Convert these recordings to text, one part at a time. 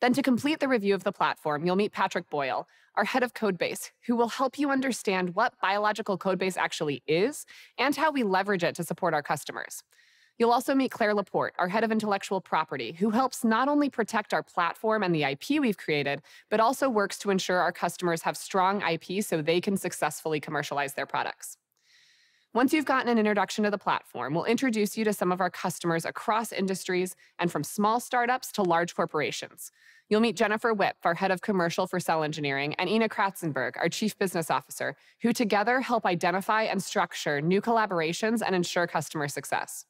To complete the review of the platform, you'll meet Patrick Boyle, our Head of Codebase, who will help you understand what biological CodeBase actually is and how we leverage it to support our customers. You'll also meet Claire Laporte, our Head of Intellectual Property, who helps not only protect our platform and the IP we've created, but also works to ensure our customers have strong IP so they can successfully commercialize their products. Once you've gotten an introduction to the platform, we'll introduce you to some of our customers across industries and from small startups to large corporations. You'll meet Jennifer Wipf, our Head of Commercial for Cell Engineering, and Ena Cratsenburg, our Chief Business Officer, who together help identify and structure new collaborations and ensure customer success.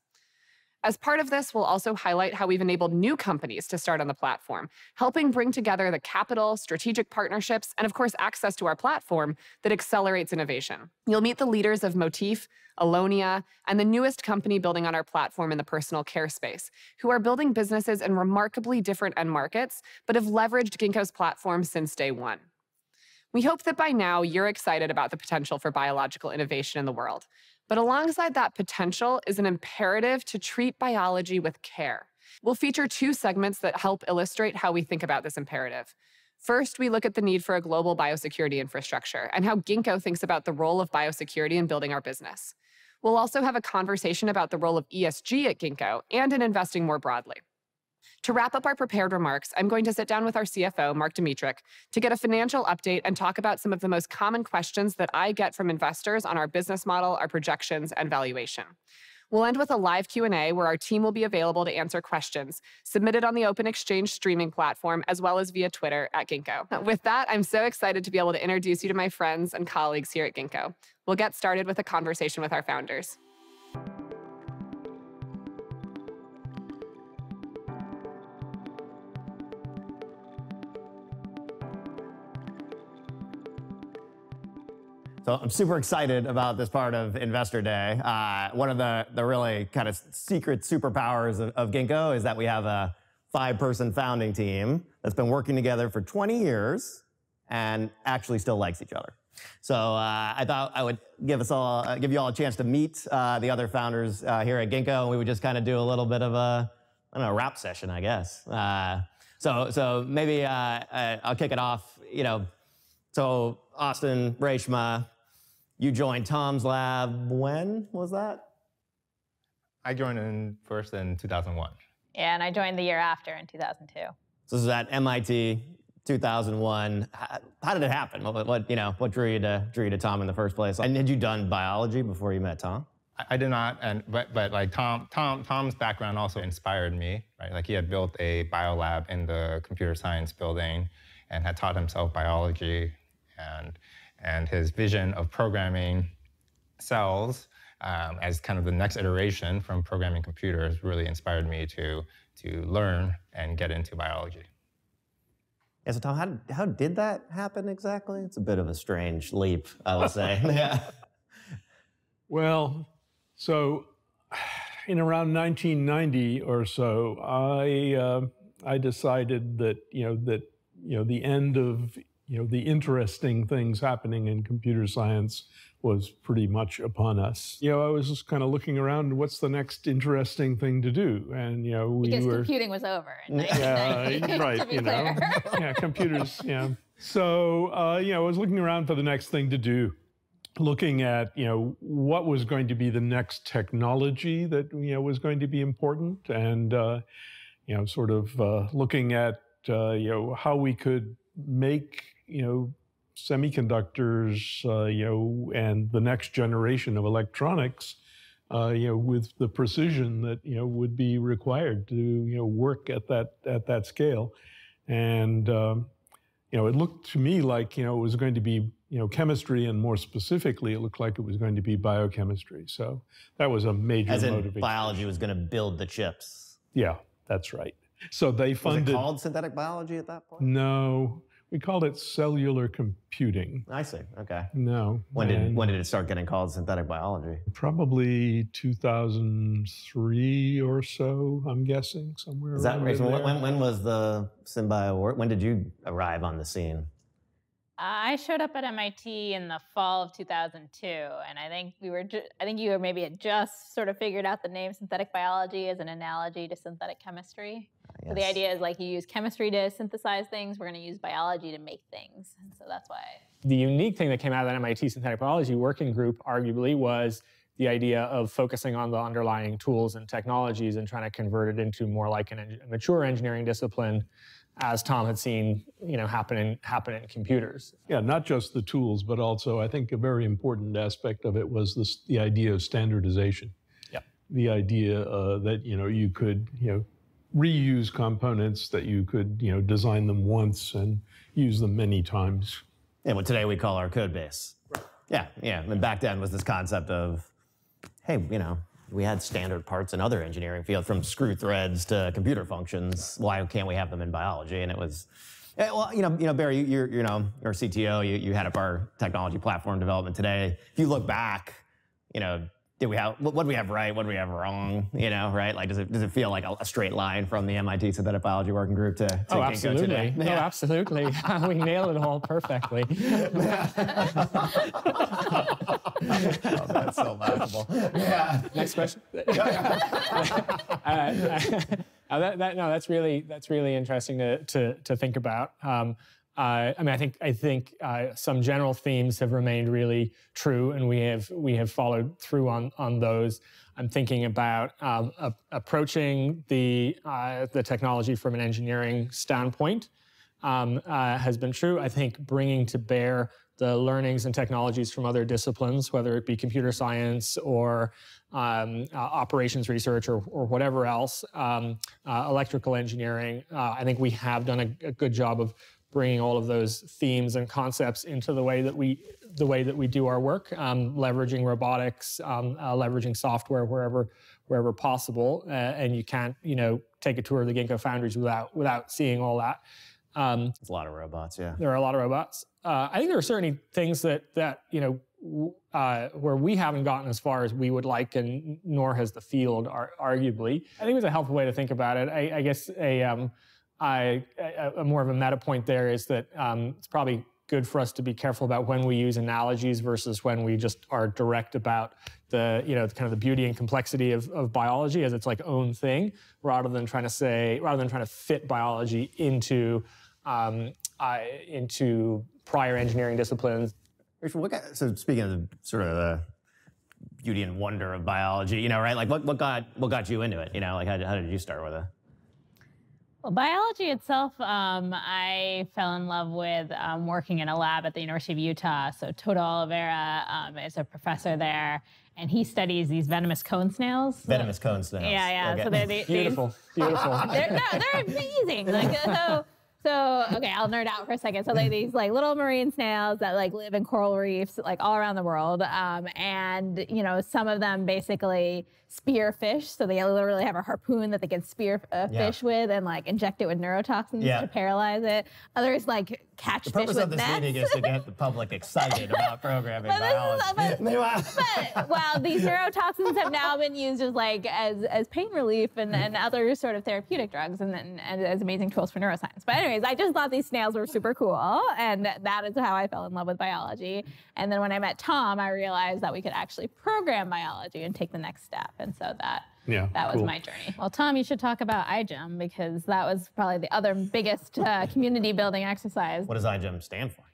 As part of this, we'll also highlight how we've enabled new companies to start on the platform, helping bring together the capital, strategic partnerships, and of course, access to our platform that accelerates innovation. You'll meet the leaders of Motif, Allonnia, and the newest company building on our platform in the personal care space, who are building businesses in remarkably different end markets but have leveraged Ginkgo's platform since day one. We hope that by now you're excited about the potential for biological innovation in the world. Alongside that potential is an imperative to treat biology with care. We'll feature two segments that help illustrate how we think about this imperative. First, we look at the need for a global biosecurity infrastructure and how Ginkgo thinks about the role of biosecurity in building our business. We'll also have a conversation about the role of ESG at Ginkgo and in investing more broadly. To wrap up our prepared remarks, I'm going to sit down with our CFO, Mark Dmytruk, to get a financial update and talk about some of the most common questions that I get from investors on our business model, our projections, and valuation. We'll end with a live Q&A where our team will be available to answer questions submitted on the OpenExchange streaming platform as well as via Twitter at Ginkgo. With that, I'm so excited to be able to introduce you to my friends and colleagues here at Ginkgo. We'll get started with a conversation with our founders. I'm super excited about this part of Investor Day. One of the really secret superpowers of Ginkgo is that we have a five-person founding team that's been working together for 20 years and actually still likes each other. I thought I would give you all a chance to meet the other founders here at Ginkgo, and we just kind of do a little bit of a rap session, I guess. Maybe I'll kick it off. Austin, Reshma, you joined Tom's lab, when was that? I joined first in 2001. Yeah, I joined the year after in 2002. This was at MIT, 2001. How did it happen? What drew you to Tom in the first place? Had you done biology before you met Tom? I did not, but Tom's background also inspired me. He had built a bio lab in the computer science building and had taught himself biology, and his vision of programming cells as the next iteration from programming computers really inspired me to learn and get into biology. Yes. Tom, how did that happen exactly? It's a bit of a strange leap, I'll say. In around 1990 or so, I decided that the end of the interesting things happening in computer science was pretty much upon us. I was just looking around, what's the next interesting thing to do? We were. Computing was over. Yeah. Right. Yeah, computers. I was looking around for the next thing to do, looking at what was going to be the next technology that was going to be important, and looking at how we could make semiconductors, and the next generation of electronics, with the precision that would be required to work at that scale. It looked to me like it was going to be chemistry, and more specifically, it looked like it was going to be biochemistry. That was a major motivation. As in biology was going to build the chips. Yeah, that's right. Was it called synthetic biology at that point? No. We called it cellular computing. I see, okay. No. When did it start getting called synthetic biology? Probably 2003 or so, I'm guessing, somewhere around then. Is that right? When did you arrive on the scene? I showed up at MIT in the fall of 2002, and I think you had maybe just figured out the name synthetic biology as an analogy to synthetic chemistry. Yes. The idea is you use chemistry to synthesize things, we're going to use biology to make things, and so that's why. The unique thing that came out of MIT's synthetic biology working group arguably was the idea of focusing on the underlying tools and technologies and trying to convert it into more like a mature engineering discipline, as Tom had seen happening in computers. Yeah, not just the tools, but also I think a very important aspect of it was the idea of standardization. Yeah. The idea that you could reuse components, that you could design them once and use them many times. What today we call our Codebase. Back then it was this concept of we had standard parts in other engineering, from screw threads to computer functions. Why can't we have them in biology? Barry, our CTO, you head up our technology platform development today. If you look back? What do we have right? What do we have wrong? Right? Does it feel like a straight line from the MIT synthetic biology working group to Ginkgo today? Oh, absolutely. Yeah, absolutely. We nail it all perfectly. Oh, that's so laughable. Yeah. Next question. No, that's really interesting to think about. I think some general themes have remained really true, and we have followed through on those. I'm thinking about approaching the technology from an engineering standpoint has been true. I think bringing to bear the learnings and technologies from other disciplines, whether it be computer science or operations research or whatever else, electrical engineering, I think we have done a good job of bringing all of those themes and concepts into the way that we do our work. Leveraging robotics, leveraging software wherever possible. You can take a tour of the Ginkgo foundries without seeing all that. There's a lot of robots, yeah. There are a lot of robots. I think there are certainly things that where we haven't gotten as far as we would like, nor has the field arguably. I think it's a healthy way to think about it. More of a meta point there is that it's probably good for us to be careful about when we use analogies versus when we just are direct about the beauty and complexity of biology as its own thing, rather than trying to fit biology into prior engineering disciplines. Reshma, speaking of the sort of beauty and wonder of biology, right? What got you into it? How did you start with it? Biology itself, I fell in love with working in a lab at the University of Utah. Baldomero Olivera is a professor there, and he studies these venomous cone snails. Venomous cone snails. Yeah. Beautiful. They're amazing. Okay, I'll nerd out for a second. They're these little marine snails that live in coral reefs all around the world. Some of them basically spear fish, so they literally have a harpoon that they can spear a fish with and inject it with neurotoxins to paralyze it. Others catch fish with nets. The purpose of this meeting is to get the public excited about programming biology. These neurotoxins have now been used as pain relief and other sort of therapeutic drugs and as amazing tools for neuroscience. Anyways, I just thought these snails were super cool, and that is how I fell in love with biology. When I met Tom, I realized that we could actually program biology and take the next step. Yeah, cool. that was my journey. Well, Tom, you should talk about iGEM because that was probably the other biggest community-building exercise. What does iGEM stand for?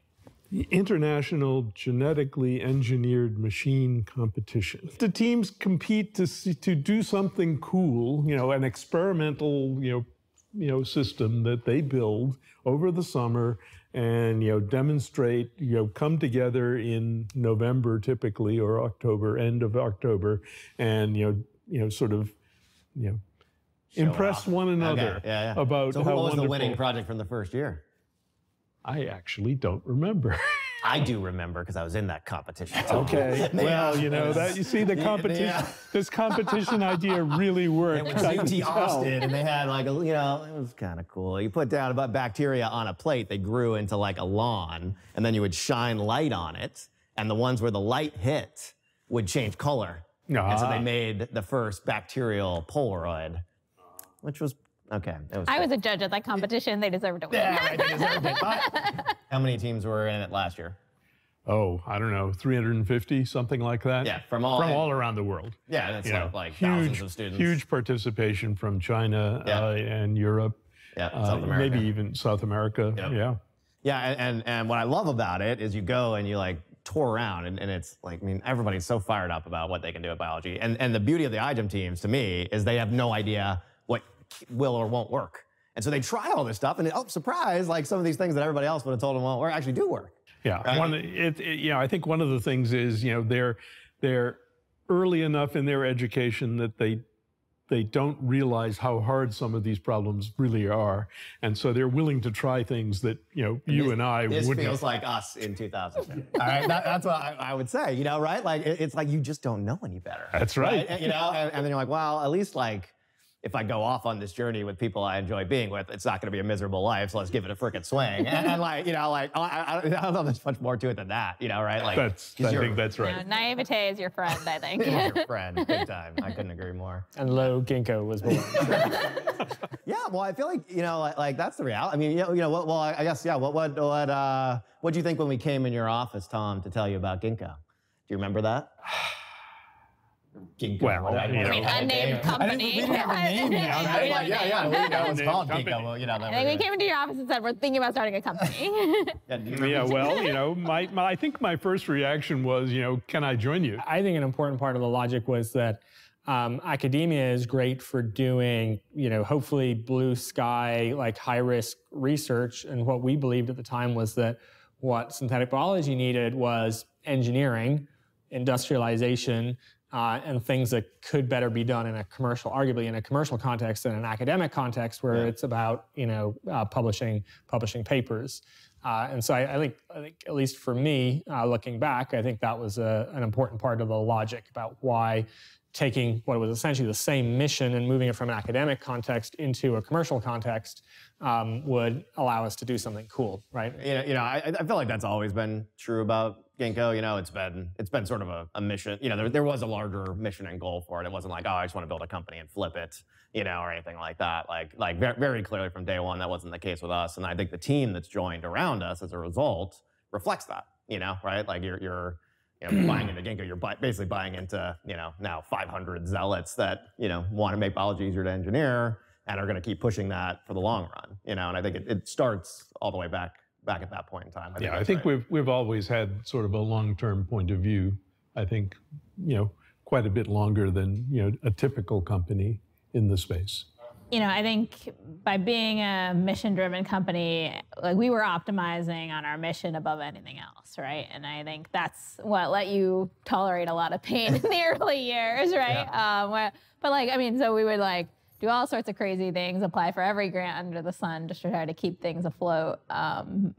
The International Genetically Engineered Machine competition. The teams compete to do something cool, an experimental system that they build over the summer and demonstrate, come together in November typically, or October, end of October, and sort of impress one another. Show off. Okay, yeah. about how wonderful- What was the winning project from the first year? I actually don't remember. I do remember because I was in that competition. Okay. Well, you see, this competition idea really worked. It was UT Austin. It was kind of cool. You put down bacteria on a plate, they grew into a lawn, and then you would shine light on it, and the ones where the light hit would change color. No. They made the first bacterial Polaroid. Oh. Which was okay. It was cool. I was a judge at that competition. They deserved to win. Yeah, they deserved it. How many teams were in it last year? Oh, I don't know, $350, something like that. Yeah, from all. From all around the world. Yeah, it's like thousands of students. Huge participation from China. Yeah And Europe. Yeah, South America. Maybe even South America. Yep. Yeah. Yeah, what I love about it is you go and you tour around, and everybody's so fired up about what they can do with biology. The beauty of the iGEM teams, to me, is they have no idea what will or won't work. They try all this stuff and, oh, surprise, some of these things that everybody else would have told them won't work actually do work. Yeah. I think one of the things is they're early enough in their education that they don't realize how hard some of these problems really are. They're willing to try things that you and I wouldn't have. This feels like us in 2007. All right. That's what I would say. It's like you just don't know any better. That's right. Then you're like, well, at least if I go off on this journey with people I enjoy being with, it's not going to be a miserable life, so let's give it a freaking swing. I thought there's much more to it than that, right? That's right. Naivete is your friend, I think. Naivete is your friend big time. I couldn't agree more. Lo, Ginkgo was born. Yeah. Well, I feel like that's the reality. Well, I guess, yeah. What'd you think when we came in your office, Tom, to tell you about Ginkgo? Do you remember that? Ginkgo. Well. Unnamed company. We didn't have a name yet. Yeah, we didn't have a name. It was called Ginkgo. We came into your office and said, "We're thinking about starting a company. Yeah, well, I think my first reaction was, "Can I join you? I think an important part of the logic was that academia is great for doing hopefully blue sky, high-risk research, and what we believed at the time was that what synthetic biology needed was engineering industrialization, and things that could better be done, arguably, in a commercial context than an academic context where. Yeah it's about publishing papers. I think at least for me, looking back, I think that was an important part of the logic about why taking what was essentially the same mission and moving it from an academic context into a commercial context would allow us to do something cool. Right? Yeah. I feel like that's always been true about Ginkgo. It's been sort of a mission. There was a larger mission and goal for it. It wasn't like, "Oh, I just want to build a company and flip it," or anything like that. Very clearly from day one, that wasn't the case with us, and I think the team that's joined around us as a result reflects that. Right? Like you're buying into Ginkgo, you're basically buying into now 500 zealots that want to make biology easier to engineer and are going to keep pushing that for the long run. I think it starts all the way back at that point in time, I think. Yeah, I think we've always had sort of a long-term point of view, I think quite a bit longer than a typical company in the space. I think by being a mission-driven company, we were optimizing on our mission above anything else, right? I think that's what let you tolerate a lot of pain in the early years, right? Yeah. We would do all sorts of crazy things, apply for every grant under the sun just to try to keep things afloat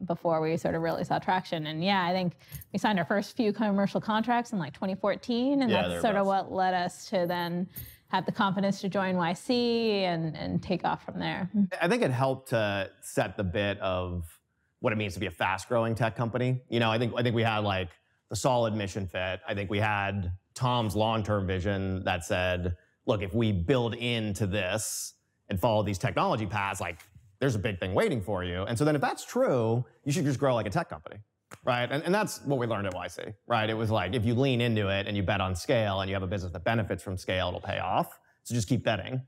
before we really saw traction. Yeah, I think we signed our first few commercial contracts in 2014. Yeah, thereabouts. sort of what led us to then have the confidence to join YC and take off from there. I think it helped to set the bit of what it means to be a fast-growing tech company. I think we had the solid mission fit. I think we had Tom's long-term vision that said, "Look, if we build into this and follow these technology paths, there's a big thing waiting for you. If that's true, you should just grow like a tech company." Right? That's what we learned at YC, right? It was like, if you lean into it and you bet on scale, and you have a business that benefits from scale, it'll pay off. Just keep betting.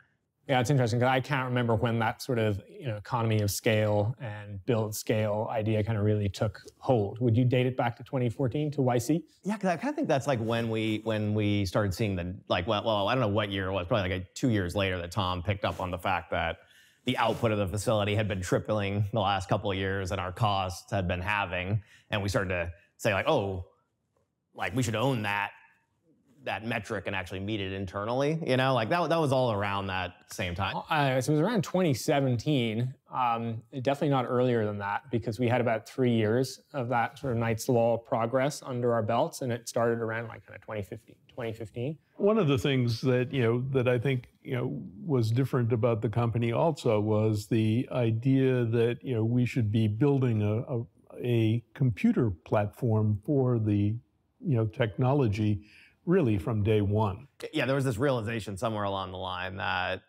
It's interesting, because I can't remember when that sort of economy of scale and build scale idea really took hold. Would you date it back to 2014, to YC? I think that's when we started seeing the Well, I don't know what year it was, probably two years later that Tom picked up on the fact that the output of the facility had been tripling the last couple of years, and our costs had been halving, and we started to say, "Oh, we should own that metric and actually meet it internally." That was all around that same time. It was around 2017, definitely not earlier than that, because we had about three years of that sort of Knight's Law progress under our belts, and it started around 2015. One of the things that I think was different about the company also was the idea that we should be building a computer platform for the technology really from day one. There was this realization somewhere along the line that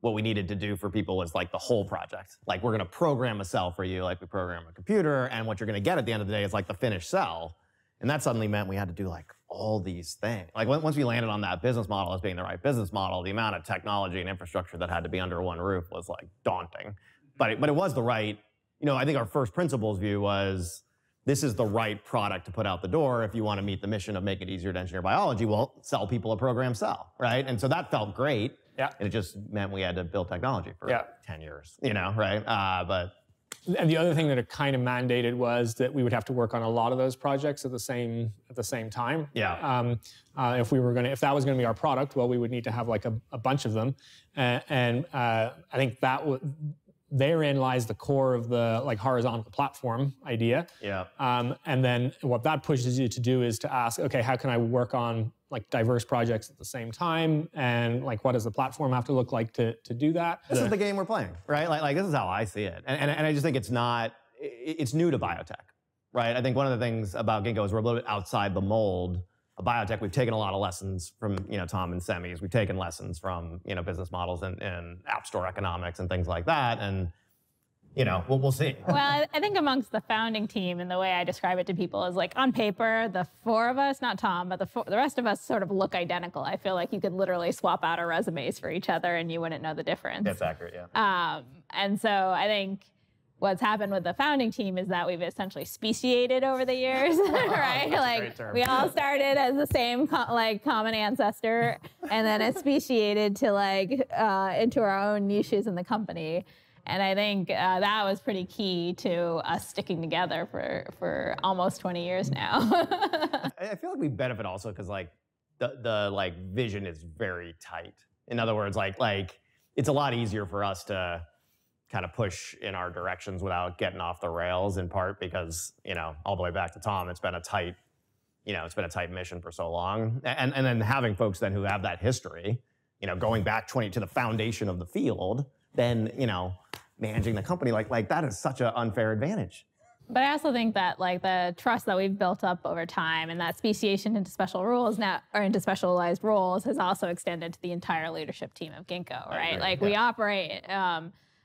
what we needed to do for people was the whole project. We're going to program a cell for you like we program a computer, and what you're going to get at the end of the day is the finished cell. That suddenly meant we had to do all these things. Once we landed on that business model as being the right business model, the amount of technology and infrastructure that had to be under one roof was daunting. It was the right. I think our first principles view was, this is the right product to put out the door if you want to meet the mission of make it easier to engineer biology, well, sell people a programmed cell. Right? That felt great. Yeah. It just meant we had to build technology. Yeah 10 years. Right? The other thing that it mandated was that we would have to work on a lot of those projects at the same time. Yeah. If that was going to be our product, well, we would need to have a bunch of them. I think therein lies the core of the horizontal platform idea. Yeah. What that pushes you to do is to ask, "Okay, how can I work on diverse projects at the same time, and what does the platform have to look like to do that? This is the game we're playing, right? This is how I see it, and I just think it's new to biotech, right? I think one of the things about Ginkgo is we're a little bit outside the mold of biotech. We've taken a lot of lessons from Tom and semis. We've taken lessons from business models and app store economics and things like that, and we'll see. Well, I think amongst the founding team, and the way I describe it to people is on paper, the four of us, not Tom, but the rest of us sort of look identical. I feel like you could literally swap out our resumes for each other, and you wouldn't know the difference. That's accurate, yeah. I think what's happened with the founding team is that we've essentially speciated over the years, right? That's a great term. We all started as the same common ancestor, and then it speciated into our own niches in the company, and I think that was pretty key to us sticking together for almost 20 years now. I feel like we benefit also because the vision is very tight. In other words, it's a lot easier for us to push in our directions without getting off the rails, in part because all the way back to Tom, it's been a tight mission for so long. Having folks then who have that history, going back to the foundation of the field, then managing the company, that is such an unfair advantage. I also think that the trust that we've built up over time, and that speciation into special roles now, or into specialized roles, has also extended to the entire leadership team of Ginkgo, right? I agree, yeah. We operate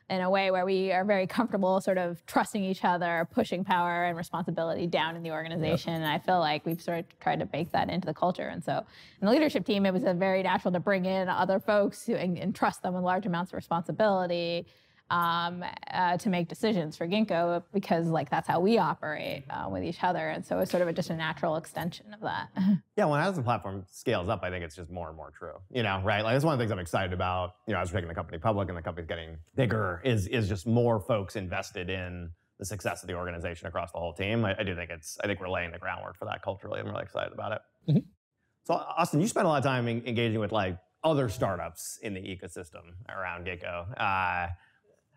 in a way where we are very comfortable sort of trusting each other, pushing power and responsibility down in the organization, and I feel like we've sort of tried to bake that into the culture. In the leadership team, it was very natural to bring in other folks and trust them with large amounts of responsibility to make decisions for Ginkgo, because that's how we operate with each other. It's sort of just a natural extension of that. Yeah, as the platform scales up, I think it's just more and more true, right? That's one of the things I'm excited about as we're making the company public and the company's getting bigger, is just more folks invested in the success of the organization across the whole team. I think we're laying the groundwork for that culturally. I'm really excited about it. Austin, you spend a lot of time engaging with other startups in the ecosystem around Ginkgo.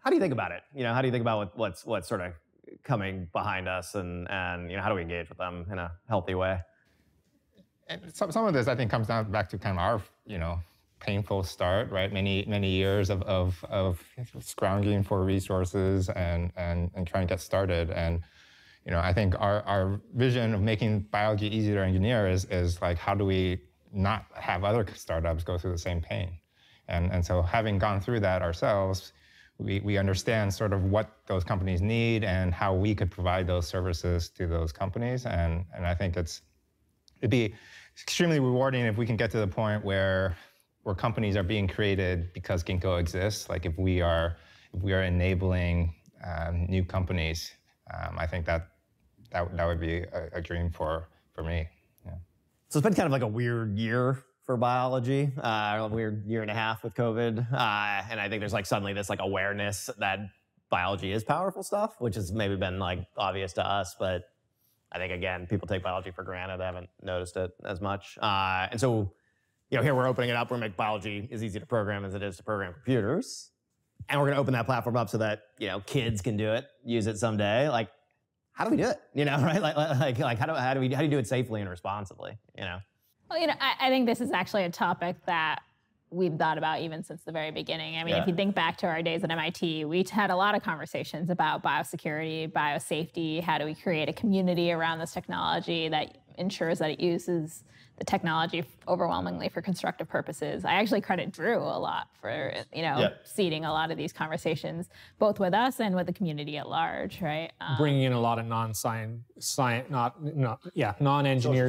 How do you think about it? How do you think about what's sort of coming behind us and how do we engage with them in a healthy way? Some of this, I think, comes down back to our painful start, right? Many years of scrounging for resources and trying to get started. I think our vision of making biology easier to engineer is, how do we not have other startups go through the same pain? Having gone through that ourselves, we understand sort of what those companies need and how we could provide those services to those companies. I think it'd be extremely rewarding if we can get to the point where companies are being created because Ginkgo exists. If we are enabling new companies, I think that would be a dream for me. Yeah. It's been kind of like a weird year for biology, a weird 1.5 year with COVID. I think there's suddenly this awareness that biology is powerful stuff, which has maybe been obvious to us, but I think, again, people take biology for granted, haven't noticed it as much. Here we're opening up. We're going to make biology as easy to program as it is to program computers, and we're going to open that platform up so that kids can do it, use it someday. How do we do it? How do we do it safely and responsibly? I think this is actually a topic that we've thought about even since the very beginning. Yeah. If you think back to our days at MIT, we had a lot of conversations about biosecurity, biosafety, how do we create a community around this technology that ensures that use is the technology overwhelmingly for constructive purposes. I actually kind of Drew a lot. Yeah seeding a lot of these conversations, both with us and with the community at large, right? Bringing a lot of non-engineers,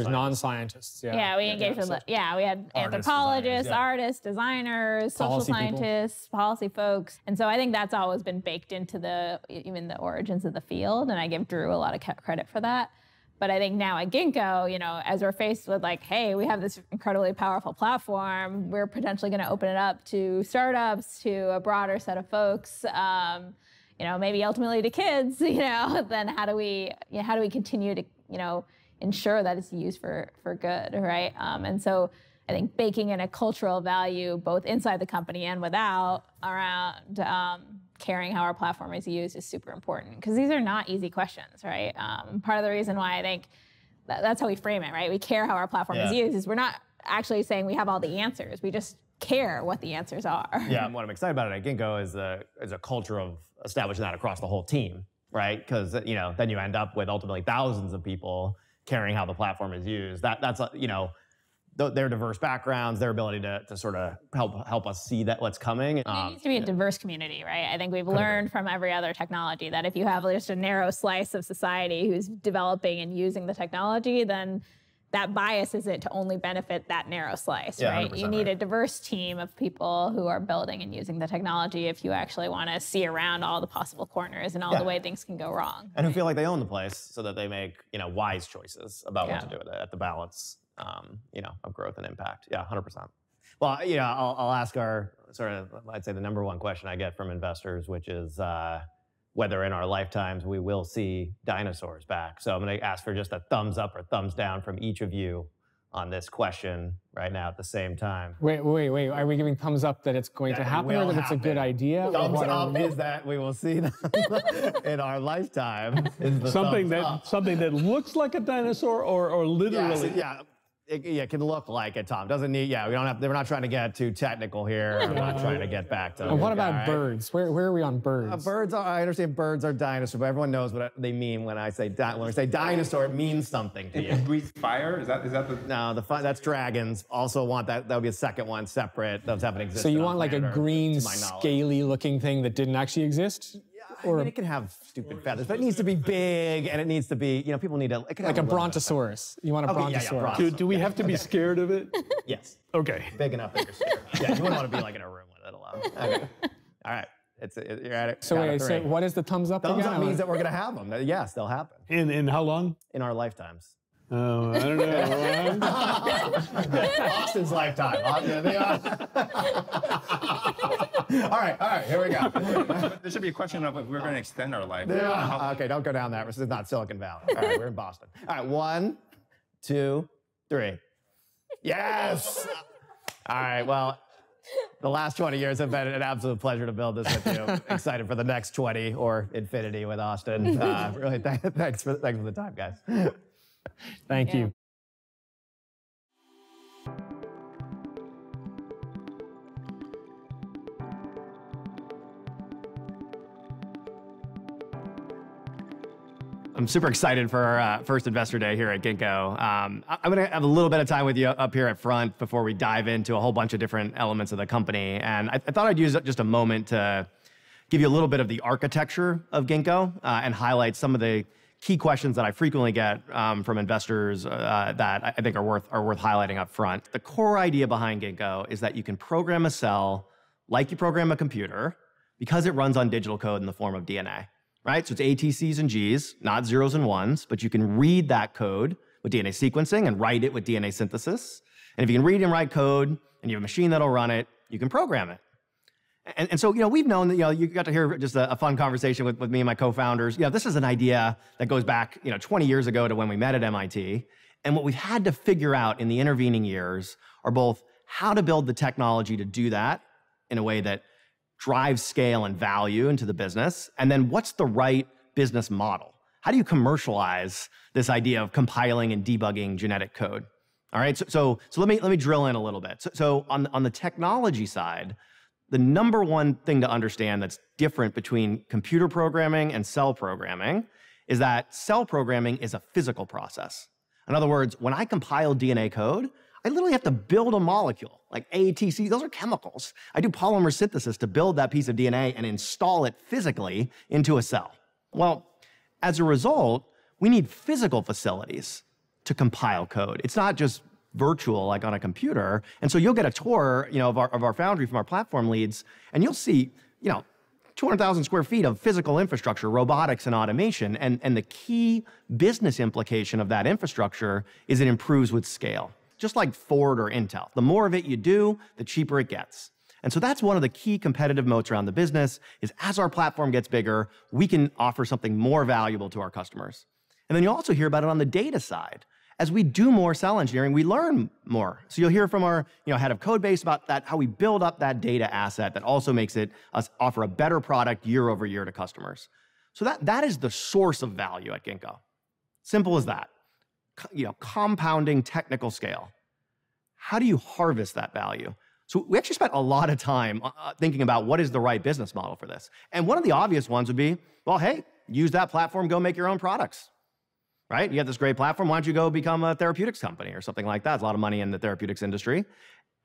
non-scientists. Yeah. Yeah. We had anthropologists- Market scientists. Yeah. artists, designers. Policy people. social scientists, policy folks. I think that's always been baked into even the origins of the field, and I give Drew a lot of credit for that. I think now at Ginkgo, as we're faced with like, "Hey, we have this incredibly powerful platform. We're potentially going to open it up to startups, to a broader set of folks, maybe ultimately to kids, then how do we continue to ensure that it's used for good, right?" I think baking in a cultural value both inside the company and without, around caring how our platform is used is super important, because these are not easy questions, right? Part of the reason why I think that's how we frame it, right? We care how our platform is used. Yeah We're not actually saying we have all the answers. We just care what the answers are. Yeah. What I'm excited about at Ginkgo is a culture of establishing that across the whole team, right? Because you end up with ultimately thousands of people caring how the platform is used. Their diverse backgrounds, their ability to sort of help us see that what's coming. You need a diverse community, right? I think we've learned from every other technology that if you have just a narrow slice of society who's developing and using the technology, then that bias is it to only benefit that narrow slice, right? Yeah. You need a diverse team of people who are building and using the technology if you actually want to see around all the possible corners and all the ways things can go wrong. who feel like they own the place so that they make wise choices about. Yeah how to do it that balance of growth and impact. Yeah, 100%. I'll ask our, sort of, I'd say the number one question I get from investors, which is, whether in our lifetimes we will see dinosaurs back. I'm going to ask for just a thumbs up or thumbs down from each of you on this question right now at the same time. Wait, are we giving thumbs up that it's going to happen? That it will happen. that it's a good idea? Thumbs up means that we will see them in our lifetime is the thumbs up. Something that looks like a dinosaur or literally. Yeah. It can look like a dinosaur. Yeah, they're not trying to get too technical here. Right. We're not trying to get back to. What about birds? Where are we on birds? Birds, I understand birds are dinosaurs, but everyone knows what they mean when I say dino. When I say dinosaur, it means something. We include fire? Is that the? No, that's dragons. That'll be a second one separate. Those haven't existed. You want, like, a. to my knowledge. scaly-looking thing that didn't actually exist? Yeah, it can have stupid feathers, but it needs to be big, and it needs to be. Like a brontosaurus. You want a brontosaurus. Okay, yeah, a brontosaurus. Do we have to be scared of it? Yes. Okay. Big enough where you're scared. Yeah, you wouldn't want it in a room with it alone. Okay. All right. Sorry, what is the thumbs up and down mean? Thumbs up means that we're going to have them. Yeah, they'll happen. In how long? In our lifetimes. Oh, okay. Austin's lifetime. All right, all right. Here we go. There should be a question of if we're going to extend our lifetime. Yeah. Okay, don't go down that rabbit. Let's not talk about it. We're in Boston. All right, one, two, three. Yes. All right. Well, the last 20 years have been an absolute pleasure to build this with you. Excited for the next 20 or infinity with Austin. Really, thanks for the time, guys. Thank you. I'm super excited for our first Investor Day here at Ginkgo. I'm going to have a little bit of time with you up here at front before we dive into a whole bunch of different elements of the company, and I thought I'd use just a moment to give you a little bit of the architecture of Ginkgo, and highlight some of the key questions that I frequently get from investors, that I think are worth highlighting up front. The core idea behind Ginkgo is that you can program a cell, like you program a computer, because it runs on digital code in the form of DNA. It's A, T, Cs and Gs, not zeros and ones, but you can read that code with DNA sequencing and write it with DNA synthesis. If you can read and write code, and you have a machine that'll run it, you can program it. We've known that you got to hear just a fun conversation with me and my co-founders. This is an idea that goes back 20 years ago to when we met at MIT. What we've had to figure out in the intervening years are both how to build the technology to do that in a way that drives scale and value into the business, and then what's the right business model? How do you commercialize this idea of compiling and debugging genetic code? Let me drill in a little bit. On the technology side, the number one thing to understand that's different between computer programming and cell programming is that cell programming is a physical process. In other words, when I compile DNA code, I literally have to build a molecule. Like A, T, C, those are chemicals. I do polymer synthesis to build that piece of DNA and install it physically into a cell. Well, as a result, we need physical facilities to compile code. It's not just virtual, like on a computer. You'll get a tour of our foundry from our platform leads, and you'll see 200,000 sq ft of physical infrastructure, robotics, and automation. The key business implication of that infrastructure is it improves with scale. Just like Ford or Intel. The more of it you do, the cheaper it gets. That's one of the key competitive moats around the business is as our platform gets bigger, we can offer something more valuable to our customers. You'll also hear about it on the data side. As we do more cell engineering, we learn more. You'll hear from our head of Codebase about that, how we build up that data asset that also makes us offer a better product year-over-year to customers. That is the source of value at Ginkgo. Simple as that. Compounding technical scale. How do you harvest that value? We actually spent a lot of time thinking about what is the right business model for this, and one of the obvious ones would be, well, hey, use that platform, go make your own products. You have this great platform. Why don't you go become a therapeutics company or something like that? There's a lot of money in the therapeutics industry.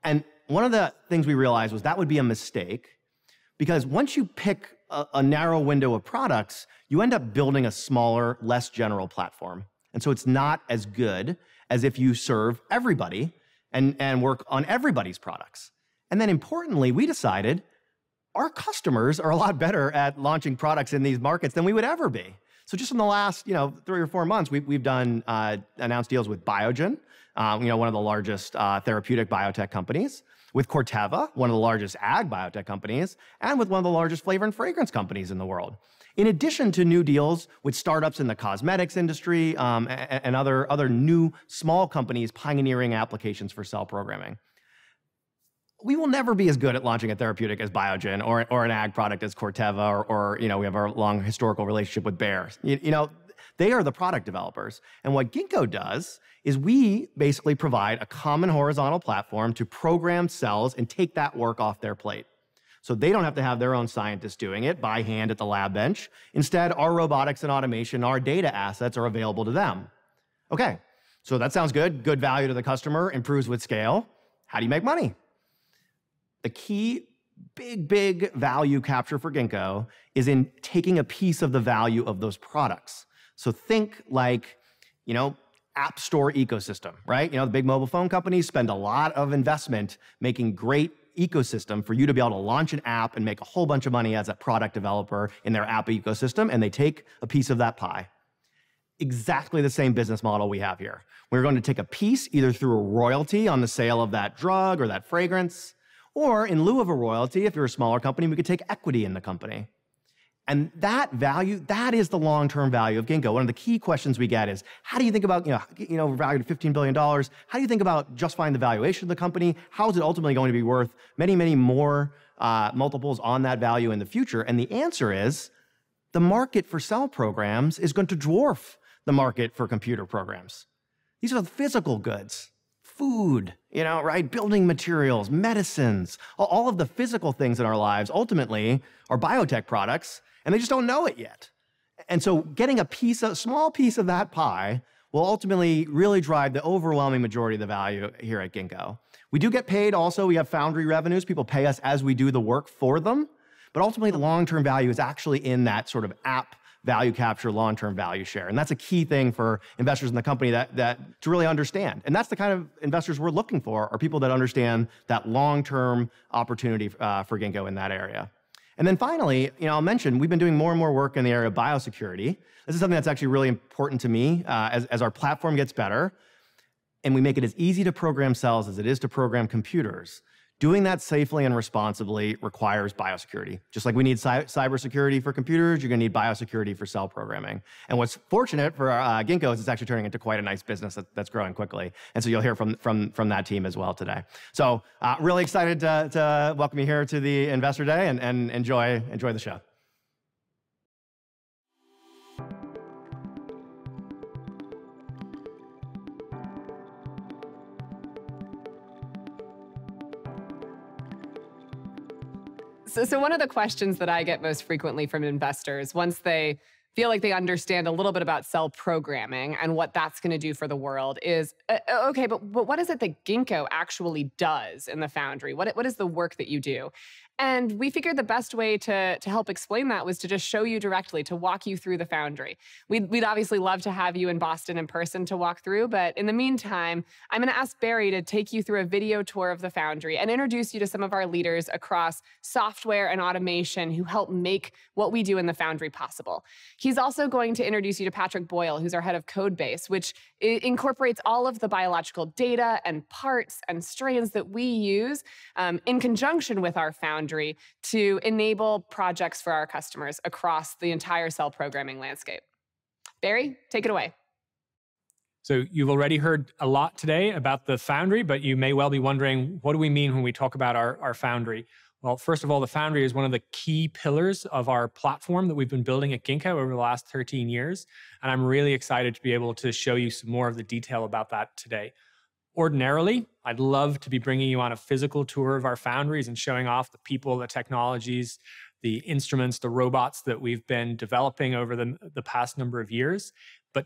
One of the things we realized was that would be a mistake, because once you pick a narrow window of products, you end up building a smaller, less general platform. It's not as good as if you serve everybody and work on everybody's products. Importantly, we decided our customers are a lot better at launching products in these markets than we would ever be. Just in the last three or four months, we've announced deals with Biogen, one of the largest therapeutic biotech companies, with Corteva, one of the largest ag biotech companies, and with one of the largest flavor and fragrance companies in the world. In addition to new deals with startups in the cosmetics industry, and other new small companies pioneering applications for cell programming. We will never be as good at launching a therapeutic as Biogen or an ag product as Corteva, or we have our long historical relationship with Bayer. They are the product developers. What Ginkgo does is we basically provide a common horizontal platform to program cells and take that work off their plate. They don't have to have their own scientists doing it by hand at the lab bench. Instead, our robotics and automation, our data assets are available to them. That sounds good. Good value to the customer, improves with scale. How do you make money? The key big value capture for Ginkgo is in taking a piece of the value of those products. Think app store ecosystem. The big mobile phone companies spend a lot of investment making great ecosystem for you to be able to launch an app and make a whole bunch of money as a product developer in their app ecosystem, and they take a piece of that pie. Exactly the same business model we have here. We're going to take a piece, either through a royalty on the sale of that drug or that fragrance, or in lieu of a royalty, if you're a smaller company, we could take equity in the company. That value, that is the long-term value of Ginkgo. One of the key questions we get is, how do you think about valued at $15 billion, how do you think about justifying the valuation of the company? How is it ultimately going to be worth many more multiples on that value in the future? The answer is, the market for cell programs is going to dwarf the market for computer programs. These are the physical goods, food, building materials, medicines, all of the physical things in our lives ultimately are biotech products, and they just don't know it yet. Getting a small piece of that pie will ultimately really drive the overwhelming majority of the value here at Ginkgo. We do get paid also. We have foundry revenues. People pay us as we do the work for them. Ultimately, the long-term value is actually in that sort of app value capture, long-term value share, and that's a key thing for investors in the company to really understand. That's the kind of investors we're looking for, are people that understand that long-term opportunity for Ginkgo in that area. Finally, I'll mention, we've been doing more and more work in the area of biosecurity. This is something that's actually really important to me. As our platform gets better and we make it as easy to program cells as it is to program computers, doing that safely and responsibly requires biosecurity. Just like we need cybersecurity for computers, you're going to need biosecurity for cell programming. What's fortunate for Ginkgo is it's actually turning into quite a nice business that's growing quickly. You'll hear from that team as well today. Really excited to welcome you here to the Investor Day and enjoy the show. One of the questions that I get most frequently from investors, once they feel like they understand a little bit about cell programming and what that's going to do for the world is, okay, but what is it that Ginkgo actually does in the foundry? What is the work that you do? We figured the best way to help explain that was to just show you directly, to walk you through the foundry. We'd obviously love to have you in Boston in person to walk through, but in the meantime, I'm going to ask Barry to take you through a video tour of the foundry and introduce you to some of our leaders across software and automation who help make what we do in the foundry possible. He is also going to introduce you to Patrick Boyle, who is our Head of Codebase, which incorporates all of the biological data and parts and strains that we use, in conjunction with our foundry, to enable projects for our customers across the entire cell programming landscape. Barry, take it away. You've already heard a lot today about the foundry, but you may well be wondering, what do we mean when we talk about our foundry? First of all, the foundry is one of the key pillars of our platform that we've been building at Ginkgo over the last 13 years, and I'm really excited to be able to show you some more of the detail about that today. Ordinarily, I'd love to be bringing you on a physical tour of our foundries and showing off the people, the technologies, the instruments, the robots that we've been developing over the past number of years.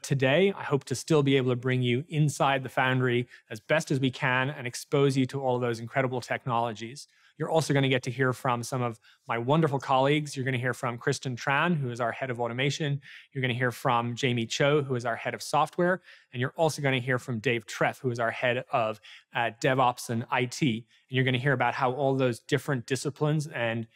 Today, I hope to still be able to bring you inside the foundry as best as we can and expose you to all those incredible technologies. You're also going to get to hear from some of my wonderful colleagues. You're going to hear from Kristen Tran, who is our head of automation. You're going to hear from Jamie Cho, who is our head of software. You're also going to hear from Dave Treff, who is our head of DevOps and IT. You're going to hear about how all those different disciplines and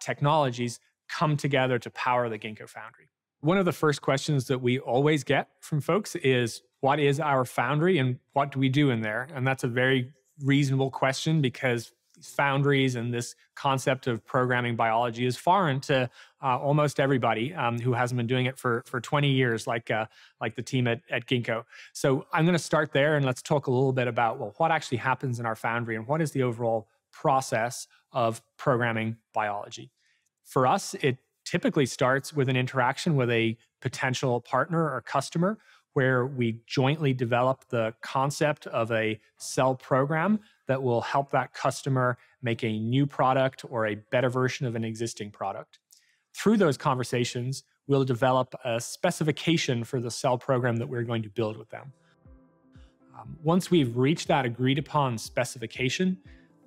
technologies come together to power the Ginkgo foundry. One of the first questions that we always get from folks is, what is our foundry and what do we do in there? That's a very reasonable question because foundries and this concept of programming biology is foreign to almost everybody who hasn't been doing it for 20 years, like the team at Ginkgo. I'm going to start there, and let's talk a little bit about, well, what actually happens in our foundry, and what is the overall process of programming biology? For us, it typically starts with an interaction with a potential partner or customer, where we jointly develop the concept of a cell program that will help that customer make a new product or a better version of an existing product. Through those conversations, we'll develop a specification for the cell program that we're going to build with them. Once we've reached that agreed-upon specification,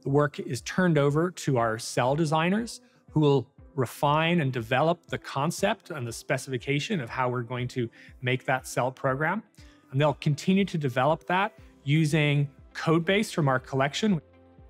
the work is turned over to our cell designers, who will refine and develop the concept and the specification of how we're going to make that cell program. They'll continue to develop that using Codebase from our collection,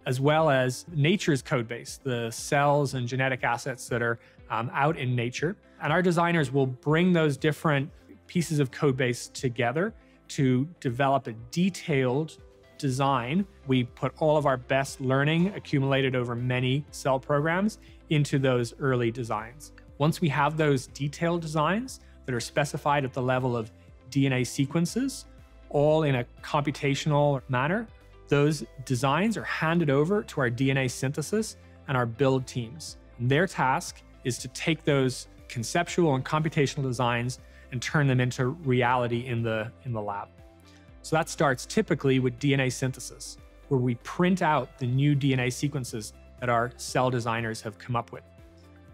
as well as nature's Codebase, the cells and genetic assets that are out in nature. Our designers will bring those different pieces of Codebase together to develop a detailed design. We put all of our best learning, accumulated over many cell programs, into those early designs. Once we have those detailed designs that are specified at the level of DNA sequences, all in a computational manner, those designs are handed over to our DNA synthesis and our build teams. Their task is to take those conceptual and computational designs and turn them into reality in the lab. That starts typically with DNA synthesis, where we print out the new DNA sequences that our cell designers have come up with.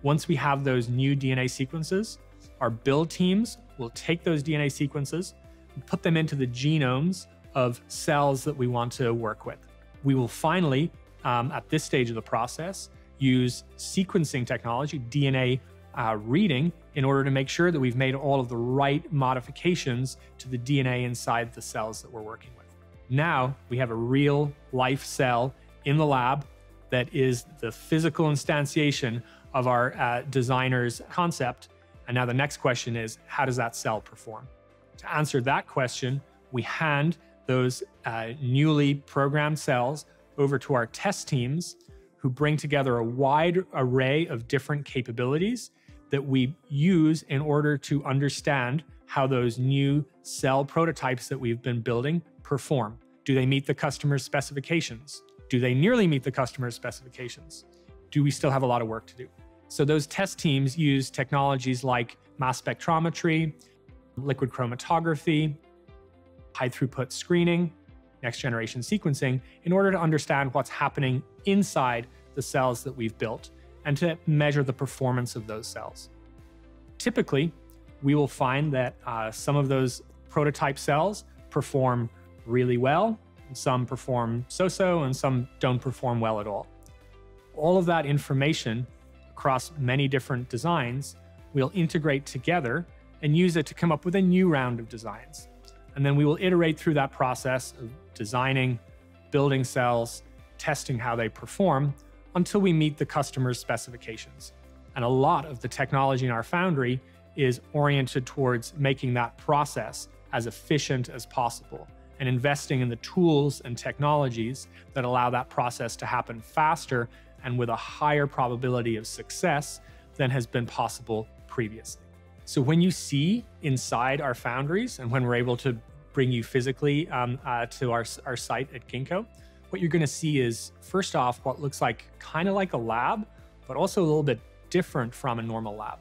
Once we have those new DNA sequences, our build teams will take those DNA sequences and put them into the genomes of cells that we want to work with. We will finally, at this stage of the process, use sequencing technology, DNA reading, in order to make sure that we've made all of the right modifications to the DNA inside the cells that we're working with. Now we have a real-life cell in the lab that is the physical instantiation of our designer's concept, and now the next question is: how does that cell perform? To answer that question, we hand those newly programmed cells over to our test teams, who bring together a wide array of different capabilities that we use in order to understand how those new cell prototypes that we've been building perform. Do they meet the customer's specifications? Do they nearly meet the customer's specifications? Do we still have a lot of work to do? Those test teams use technologies like mass spectrometry, liquid chromatography, high-throughput screening, next-generation sequencing in order to understand what's happening inside the cells that we've built and to measure the performance of those cells. Typically, we will find that some of those prototype cells perform really well, some perform so-so, and some don't perform well at all. All of that information across many different designs, we'll integrate together and use it to come up with a new round of designs. We will iterate through that process of designing, building cells, testing how they perform, until we meet the customer's specifications. A lot of the technology in our foundry is oriented towards making that process as efficient as possible and investing in the tools and technologies that allow that process to happen faster and with a higher probability of success than has been possible previously. When you see inside our foundries, and when we're able to bring you physically to our site at Ginkgo, what you're going to see is, first off, what looks like a lab, but also a little bit different from a normal lab.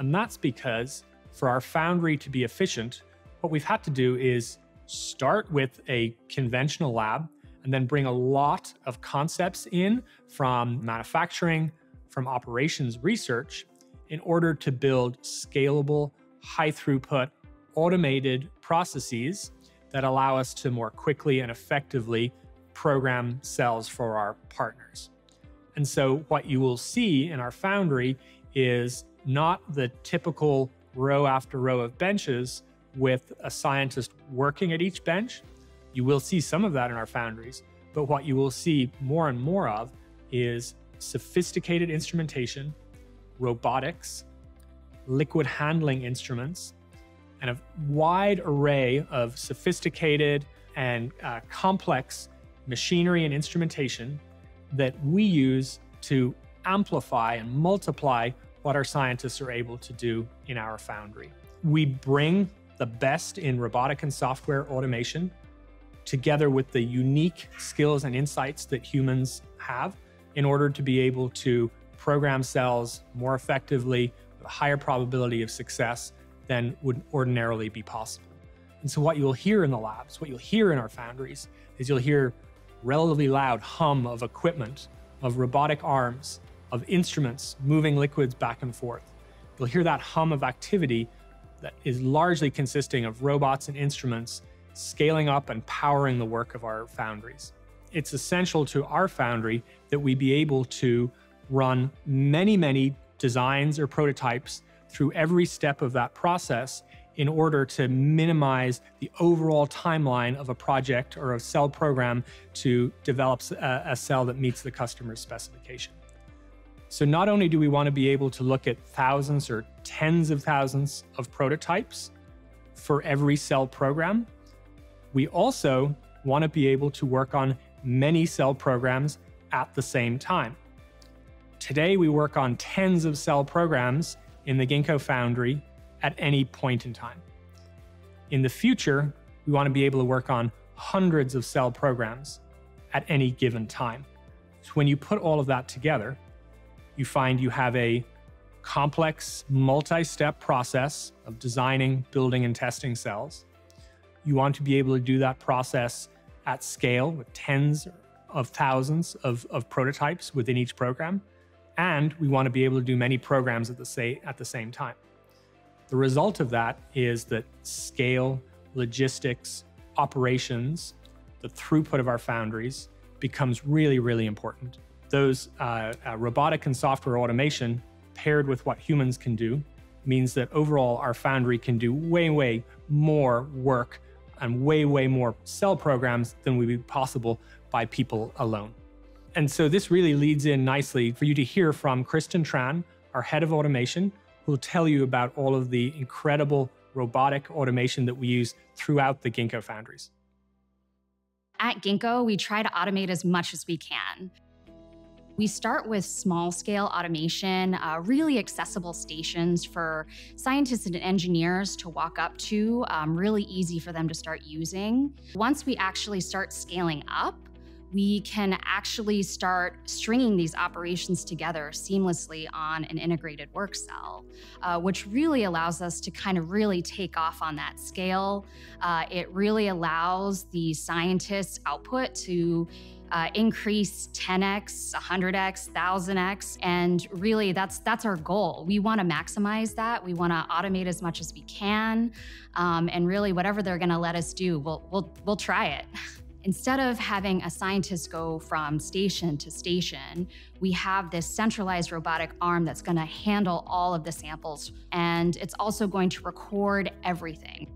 That's because for our foundry to be efficient, what we've had to do is start with a conventional lab and then bring a lot of concepts in from manufacturing, from operations research, in order to build scalable, high-throughput, automated processes that allow us to more quickly and effectively program cells for our partners. What you will see in our foundry is not the typical row after row of benches with a scientist working at each bench. You will see some of that in our foundries, but what you will see more and more of is sophisticated instrumentation, robotics, liquid handling instruments, and a wide array of sophisticated and complex machinery and instrumentation. That we use to amplify and multiply what our scientists are able to do in our foundry. We bring the best in robotic and software automation together with the unique skills and insights that humans have in order to be able to program cells more effectively with a higher probability of success than would ordinarily be possible. What you'll hear in the labs, what you'll hear in our foundries, is you'll hear relatively loud hum of equipment, of robotic arms, of instruments moving liquids back and forth. You'll hear that hum of activity that is largely consisting of robots and instruments scaling up and powering the work of our foundries. It's essential to our foundry that we be able to run many, many designs or prototypes through every step of that process in order to minimize the overall timeline of a project or a cell program to develop a cell that meets the customer's specification. Not only do we want to be able to look at thousands or tens of thousands of prototypes for every cell program, we also want to be able to work on many cell programs at the same time. Today, we work on tens of cell programs in the Ginkgo foundry at any point in time. In the future, we want to be able to work on hundreds of cell programs at any given time. When you put all of that together, you find you have a complex, multi-step process of designing, building, and testing cells. You want to be able to do that process at scale with tens of thousands of prototypes within each program. We want to be able to do many programs at the same time. The result of that is that scale, logistics, operations, the throughput of our foundries, becomes really, really important. Those robotic and software automation paired with what humans can do means that overall our foundry can do way more work and way more cell programs than would be possible by people alone. This really leads in nicely for you to hear from Kristen Tran, our head of automation, who will tell you about all of the incredible robotic automation that we use throughout the Ginkgo foundries. At Ginkgo, we try to automate as much as we can. We start with small-scale automation, really accessible stations for scientists and engineers to walk up to, really easy for them to start using. Once we actually start scaling up, we can actually start stringing these operations together seamlessly on an integrated work cell, which really allows us to really take off on that scale. It really allows the scientist's output to increase 10X, 100X, 1000X, and really, that's our goal. We want to maximize that. We want to automate as much as we can, and really whatever they're going to let us do, we'll try it. Instead of having a scientist go from station to station, we have this centralized robotic arm that's going to handle all of the samples, and it's also going to record everything,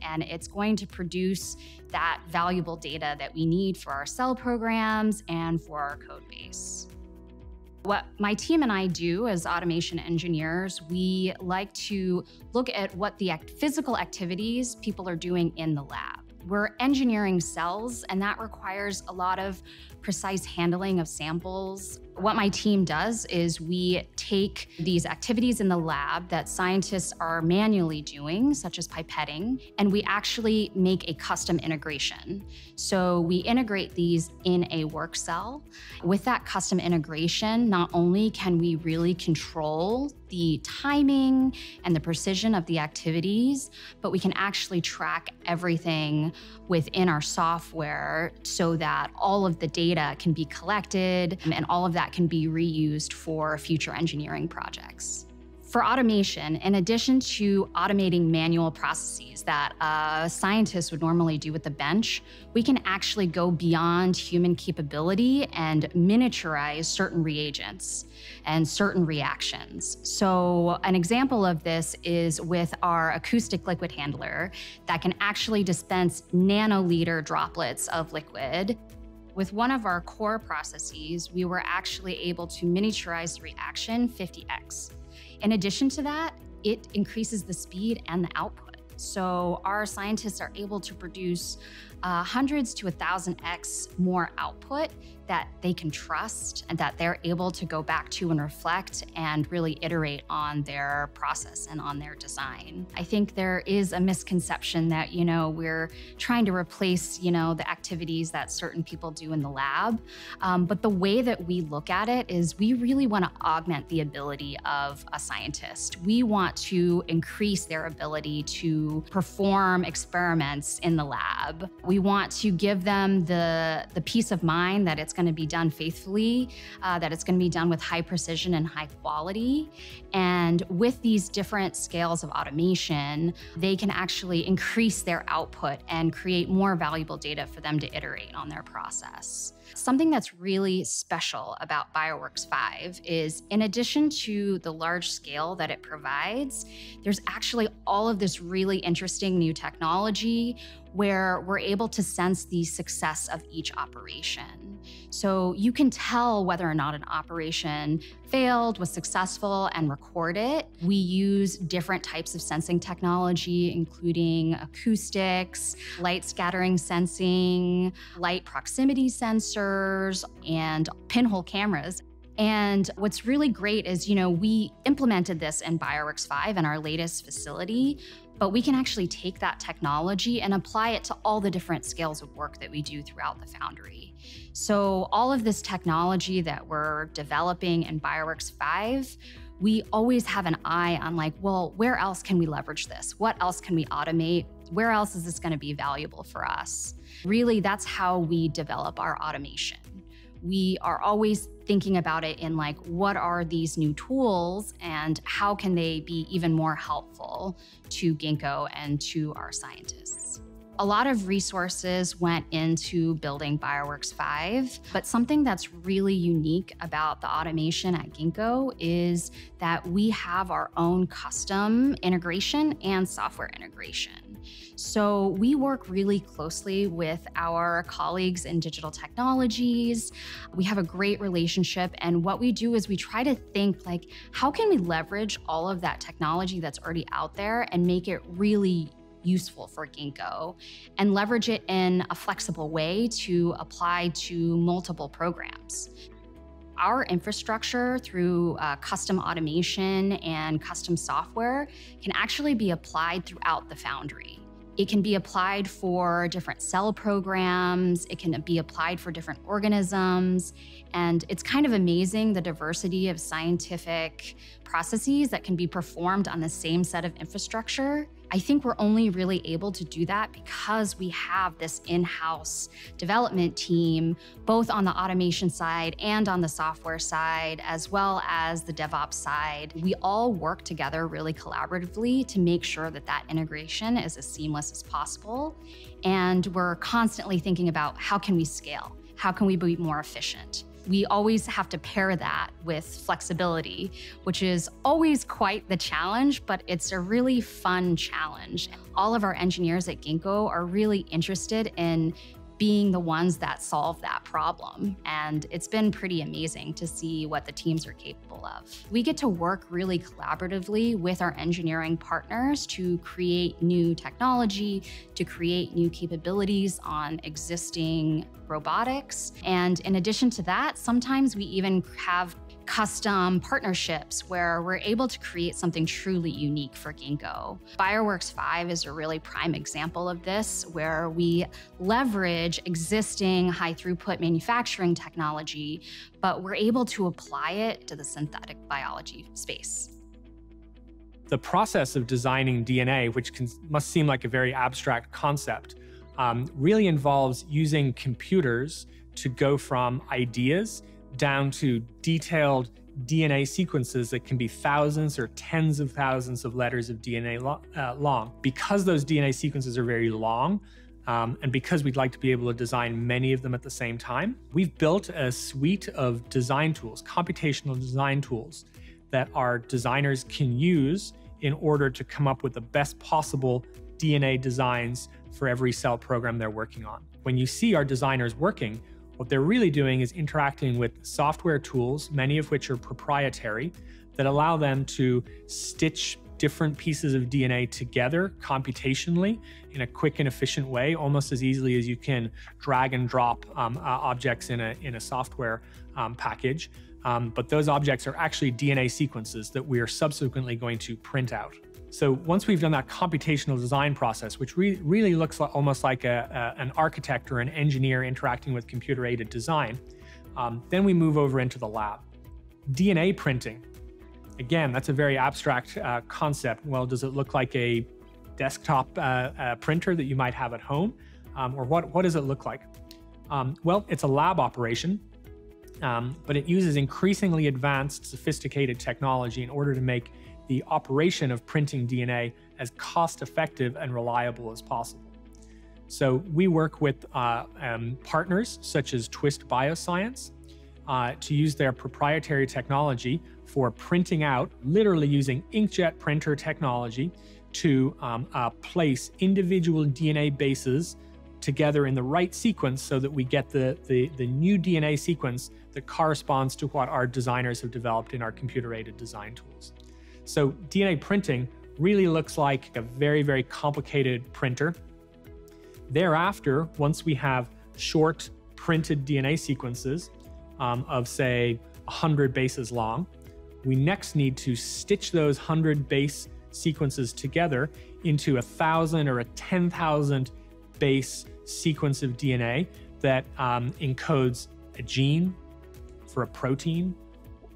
and it's going to produce that valuable data that we need for our cell programs and for our Codebase. What my team and I do as automation engineers, we like to look at what the physical activities people are doing in the lab. We're engineering cells, and that requires a lot of precise handling of samples. What my team does is we take these activities in the lab that scientists are manually doing, such as pipetting, and we actually make a custom integration. We integrate these in a work cell. With that custom integration, not only can we really control the timing and the precision of the activities, but we can actually track everything within our software so that all of the data can be collected, and all of that can be reused for future engineering projects. For automation, in addition to automating manual processes that a scientist would normally do with a bench, we can actually go beyond human capability and miniaturize certain reagents and certain reactions. An example of this is with our acoustic liquid handler that can actually dispense nanoliter droplets of liquid. With one of our core processes, we were actually able to miniaturize the reaction 50x. In addition to that, it increases the speed and the output. Our scientists are able to produce hundreds to 1,000x more output that they can trust and that they're able to go back to and reflect and really iterate on their process and on their design. I think there is a misconception that we're trying to replace the activities that certain people do in the lab. The way that we look at it is we really want to augment the ability of a scientist. We want to increase their ability to perform experiments in the lab. We want to give them the peace of mind that it's going to be done faithfully, that it's going to be done with high precision and high quality. With these different scales of automation, they can actually increase their output and create more valuable data for them to iterate on their process. Something that's really special about Bioworks5 is, in addition to the large scale that it provides, there's actually all of this really interesting new technology where we're able to sense the success of each operation. You can tell whether or not an operation failed, was successful, and record it. We use different types of sensing technology, including acoustics, light-scattering sensing, light proximity sensors, and pinhole cameras. What's really great is we implemented this in Bioworks5 in our latest facility, but we can actually take that technology and apply it to all the different scales of work that we do throughout the foundry. All of this technology that we're developing in Bioworks5, we always have an eye on, well, where else can we leverage this? What else can we automate? Where else is this going to be valuable for us? Really, that's how we develop our automation. We are always thinking about it in like, what are these new tools, and how can they be even more helpful to Ginkgo and to our scientists. A lot of resources went into building Bioworks5, but something that's really unique about the automation at Ginkgo is that we have our own custom integration and software integration. We work really closely with our colleagues in digital technologies. We have a great relationship, what we do is we try to think like, how can we leverage all of that technology that's already out there and make it really useful for Ginkgo, and leverage it in a flexible way to apply to multiple programs. Our infrastructure through custom automation and custom software can actually be applied throughout the foundry. It can be applied for different cell programs. It can be applied for different organisms, and it's kind of amazing the diversity of scientific processes that can be performed on the same set of infrastructure. I think we're only really able to do that because we have this in-house development team, both on the automation side and on the software side, as well as the DevOps side. We all work together really collaboratively to make sure that that integration is as seamless as possible, and we're constantly thinking about how can we scale, how can we be more efficient. We always have to pair that with flexibility, which is always quite the challenge, but it's a really fun challenge. All of our engineers at Ginkgo are really interested in being the ones that solve that problem, and it's been pretty amazing to see what the teams are capable of. We get to work really collaboratively with our engineering partners to create new technology, to create new capabilities on existing robotics. In addition to that, sometimes we even have custom partnerships where we are able to create something truly unique for Ginkgo. Bioworks5 is a really prime example of this, where we leverage existing high-throughput manufacturing technology, but we are able to apply it to the synthetic biology space. The process of designing DNA, which must seem like a very abstract concept, really involves using computers to go from ideas down to detailed DNA sequences that can be thousands or tens of thousands of letters of DNA long. Because those DNA sequences are very long, and because we'd like to be able to design many of them at the same time, we've built a suite of design tools, computational design tools, that our designers can use in order to come up with the best possible DNA designs for every cell program they're working on. When you see our designers working, what they're really doing is interacting with software tools, many of which are proprietary, that allow them to stitch different pieces of DNA together computationally in a quick and efficient way, almost as easily as you can drag and drop objects in a software package. Those objects are actually DNA sequences that we are subsequently going to print out. Once we've done that computational design process, which really looks almost like an architect or an engineer interacting with computer-aided design, then we move over into the lab. DNA printing, again, that's a very abstract concept. Does it look like a desktop printer that you might have at home? What does it look like? It's a lab operation, but it uses increasingly advanced, sophisticated technology in order to make the operation of printing DNA as cost-effective and reliable as possible. We work with partners such as Twist Bioscience, to use their proprietary technology for printing out, literally using inkjet printer technology to place individual DNA bases together in the right sequence so that we get the new DNA sequence that corresponds to what our designers have developed in our computer-aided design tools. DNA printing really looks like a very, very complicated printer. Thereafter, once we have short printed DNA sequences of, say, 100 bases long, we next need to stitch those 100 base sequences together into 1,000 or a 10,000 base sequence of DNA that encodes a gene for a protein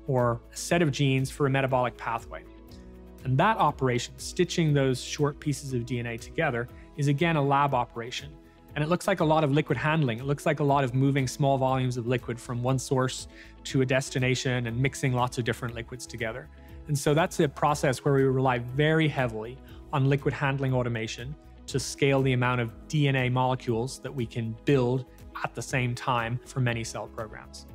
or a set of genes for a metabolic pathway. That operation, stitching those short pieces of DNA together, is again a lab operation, and it looks like a lot of liquid handling. It looks like a lot of moving small volumes of liquid from one source to a destination and mixing lots of different liquids together. That's a process where we rely very heavily on liquid handling automation to scale the amount of DNA molecules that we can build at the same time for many cell programs.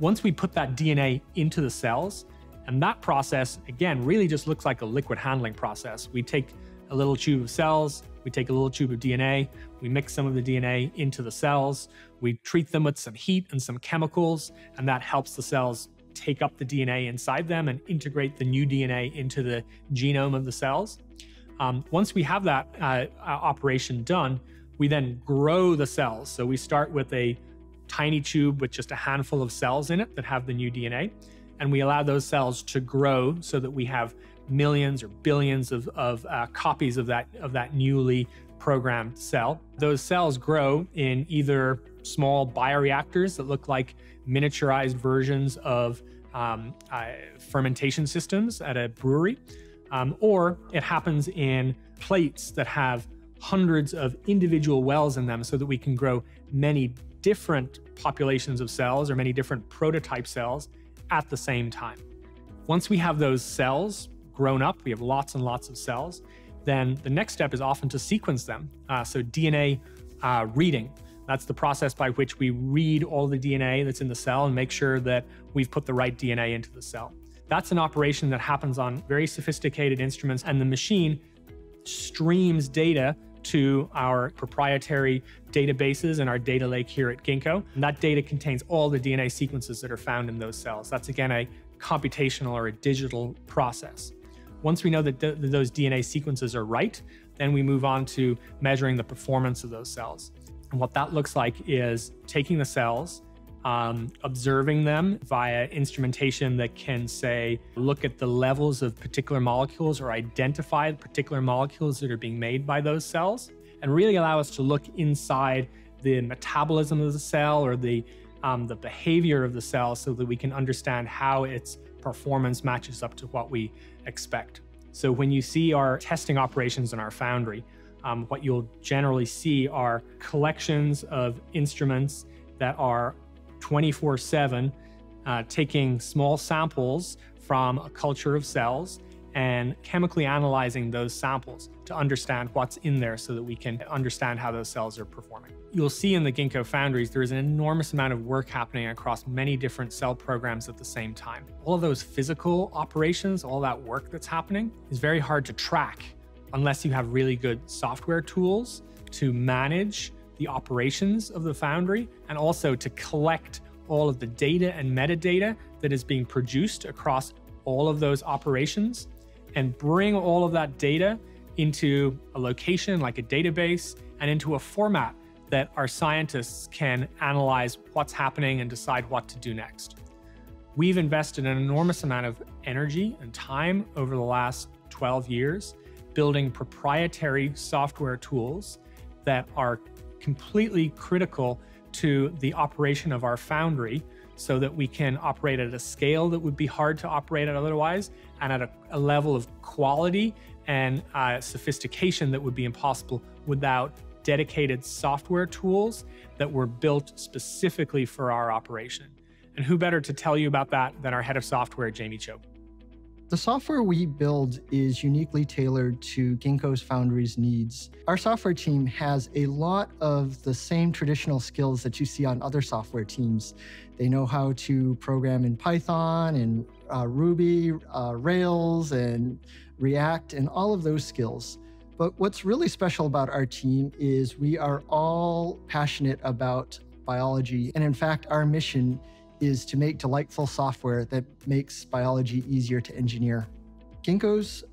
Once we put that DNA into the cells, that process, again, really just looks like a liquid handling process. We take a little tube of cells, we take a little tube of DNA, we mix some of the DNA into the cells, we treat them with some heat and some chemicals, and that helps the cells take up the DNA inside them and integrate the new DNA into the genome of the cells. Once we have that operation done, we grow the cells. We start with a tiny tube with just a handful of cells in it that have the new DNA, and we allow those cells to grow so that we have millions or billions of copies of that newly programmed cell. Those cells grow in either small bioreactors that look like miniaturized versions of fermentation systems at a brewery, or it happens in plates that have hundreds of individual wells in them, so that we can grow many different populations of cells or many different prototype cells at the same time. Once we have those cells grown up, we have lots and lots of cells, then the next step is often to sequence them. DNA reading, that's the process by which we read all the DNA that's in the cell and make sure that we've put the right DNA into the cell. That's an operation that happens on very sophisticated instruments, and the machine streams data to our proprietary databases and our data lake here at Ginkgo. That data contains all the DNA sequences that are found in those cells. That's, again, a computational or a digital process. Once we know that those DNA sequences are right, then we move on to measuring the performance of those cells. What that looks like is taking the cells, observing them via instrumentation that can, say, look at the levels of particular molecules or identify particular molecules that are being made by those cells, and really allow us to look inside the metabolism of the cell or the behavior of the cell, so that we can understand how its performance matches up to what we expect. When you see our testing operations in our foundry, what you'll generally see are collections of instruments that are 24/7 taking small samples from a culture of cells and chemically analyzing those samples to understand what's in there, so that we can understand how those cells are performing. You'll see in the Ginkgo foundries, there is an enormous amount of work happening across many different cell programs at the same time. All those physical operations, all that work that's happening, is very hard to track unless you have really good software tools to manage the operations of the foundry and also to collect all of the data and metadata that is being produced across all of those operations, and bring all of that data into a location, like a database, and into a format that our scientists can analyze what's happening and decide what to do next. We've invested an enormous amount of energy and time over the last 12 years building proprietary software tools that are completely critical to the operation of our foundry, so that we can operate at a scale that would be hard to operate at otherwise, and at a level of quality and sophistication that would be impossible without dedicated software tools that were built specifically for our operation. Who better to tell you about that than our Head of Software, Jamie Cho. The software we build is uniquely tailored to Ginkgo's foundry's needs. Our software team has a lot of the same traditional skills that you see on other software teams. They know how to program in Python, in Ruby, Rails, and React, and all of those skills. What's really special about our team is we are all passionate about biology, and in fact, our mission is to make delightful software that makes biology easier to engineer. Ginkgo's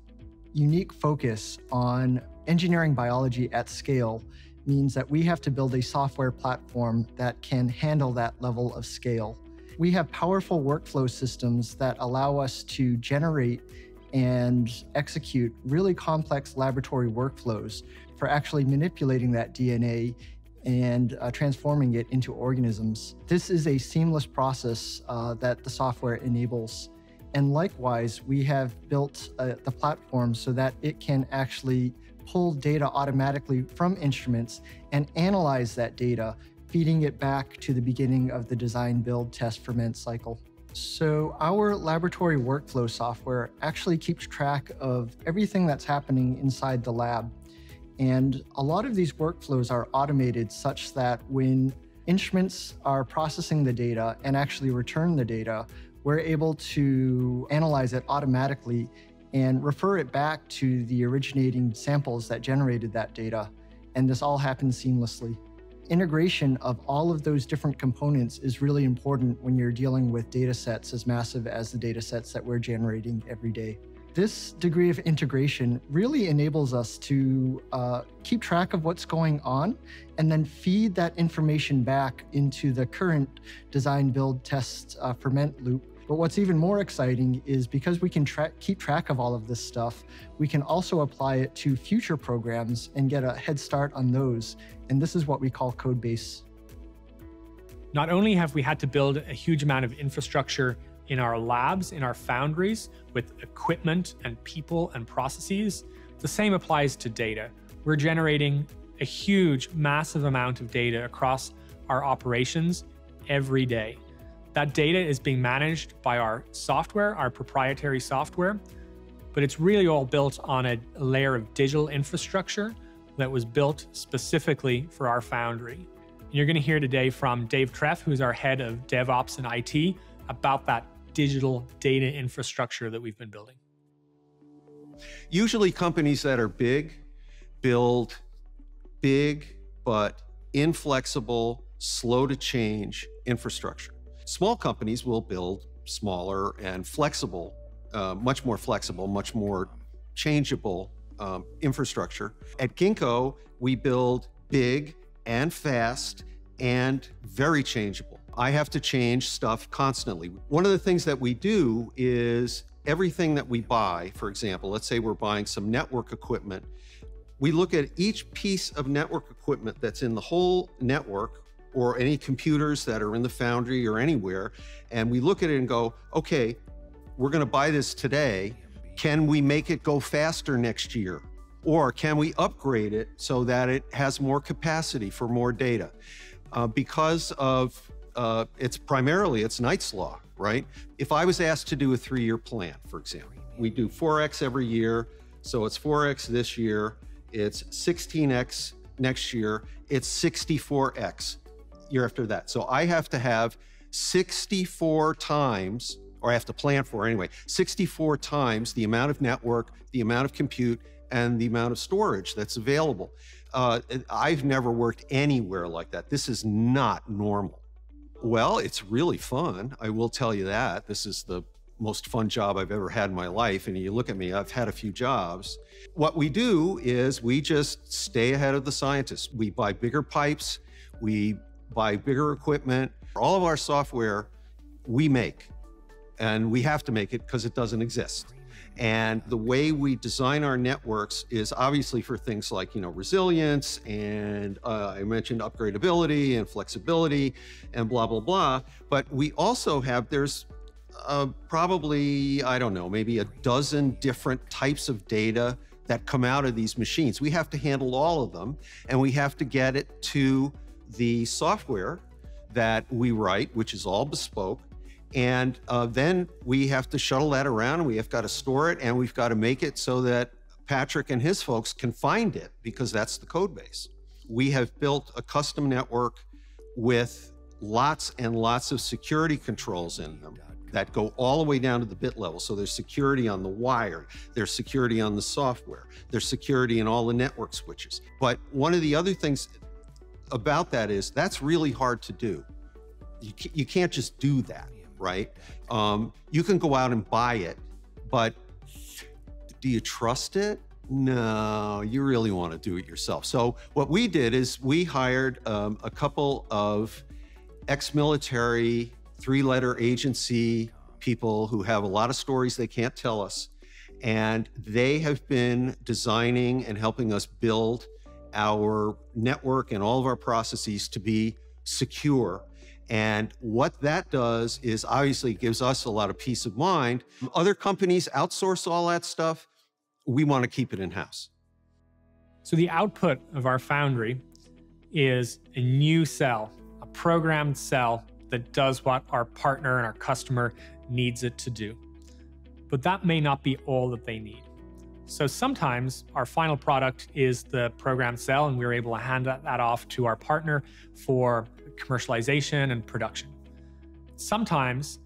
unique focus on engineering biology at scale means that we have to build a software platform that can handle that level of scale. We have powerful workflow systems that allow us to generate and execute really complex laboratory workflows for actually manipulating that DNA and transforming it into organisms. This is a seamless process that the software enables. Likewise, we have built the platform so that it can actually pull data automatically from instruments and analyze that data, feeding it back to the beginning of the design, build, test, ferment cycle. Our laboratory workflow software actually keeps track of everything that's happening inside the lab. A lot of these workflows are automated such that when instruments are processing the data and actually return the data, we're able to analyze it automatically and refer it back to the originating samples that generated that data. This all happens seamlessly. Integration of all of those different components is really important when you're dealing with data sets as massive as the data sets that we're generating every day. This degree of integration really enables us to keep track of what's going on and then feed that information back into the current design, build, test, ferment loop. What's even more exciting is because we can keep track of all of this stuff, we can also apply it to future programs and get a head start on those, and this is what we call Codebase. Not only have we had to build a huge amount of infrastructure in our labs, in our foundries, with equipment and people and processes, the same applies to data. We're generating a huge, massive amount of data across our operations every day. That data is being managed by our software, our proprietary software, it's really all built on a layer of digital infrastructure that was built specifically for our foundry. You're going to hear today from Dave Treff, who's our head of DevOps and IT, about that digital data infrastructure that we've been building. Usually companies that are big build big but inflexible, slow-to-change infrastructure. Small companies will build smaller and flexible, much more flexible, much more changeable infrastructure. At Ginkgo, we build big and fast and very changeable. I have to change stuff constantly. One of the things that we do is everything that we buy, for example, let's say we're buying some network equipment, we look at each piece of network equipment that's in the whole network or any computers that are in the foundry or anywhere, and we look at it and go, "Okay, we're going to buy this today." Can we make it go faster next year? Can we upgrade it so that it has more capacity for more data? Because of, primarily, it's Knight's Law. If I was asked to do a three-year plan, for example, we do 4x every year, so it's 4x this year, it's 16x next year, it's 64x year after that. I have to have 64x, or I have to plan for, anyway, 64x the amount of network, the amount of compute, and the amount of storage that's available. I've never worked anywhere like that. This is not normal. Well, it's really fun, I will tell you that. This is the most fun job I've ever had in my life, and you look at me, I've had a few jobs. What we do is we just stay ahead of the scientists. We buy bigger pipes, we buy bigger equipment. All of our software we make, and we have to make it because it doesn't exist. The way we design our networks is obviously for things like resilience and I mentioned upgradeability and flexibility and blah, blah, but we also have, there's probably, I don't know, maybe 12 different types of data that come out of these machines. We have to handle all of them, and we have to get it to the software that we write, which is all bespoke, and then we have to shuttle that around, and we have got to store it, and we've got to make it so that Patrick and his folks can find it, because that's the Codebase. We have built a custom network with lots and lots of security controls in them that go all the way down to the bit level. There's security on the wire, there's security on the software, there's security in all the network switches. One of the other things about that is, that's really hard to do. You can't just do that. You can go out and buy it, but do you trust it? No. You really want to do it yourself. What we did is we hired a couple of ex-military three-letter agency people who have a lot of stories they can't tell us, and they have been designing and helping us build our network and all of our processes to be secure. What that does is obviously gives us a lot of peace of mind. Other companies outsource all that stuff. We want to keep it in-house. The output of our foundry is a new cell, a programmed cell that does what our partner and our customer needs it to do. That may not be all that they need. Sometimes, our final product is the programmed cell, and we're able to hand that off to our partner for commercialization and production. Sometimes,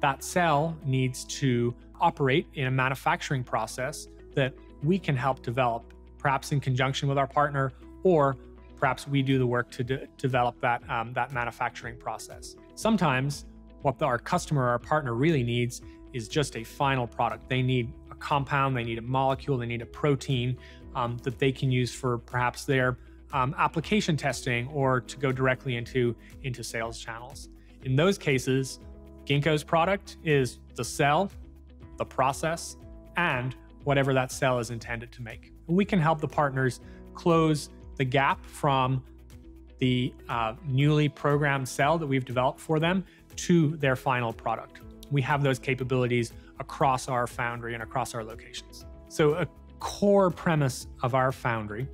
that cell needs to operate in a manufacturing process that we can help develop, perhaps in conjunction with our partner, or perhaps we do the work to develop that manufacturing process. Sometimes, what our customer or our partner really needs is just a final product. They need a compound, they need a molecule, they need a protein that they can use for perhaps their application testing or to go directly into sales channels. In those cases, Ginkgo's product is the cell, the process, and whatever that cell is intended to make. We can help the partners close the gap from the newly programmed cell that we've developed for them to their final product. We have those capabilities across our foundry and across our locations. A core premise of our foundry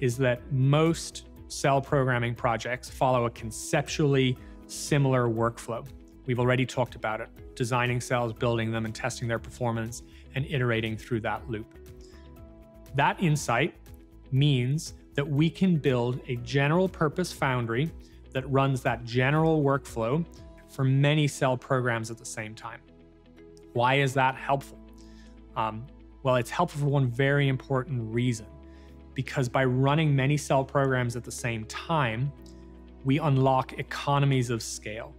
is that most cell programming projects follow a conceptually similar workflow. We've already talked about it, designing cells, building them, and testing their performance, and iterating through that loop. That insight means that we can build a general-purpose foundry that runs that general workflow for many cell programs at the same time. Why is that helpful? It's helpful for one very important reason. By running many cell programs at the same time, we unlock economies of scale.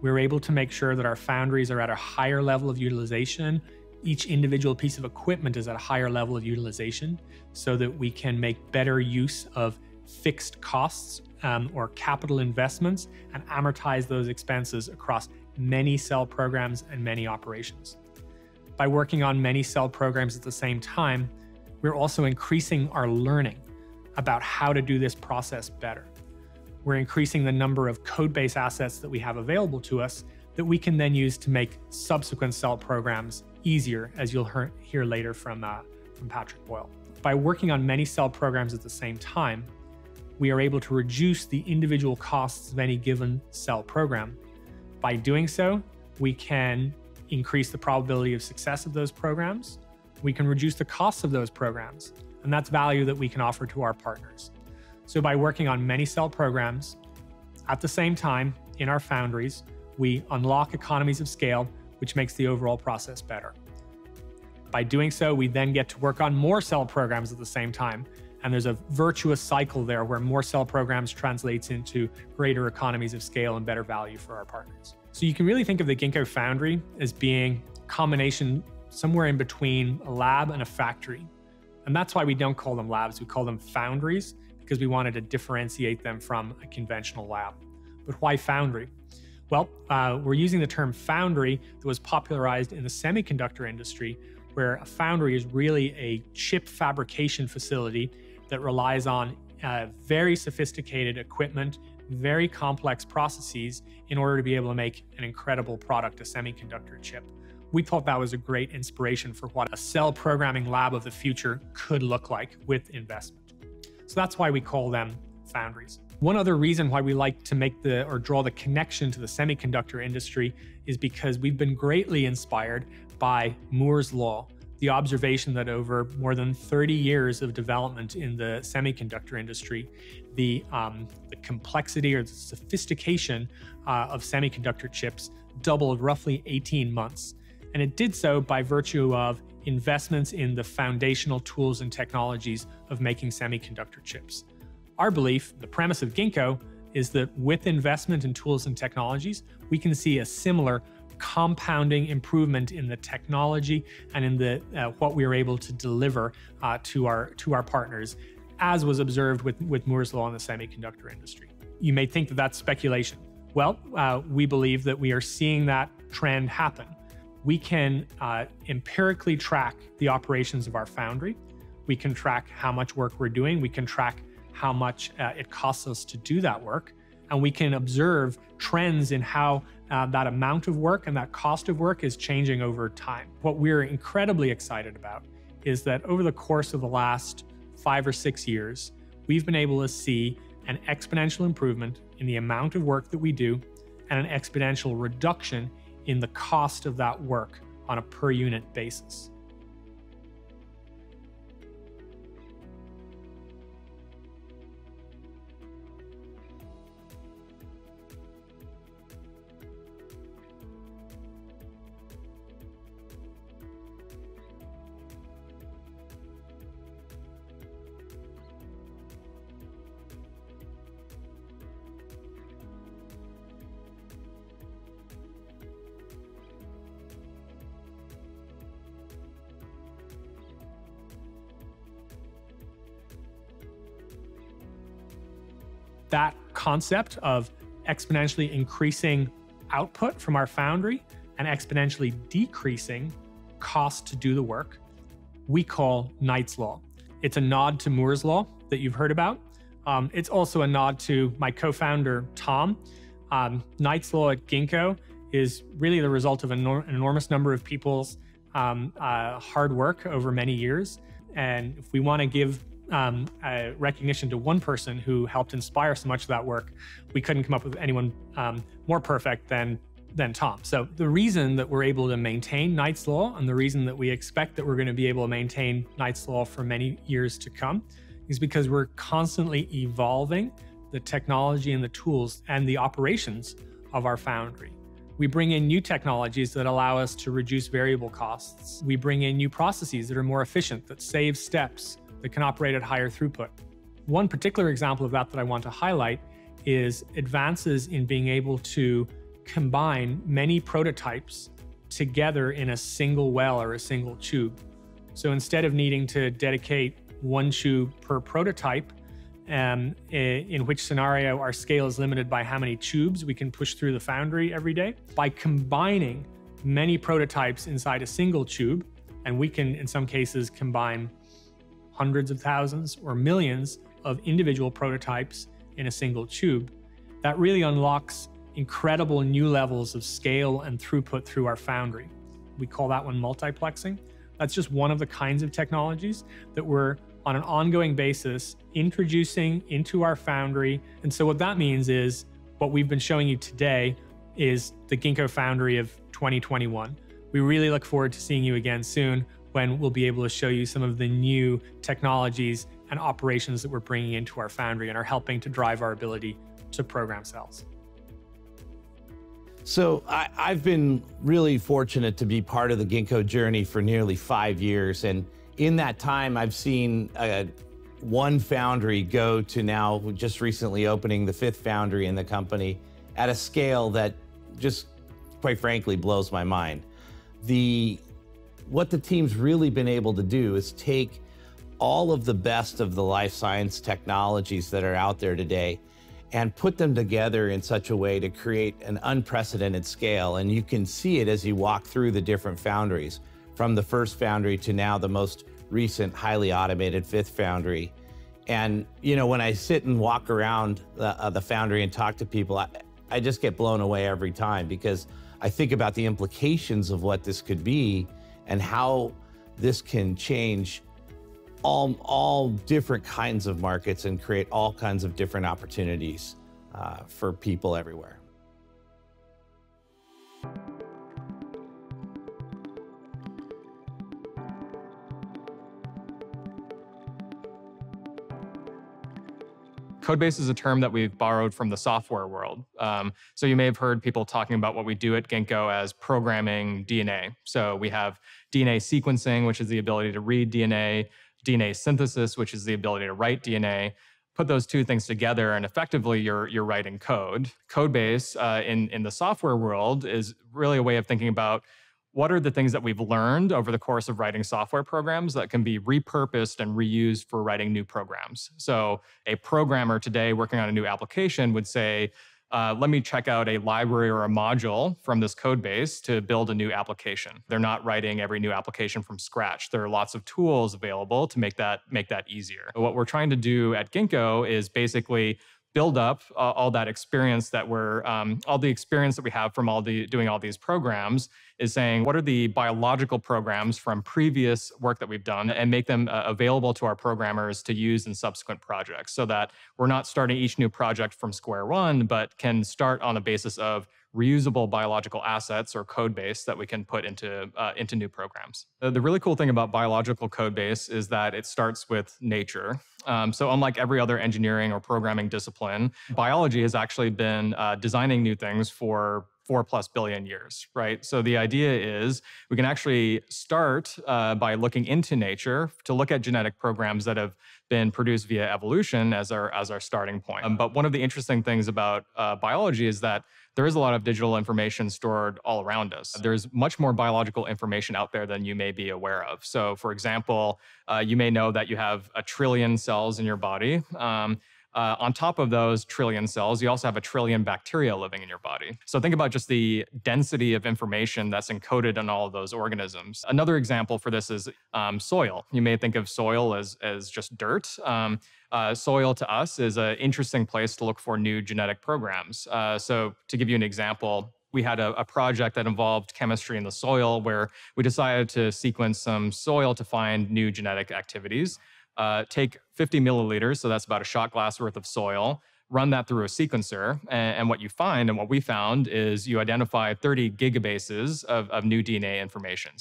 We're able to make sure that our foundries are at a higher level of utilization. Each individual piece of equipment is at a higher level of utilization so that we can make better use of fixed costs, or capital investments, and amortize those expenses across many cell programs and many operations. By working on many cell programs at the same time, we're also increasing our learning about how to do this process better. We're increasing the number of code-based assets that we have available to us that we can then use to make subsequent cell programs easier, as you'll hear later from Patrick Boyle. By working on many cell programs at the same time, we are able to reduce the individual costs of any given cell program. By doing so, we can increase the probability of success of those programs. We can reduce the cost of those programs, and that's value that we can offer to our partners. By working on many cell programs at the same time in our foundries, we unlock economies of scale, which makes the overall process better. By doing so, we then get to work on more cell programs at the same time, and there's a virtuous cycle there where more cell programs translates into greater economies of scale and better value for our partners. You can really think of the Ginkgo foundry as being a combination somewhere in between a lab and a factory. That's why we don't call them labs, we call them foundries, because we wanted to differentiate them from a conventional lab. Why foundry? Well, we're using the term foundry that was popularized in the semiconductor industry, where a foundry is really a chip fabrication facility that relies on very sophisticated equipment, very complex processes in order to be able to make an incredible product, a semiconductor chip. We thought that was a great inspiration for what a cell-programming lab of the future could look like with investment. That's why we call them foundries. One other reason why we like to make the, or draw the connection to the semiconductor industry is because we've been greatly inspired by Moore's Law, the observation that over more than 30 years of development in the semiconductor industry, the complexity or the sophistication of semiconductor chips doubled roughly 18 months. It did so by virtue of investments in the foundational tools and technologies of making semiconductor chips. Our belief, the premise of Ginkgo, is that with investment in tools and technologies, we can see a similar compounding improvement in the technology and in what we are able to deliver to our partners, as was observed with Moore's Law in the semiconductor industry. You may think that that's speculation. We believe that we are seeing that trend happen. We can empirically track the operations of our foundry. We can track how much work we're doing, we can track how much it costs us to do that work, and we can observe trends in how that amount of work and that cost of work is changing over time. What we're incredibly excited about is that over the course of the last five or six years, we've been able to see an exponential improvement in the amount of work that we do and an exponential reduction in the cost of that work on a per-unit basis. That concept of exponentially increasing output from our foundry and exponentially decreasing cost to do the work, we call Knight's Law. It's a nod to Moore's Law that you've heard about. It's also a nod to my co-founder, Tom. Knight's Law at Ginkgo is really the result of an enormous number of people's hard work over many years, and if we want to give recognition to one person who helped inspire so much of that work, we couldn't come up with anyone more perfect than Tom. The reason that we're able to maintain Knight's Law, and the reason that we expect that we're going to be able to maintain Knight's Law for many years to come, is because we're constantly evolving the technology and the tools and the operations of our foundry. We bring in new technologies that allow us to reduce variable costs. We bring in new processes that are more efficient, that save steps, that can operate at higher throughput. One particular example of that that I want to highlight is advances in being able to combine many prototypes together in a single well or a single tube. Instead of needing to dedicate one tube per prototype, in which scenario our scale is limited by how many tubes we can push through the foundry every day, by combining many prototypes inside a single tube, and we can, in some cases, combine hundreds of thousands or millions of individual prototypes in a single tube. That really unlocks incredible new levels of scale and throughput through our foundry. We call that one multiplexing. That's just one of the kinds of technologies that we're, on an ongoing basis, introducing into our foundry. What that means is what we've been showing you today is the Ginkgo foundry of 2021. We really look forward to seeing you again soon, when we'll be able to show you some of the new technologies and operations that we're bringing into our foundry and are helping to drive our ability to program cells. I've been really fortunate to be part of the Ginkgo journey for nearly five years, and in that time I've seen one foundry go to now just recently opening the fifth foundry in the company at a scale that just, quite frankly, blows my mind. What the team's really been able to do is take all of the best of the life science technologies that are out there today and put them together in such a way to create an unprecedented scale, and you can see it as you walk through the different foundries, from the first foundry to now the most recent, highly automated fifth foundry. When I sit and walk around the foundry and talk to people, I just get blown away every time because I think about the implications of what this could be and how this can change all different kinds of markets and create all kinds of different opportunities for people everywhere. Codebase is a term that we've borrowed from the software world. You may have heard people talking about what we do at Ginkgo as programming DNA. We have DNA sequencing, which is the ability to read DNA synthesis, which is the ability to write DNA. Put those two things together, and effectively, you're writing code. Codebase in the software world is really a way of thinking about what are the things that we've learned over the course of writing software programs that can be repurposed and reused for writing new programs? A programmer today working on a new application would say, "Let me check out a library or a module from this Codebase to build a new application." They're not writing every new application from scratch. There are lots of tools available to make that easier. What we're trying to do at Ginkgo is basically build up all the experience that we have from doing all these programs, is saying, what are the biological programs from previous work that we've done, and make them available to our programmers to use in subsequent projects, so that we're not starting each new project from square one, but can start on a basis of reusable biological assets or Codebase that we can put into new programs. The really cool thing about biological Codebase is that it starts with nature. Unlike every other engineering or programming discipline, biology has actually been designing new things for 4+ billion years. The idea is we can actually start by looking into nature to look at genetic programs that have been produced via evolution as our starting point. One of the interesting things about biology is that there is a lot of digital information stored all around us. There's much more biological information out there than you may be aware of. For example, you may know that you have a trillion cells in your body. On top of those trillion cells, you also have a trillion bacteria living in your body. Think about just the density of information that's encoded in all of those organisms. Another example for this is soil. You may think of soil as just dirt. Soil to us is an interesting place to look for new genetic programs. To give you an example, we had a project that involved chemistry in the soil where we decided to sequence some soil to find new genetic activities. Take 50 milliliters, so that's about a shot glass worth of soil, run that through a sequencer. What you find, and what we found, is you identify 30 gigabases of new DNA information.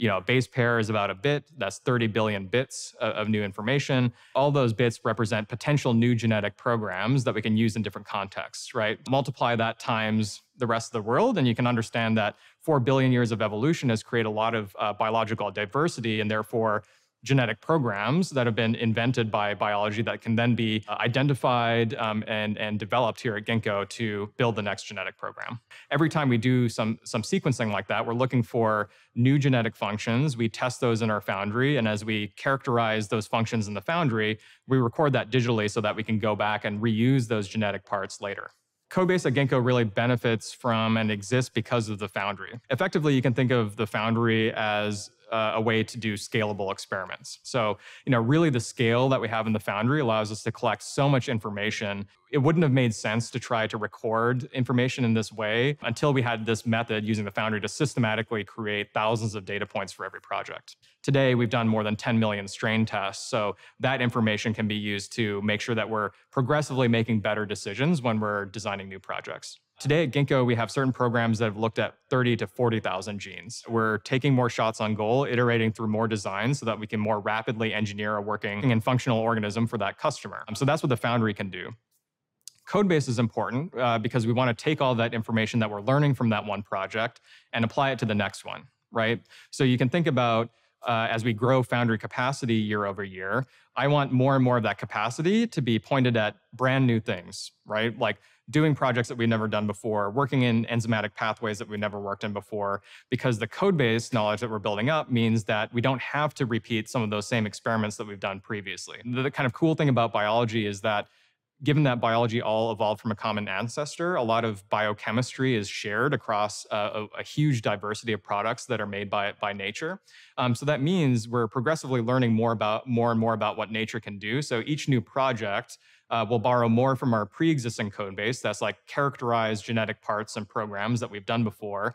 A base pair is about a bit, that's 30 billion bits of new information. All those bits represent potential new genetic programs that we can use in different contexts. Multiply that times the rest of the world, you can understand that 4 billion years of evolution has created a lot of biological diversity, and therefore genetic programs that have been invented by biology that can then be identified and developed here at Ginkgo to build the next genetic program. Every time we do some sequencing like that, we're looking for new genetic functions. We test those in our foundry, and as we characterize those functions in the foundry, we record that digitally so that we can go back and reuse those genetic parts later. Codebase at Ginkgo really benefits from and exists because of the foundry. Effectively, you can think of the foundry as a way to do scalable experiments. Really the scale that we have in the foundry allows us to collect so much information. It wouldn't have made sense to try to record information in this way until we had this method using a foundry to systematically create thousands of data points for every project. Today we've done more than 10 million strain tests, That information can be used to make sure that we're progressively making better decisions when we're designing new projects. Today at Ginkgo, we have certain programs that have looked at 30,000-40,000 genes. We're taking more shots on goal, iterating through more designs, that we can more rapidly engineer a working and functional organism for that customer. That's what the foundry can do. Codebase is important because we want to take all that information that we're learning from that one project and apply it to the next one. You can think about, as we grow foundry capacity year-over-year, I want more and more of that capacity to be pointed at brand-new things. Like doing projects that we've never done before, working in enzymatic pathways that we've never worked in before, because the Codebase knowledge that we're building up means that we don't have to repeat some of those same experiments that we've done previously. The cool thing about biology is that given that biology all evolved from a common ancestor, a lot of biochemistry is shared across a huge diversity of products that are made by nature. That means we're progressively learning more and more about what nature can do. Each new project will borrow more from our preexisting Codebase, that's like characterized genetic parts and programs that we've done before,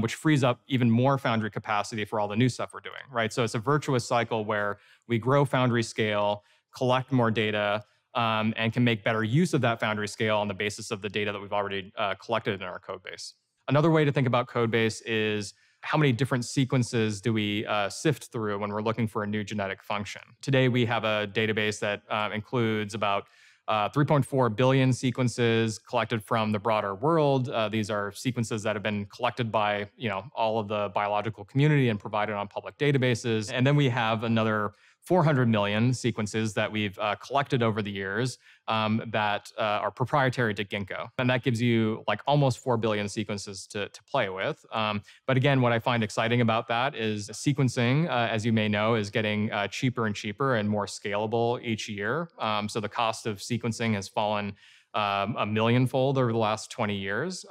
which frees up even more foundry capacity for all the new stuff we're doing. It's a virtuous cycle where we grow foundry scale, collect more data, and can make better use of that foundry scale on the basis of the data that we've already collected in our Codebase. Another way to think about Codebase is how many different sequences do we sift through when we're looking for a new genetic function. Today, we have a database that includes about 3.4 billion sequences collected from the broader world. These are sequences that have been collected by all of the biological community and provided on public databases, and then we have another 400 million sequences that we've collected over the years that are proprietary to Ginkgo. That gives you almost 4 billion sequences to play with. Again, what I find exciting about that is sequencing, as you may know, is getting cheaper and cheaper and more scalable each year. The cost of sequencing has fallen a millionfold over the last 20 years.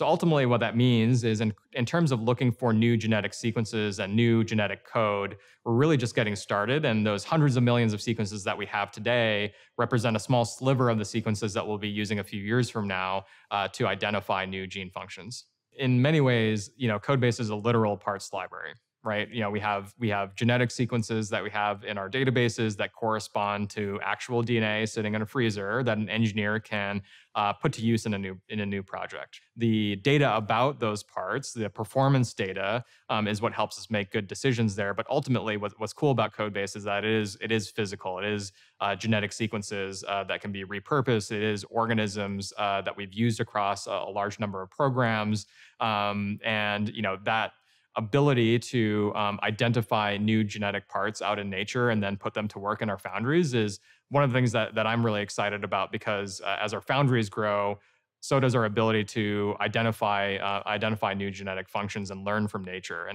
Ultimately what that means is in terms of looking for new genetic sequences and new genetic code, we're really just getting started, and those hundreds of millions of sequences that we have today represent a small sliver of the sequences that we'll be using a few years from now to identify new gene functions. In many ways, Codebase is a literal parts library. We have genetic sequences that we have in our databases that correspond to actual DNA sitting in a freezer that an engineer can put to use in a new project. The data about those parts, the performance data, is what helps us make good decisions there. Ultimately, what's cool about Codebase is that it is physical. It is genetic sequences that can be repurposed. It is organisms that we've used across a large number of programs. That ability to identify new genetic parts out in nature and then put them to work in our foundries is one of the things that I'm really excited about because as our foundries grow, so does our ability to identify new genetic functions and learn from nature.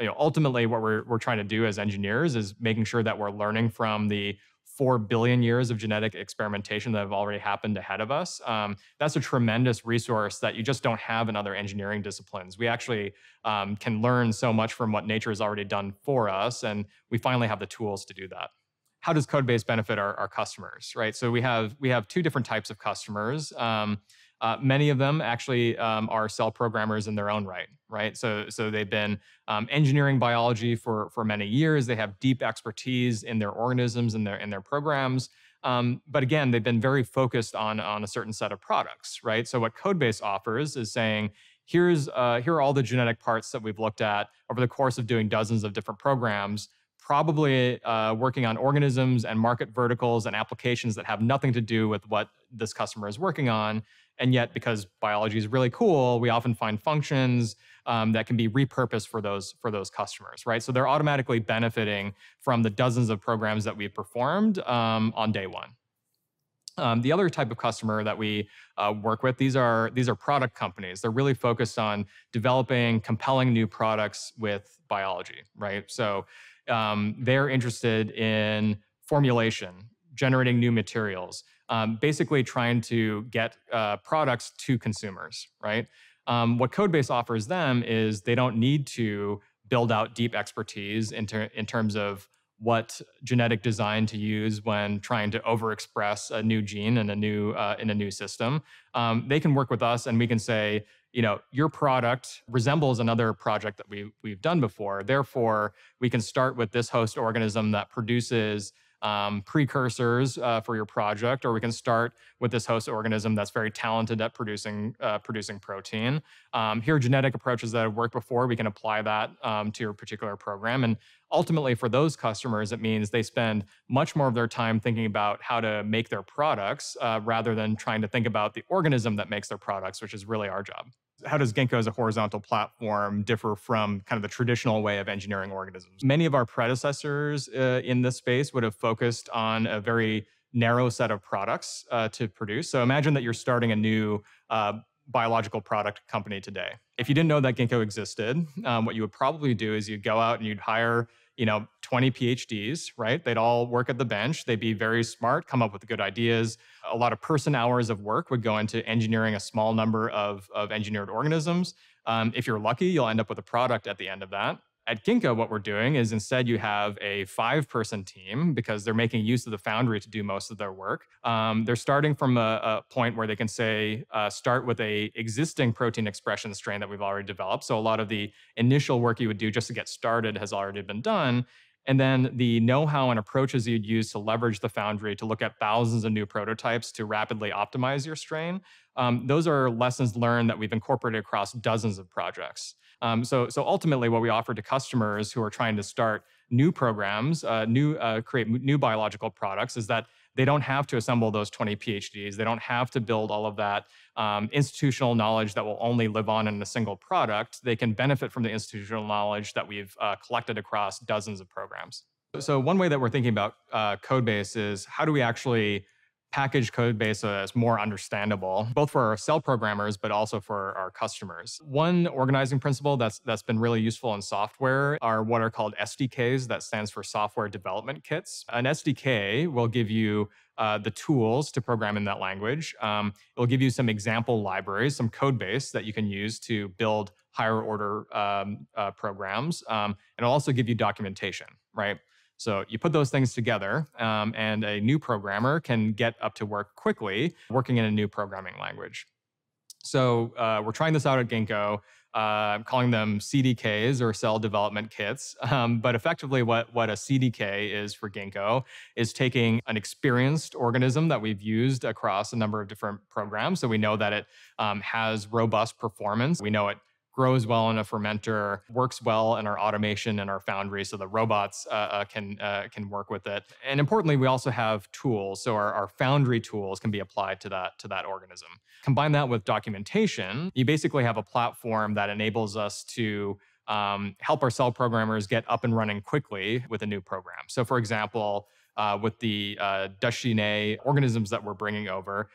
Ultimately, what we're trying to do as engineers is making sure that we're learning from the 4 billion years of genetic experimentation that have already happened ahead of us. That's a tremendous resource that you just don't have in other engineering disciplines. We actually can learn so much from what nature's already done for us, and we finally have the tools to do that. How does Codebase benefit our customers? We have two different types of customers. Many of them actually are cell programmers in their own right. They've been engineering biology for many years. They have deep expertise in their organisms and in their programs. Again, they've been very focused on a certain set of products. What CodeBase offers is saying, "Here are all the genetic parts that we've looked at over the course of doing dozens of different programs," probably working on organisms and market verticals and applications that have nothing to do with what this customer is working on. Yet, because biology is really cool, we often find functions that can be repurposed for those customers. They're automatically benefiting from the dozens of programs that we've performed on day one. The other type of customer that we work with, these are product companies. They're really focused on developing compelling new products with biology. They're interested in formulation, generating new materials, basically trying to get products to consumers. What CodeBase offers them is they don't need to build out deep expertise in terms of what genetic design to use when trying to overexpress a new gene in a new system. They can work with us and we can say, "Your product resembles another project that we've done before. Therefore, we can start with this host organism that produces precursors for your project," or, "We can start with this host organism that's very talented at producing protein. Here are genetic approaches that have worked before. We can apply that to your particular program." Ultimately, for those customers, it means they spend much more of their time thinking about how to make their products rather than trying to think about the organism that makes their products, which is really our job. How does Ginkgo as a horizontal platform differ from the traditional way of engineering organisms? Many of our predecessors in this space would have focused on a very narrow set of products to produce. Imagine that you're starting a new biological product company today. If you didn't know that Ginkgo existed, what you would probably do is you'd go out and you'd hire 20 PhDs. They'd all work at the bench. They'd be very smart, come up with good ideas. A lot of person-hours of work would go into engineering a small number of engineered organisms. If you're lucky, you'll end up with a product at the end of that. At Ginkgo, what we're doing is instead you have a five-person team because they're making use of the foundry to do most of their work. They're starting from a point where they can, say, start with an existing protein expression strain that we've already developed. A lot of the initial work you would do just to get started has already been done. The know-how and approaches you'd use to leverage the foundry to look at thousands of new prototypes to rapidly optimize your strain, those are lessons learned that we've incorporated across dozens of projects. Ultimately, what we offer to customers who are trying to start new programs, create new biological products, is that they don't have to assemble those 20 PhDs. They don't have to build all of that institutional knowledge that will only live on in a single product. They can benefit from the institutional knowledge that we've collected across dozens of programs. One way that we're thinking about CodeBase is how do we actually package CodeBase as more understandable, both for our cell programmers but also for our customers? One organizing principle that's been really useful in software are what are called SDKs. That stands for Software Development Kits. An SDK will give you the tools to program in that language. It'll give you some example libraries, some Codebase that you can use to build higher-order programs, and also give you documentation. You put those things together, and a new programmer can get up to work quickly working in a new programming language. We're trying this out at Ginkgo, calling them CDKs or Cell Development Kits. Effectively, what a CDK is for Ginkgo is taking an experienced organism that we've used across a number of different programs, so we know that it has robust performance. We know it grows well in a fermenter, works well in our automation and our foundry, so the robots can work with it. Importantly, we also have tools. Our foundry tools can be applied to that organism. Combine that with documentation, you basically have a platform that enables us to help our cell programmers get up and running quickly with a new program. For example, with the Dyadic organisms that we're bringing over,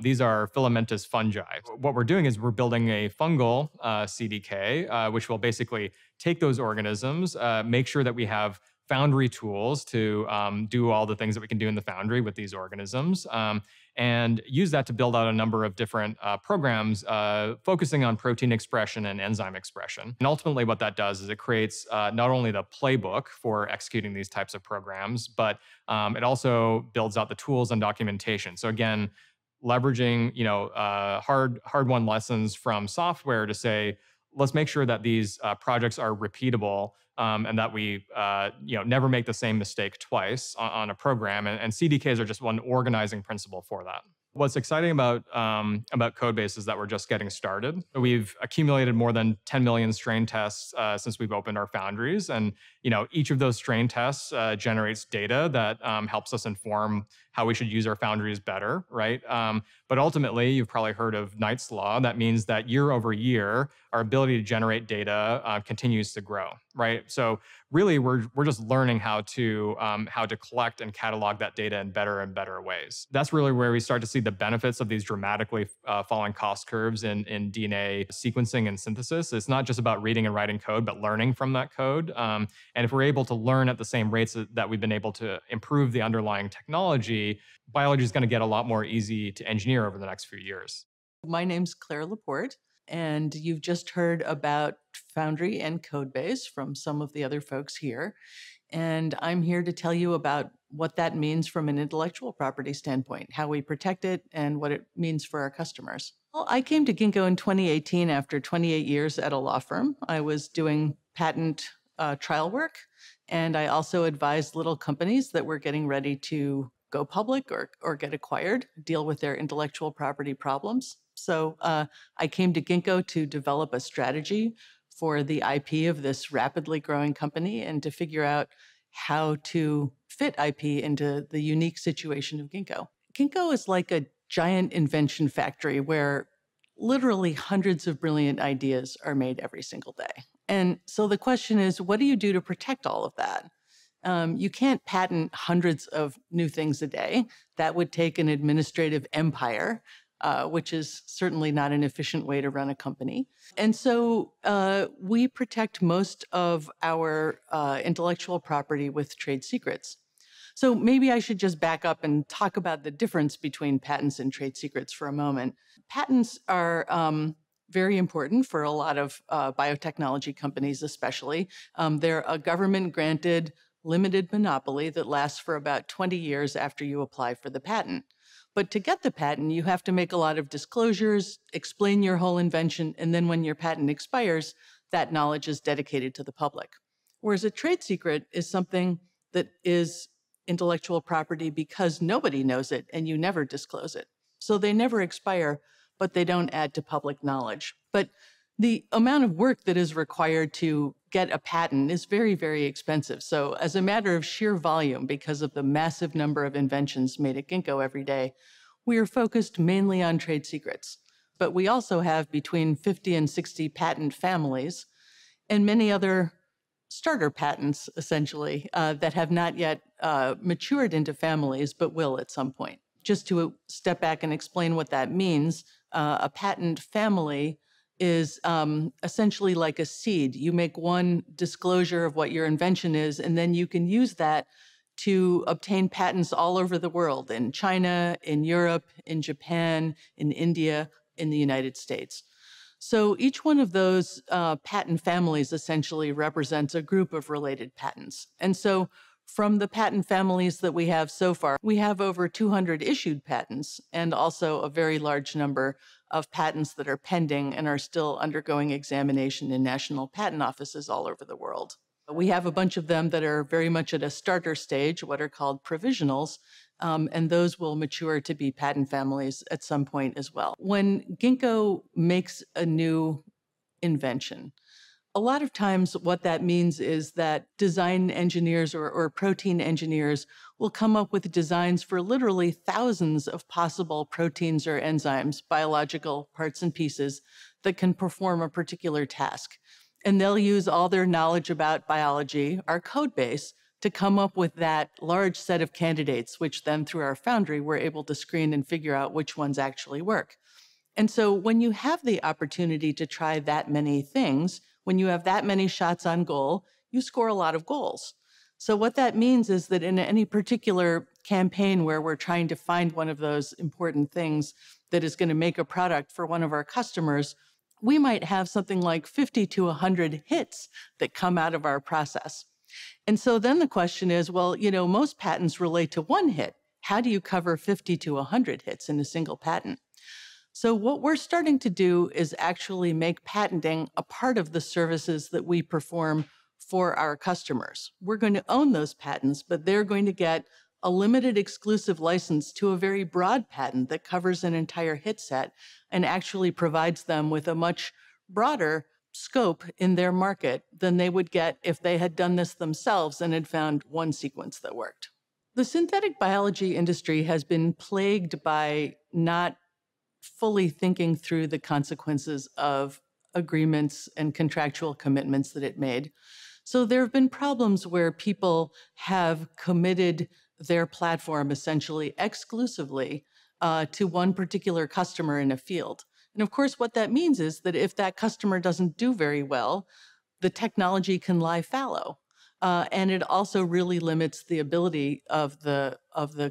these are filamentous fungi. What we're doing is we're building a fungal CDK, which will basically take those organisms, make sure that we have foundry tools to do all the things that we can do in the foundry with these organisms, and use that to build out a number of different programs focusing on protein expression and enzyme expression. Ultimately, what that does is it creates not only the playbook for executing these types of programs, but it also builds out the tools and documentation. Again, leveraging hard-won lessons from software to say, "Let's make sure that these projects are repeatable and that we never make the same mistake twice on a program." CDKs are just one organizing principle for that. What's exciting about Codebase is that we're just getting started. We've accumulated more than 10 million strain tests since we've opened our foundries, and each of those strain tests generates data that helps us inform how we should use our foundries better. Ultimately, you've probably heard of Knight's Law, and that means that year-over-year, our ability to generate data continues to grow. Really, we're just learning how to collect and catalog that data in better and better ways. That's really where we start to see the benefits of these dramatically falling cost curves in DNA sequencing and synthesis. It's not just about reading and writing code, but learning from that code. If we're able to learn at the same rates that we've been able to improve the underlying technology, biology is going to get a lot more easy to engineer over the next few years. My name's Claire Laporte, and you've just heard about foundry and Codebase from some of the other folks here, and I'm here to tell you about what that means from an intellectual property standpoint, how we protect it, and what it means for our customers. I came to Ginkgo in 2018 after 28 years at a law firm. I was doing patent trial work, and I also advised little companies that were getting ready to go public or get acquired, deal with their intellectual property problems. I came to Ginkgo to develop a strategy for the IP of this rapidly growing company and to figure out how to fit IP into the unique situation of Ginkgo. Ginkgo is like a giant invention factory where literally hundreds of brilliant ideas are made every single day. The question is, what do you do to protect all of that? You can't patent hundreds of new things a day. That would take an administrative empire, which is certainly not an efficient way to run a company. We protect most of our intellectual property with trade secrets. Maybe I should just back up and talk about the difference between patents and trade secrets for a moment. Patents are very important for a lot of biotechnology companies especially. They're a government-granted, limited monopoly that lasts for about 20 years after you apply for the patent. To get the patent, you have to make a lot of disclosures, explain your whole invention, and then when your patent expires, that knowledge is dedicated to the public. Whereas a trade secret is something that is intellectual property because nobody knows it, and you never disclose it. They never expire, but they don't add to public knowledge. The amount of work that is required to get a patent is very, very expensive. As a matter of sheer volume, because of the massive number of inventions made at Ginkgo every day, we are focused mainly on trade secrets. We also have between 50 and 60 patent families and many other starter patents, essentially, that have not yet matured into families, but will at some point. Just to step back and explain what that means, a patent family is essentially like a seed. You make one disclosure of what your invention is, and then you can use that to obtain patents all over the world, in China, in Europe, in Japan, in India, in the United States. Each one of those patent families essentially represents a group of related patents. From the patent families that we have so far, we have over 200 issued patents and also a very large number of patents that are pending and are still undergoing examination in national patent offices all over the world. We have a bunch of them that are very much at a starter stage, what are called provisionals, and those will mature to be patent families at some point as well. When Ginkgo makes a new invention, a lot of times what that means is that design engineers or protein engineers will come up with designs for literally thousands of possible proteins or enzymes, biological parts and pieces that can perform a particular task. They'll use all their knowledge about biology, our Codebase, to come up with that large set of candidates, which then through our foundry, we're able to screen and figure out which ones actually work. When you have the opportunity to try that many things, when you have that many shots on goal, you score a lot of goals. What that means is that in any particular campaign where we're trying to find one of those important things that is going to make a product for one of our customers, we might have something like 50-100 hits that come out of our process. The question is, well, most patents relate to one hit. How do you cover 50-100 hits in a single patent? What we're starting to do is actually make patenting a part of the services that we perform for our customers. We're going to own those patents, but they're going to get a limited exclusive license to a very broad patent that covers an entire hit set and actually provides them with a much broader scope in their market than they would get if they had done this themselves and had found one sequence that worked. The synthetic biology industry has been plagued by not fully thinking through the consequences of agreements and contractual commitments that it made. There have been problems where people have committed their platform essentially exclusively to one particular customer in a field. Of course, what that means is that if that customer doesn't do very well, the technology can lie fallow. It also really limits the ability of the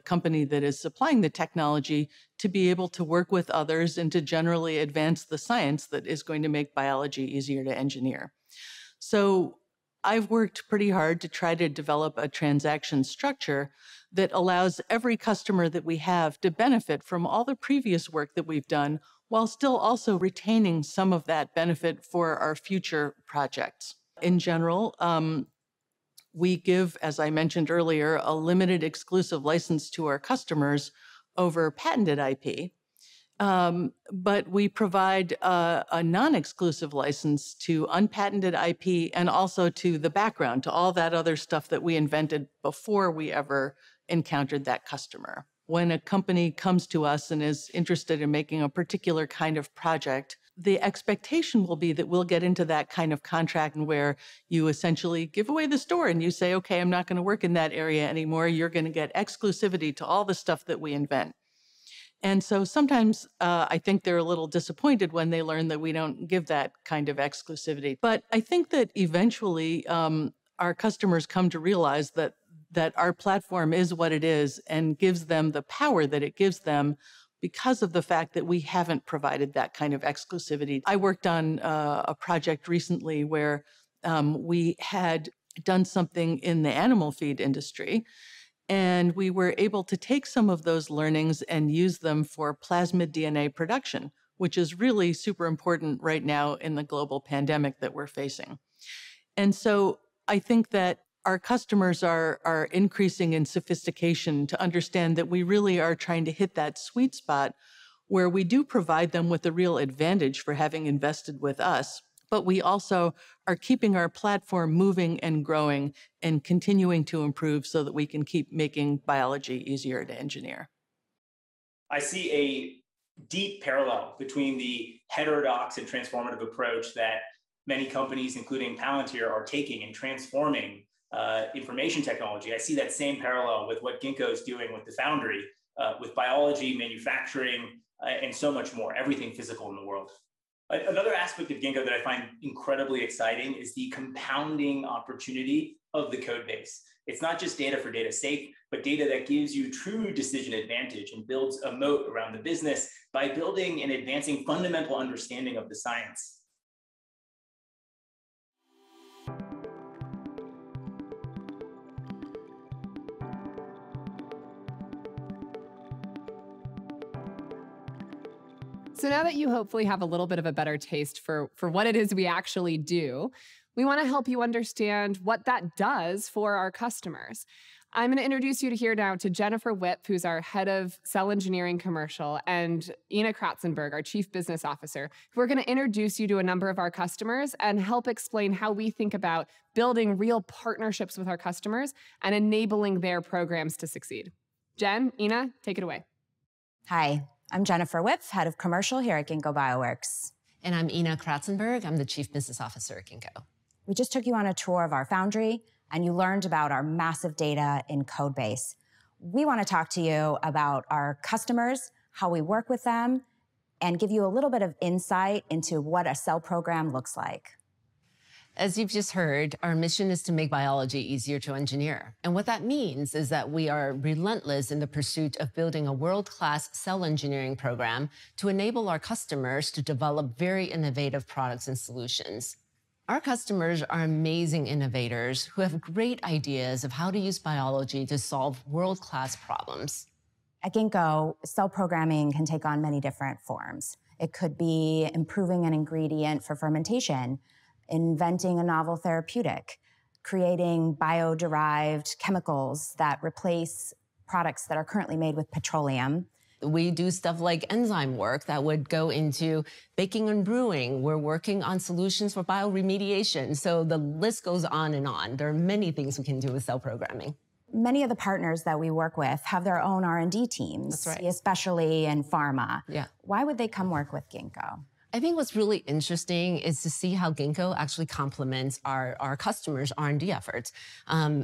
company that is supplying the technology to be able to work with others and to generally advance the science that is going to make biology easier to engineer. I've worked pretty hard to try to develop a transaction structure that allows every customer that we have to benefit from all the previous work that we've done while still also retaining some of that benefit for our future projects. In general, we give, as I mentioned earlier, a limited exclusive license to our customers over patented IP, but we provide a non-exclusive license to unpatented IP and also to the background, to all that other stuff that we invented before we ever encountered that customer. When a company comes to us and is interested in making a particular kind of project, the expectation will be that we'll get into that kind of contract where you essentially give away the store, and you say, "Okay, I'm not going to work in that area anymore. You're going to get exclusivity to all the stuff that we invent." Sometimes I think they're a little disappointed when they learn that we don't give that kind of exclusivity. I think that eventually our customers come to realize that our platform is what it is and gives them the power that it gives them because of the fact that we haven't provided that kind of exclusivity. I worked on a project recently where we had done something in the animal feed industry, and we were able to take some of those learnings and use them for plasmid DNA production, which is really super important right now in the global pandemic that we're facing. I think that our customers are increasing in sophistication to understand that we really are trying to hit that sweet spot where we do provide them with a real advantage for having invested with us, but we also are keeping our platform moving and growing and continuing to improve so that we can keep making biology easier to engineer. I see a deep parallel between the heterodox and transformative approach that many companies, including Palantir, are taking in transforming information technology. I see that same parallel with what Ginkgo's doing with the foundry, with biology, manufacturing, and so much more, everything physical in the world. Another aspect of Ginkgo that I find incredibly exciting is the compounding opportunity of the Codebase. It's not just data for data's sake, but data that gives you true decision advantage and builds a moat around the business by building and advancing fundamental understanding of the science. Now that you hopefully have a little bit of a better taste for what it is we actually do, we want to help you understand what that does for our customers. I'm going to introduce you here now to Jennifer Wipf, who's our Head of Cell Engineering Commercial, and Ena Cratsenburg, our Chief Business Officer, who are going to introduce you to a number of our customers and help explain how we think about building real partnerships with our customers and enabling their programs to succeed. Jen, Ena, take it away. Hi, I'm Jennifer Wipf, Head of Commercial here at Ginkgo Bioworks. I'm Ena Cratsenburg, I'm the Chief Business Officer at Ginkgo. We just took you on a tour of our foundry, and you learned about our massive data and codebase. We want to talk to you about our customers, how we work with them, and give you a little bit of insight into what a cell program looks like. As you've just heard, our mission is to make biology easier to engineer. What that means is that we are relentless in the pursuit of building a world-class cell engineering program to enable our customers to develop very innovative products and solutions. Our customers are amazing innovators who have great ideas of how to use biology to solve world-class problems. At Ginkgo, cell programming can take on many different forms. It could be improving an ingredient for fermentation, inventing a novel therapeutic, creating bio-derived chemicals that replace products that are currently made with petroleum. We do stuff like enzyme work that would go into baking and brewing. We're working on solutions for bioremediation, the list goes on and on. There are many things we can do with cellular computing. Many of the partners that we work with have their own R&D teams. That's right. Especially in pharma. Yeah. Why would they come work with Ginkgo? I think what's really interesting is to see how Ginkgo actually complements our customers' R&D efforts.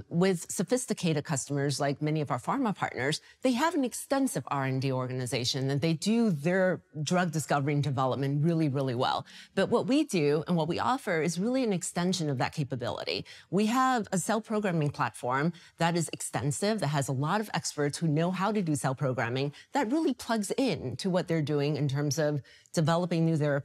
With sophisticated customers, like many of our pharma partners, they have an extensive R&D organization, and they do their drug discovery and development really, really well. But what we do and what we offer is really an extension of that capability. We have a cell programming platform that is extensive, that has a lot of experts who know how to do cell programming, that really plugs into what they're doing in terms of developing new therapeutics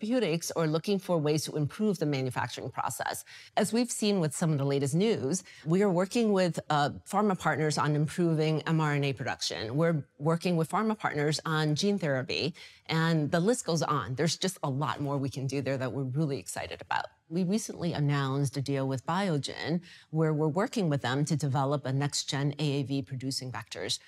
or looking for ways to improve the manufacturing process. As we've seen with some of the latest news, we are working with pharma partners on improving mRNA production. We're working with pharma partners on gene therapy, and the list goes on. There's just a lot more we can do there that we're really excited about. We recently announced a deal with Biogen, where we're working with them to develop next-gen AAV-producing vectors.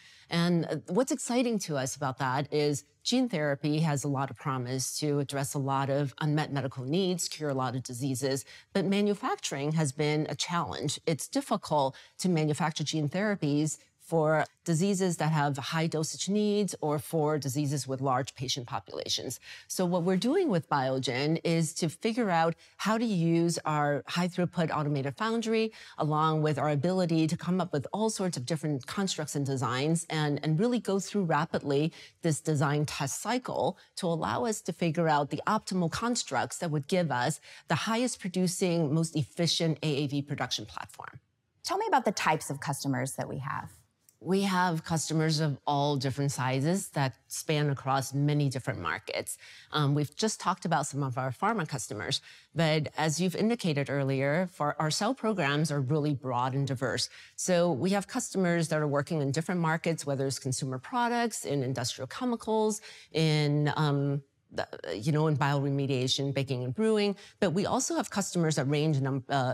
What's exciting to us about that is gene therapy has a lot of promise to address a lot of unmet medical needs, cure a lot of diseases, but manufacturing has been a challenge. It's difficult to manufacture gene therapies for diseases that have high dosage needs or for diseases with large patient populations. What we're doing with Biogen is to figure out how to use our high-throughput automated foundry, along with our ability to come up with all sorts of different constructs and designs and really go through, rapidly, this design test cycle to allow us to figure out the optimal constructs that would give us the highest producing, most efficient AAV production platform. Tell me about the types of customers that we have? We have customers of all different sizes that span across many different markets. We've just talked about some of our pharma customers. As you've indicated earlier, our cell programs are really broad and diverse. We have customers that are working in different markets, whether it's consumer products, in industrial chemicals, in bioremediation, baking, and brewing. We also have customers that range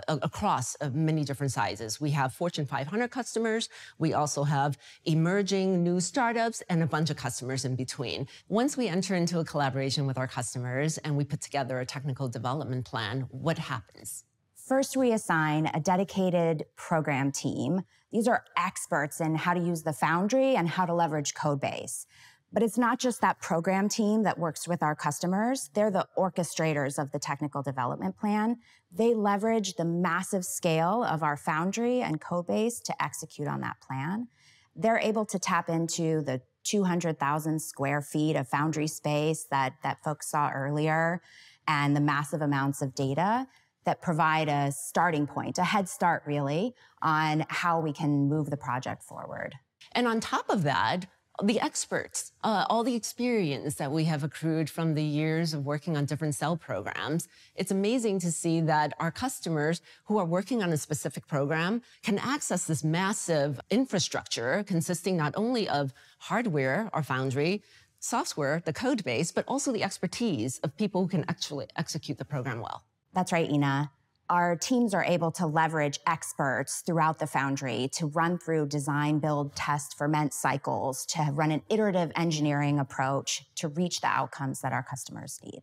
across many different sizes. We have Fortune 500 customers, we also have emerging new startups, and a bunch of customers in between. Once we enter into a collaboration with our customers, and we put together a technical development plan, what happens? First, we assign a dedicated program team. These are experts in how to use the foundry and how to leverage Codebase. It's not just that program team that works with our customers. They're the orchestrators of the technical development plan. They leverage the massive scale of our foundry and Codebase to execute on that plan. They're able to tap into the 200,000 sq ft of foundry space that folks saw earlier, and the massive amounts of data that provide a starting point, a head start, really, on how we can move the project forward. On top of that, all the experts, all the experience that we have accrued from the years of working on different cell programs, it's amazing to see that our customers who are working on a specific program can access this massive infrastructure consisting not only of hardware, our foundry, software, the Codebase, but also the expertise of people who can actually execute the program well. That's right, Ena. Our teams are able to leverage experts throughout the foundry to run through design, build, test, ferment cycles, to run an iterative engineering approach to reach the outcomes that our customers need.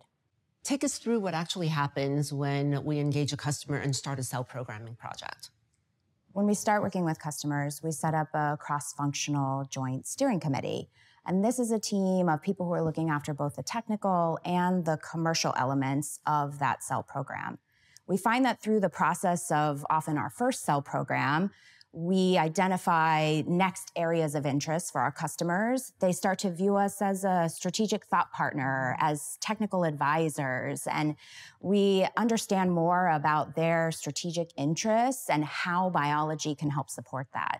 Take us through what actually happens when we engage a customer and start a cell programming project. When we start working with customers, we set up a cross-functional joint steering committee, and this is a team of people who are looking after both the technical and the commercial elements of that cell program. We find that through the process of often our first cell program, we identify next areas of interest for our customers. They start to view us as a strategic thought partner, as technical advisors, and we understand more about their strategic interests and how biology can help support that.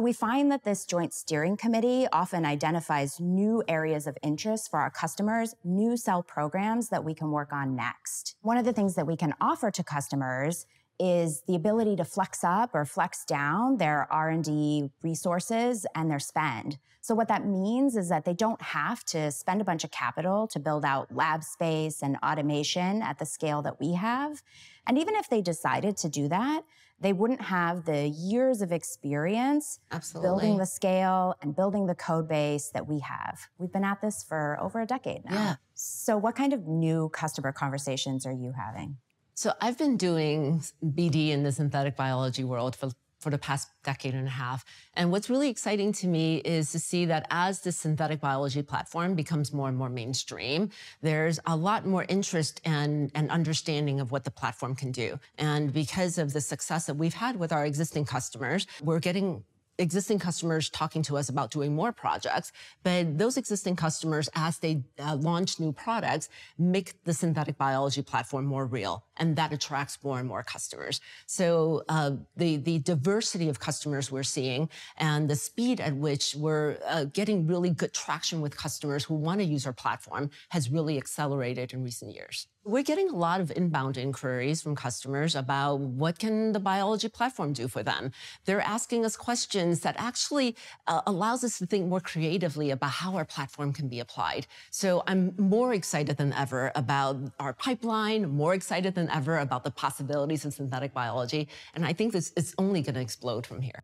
We find that this joint steering committee often identifies new areas of interest for our customers, new cell programs that we can work on next. One of the things that we can offer to customers is the ability to flex up or flex down their R&D resources and their spend. What that means is that they don't have to spend a bunch of capital to build out lab space and automation at the scale that we have. Even if they decided to do that, they wouldn't have the years of experience. Absolutely building the scale and building the Codebase that we have. We've been at this for over a decade now. Yeah. What kind of new customer conversations are you having? I've been doing BD in the synthetic biology world for the past decade and a half, and what's really exciting to me is to see that as the synthetic biology platform becomes more and more mainstream, there's a lot more interest and understanding of what the platform can do. Because of the success that we've had with our existing customers, we're getting existing customers talking to us about doing more projects. Those existing customers, as they launch new products, make the synthetic biology platform more real, and that attracts more and more customers. The diversity of customers we're seeing and the speed at which we're getting really good traction with customers who want to use our platform has really accelerated in recent years. We're getting a lot of inbound inquiries from customers about what can the biology platform do for them. They're asking us questions that actually allows us to think more creatively about how our platform can be applied. I'm more excited than ever about our pipeline, more excited than ever about the possibilities of synthetic biology, and I think it's only going to explode from here.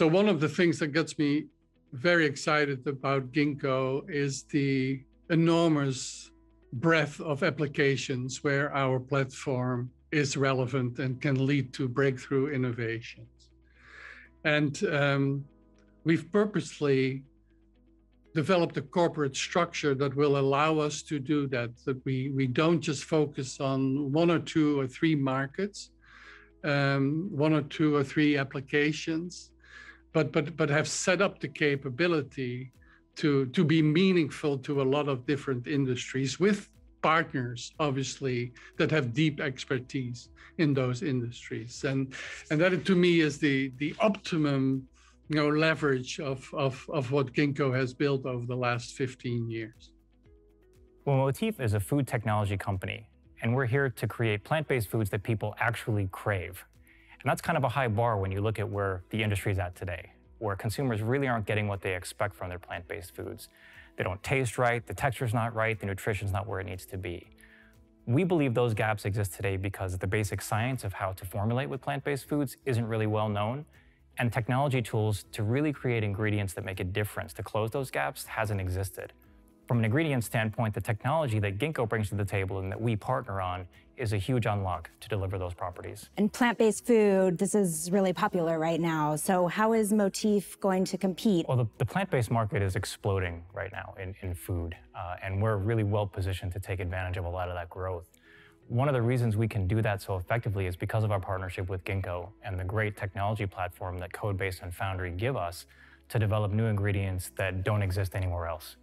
One of the things that gets me very excited about Ginkgo is the enormous breadth of applications where our platform is relevant and can lead to breakthrough innovations. We've purposely developed a corporate structure that will allow us to do that, so we don't just focus on one or two or three markets, one or two or three applications, but have set up the capability to be meaningful to a lot of different industries with partners, obviously, that have deep expertise in those industries. That, to me, is the optimum leverage of what Ginkgo has built over the last 15 years. Well, Motif is a food technology company, and we're here to create plant-based foods that people actually crave. That's kind of a high bar when you look at where the industry's at today, where consumers really aren't getting what they expect from their plant-based foods. They don't taste right, the texture's not right, the nutrition's not where it needs to be. We believe those gaps exist today because the basic science of how to formulate with plant-based foods isn't really well-known, and technology tools to really create ingredients that make a difference to close those gaps hasn't existed. From an ingredient standpoint, the technology that Ginkgo brings to the table and that we partner on is a huge unlock to deliver those properties. Plant-based food, this is really popular right now. How is Motif going to compete? Well, the plant-based market is exploding right now in food, and we're really well-positioned to take advantage of a lot of that growth. One of the reasons we can do that so effectively is because of our partnership with Ginkgo and the great technology platform that Codebase and Foundry give us to develop new ingredients that don't exist anywhere else.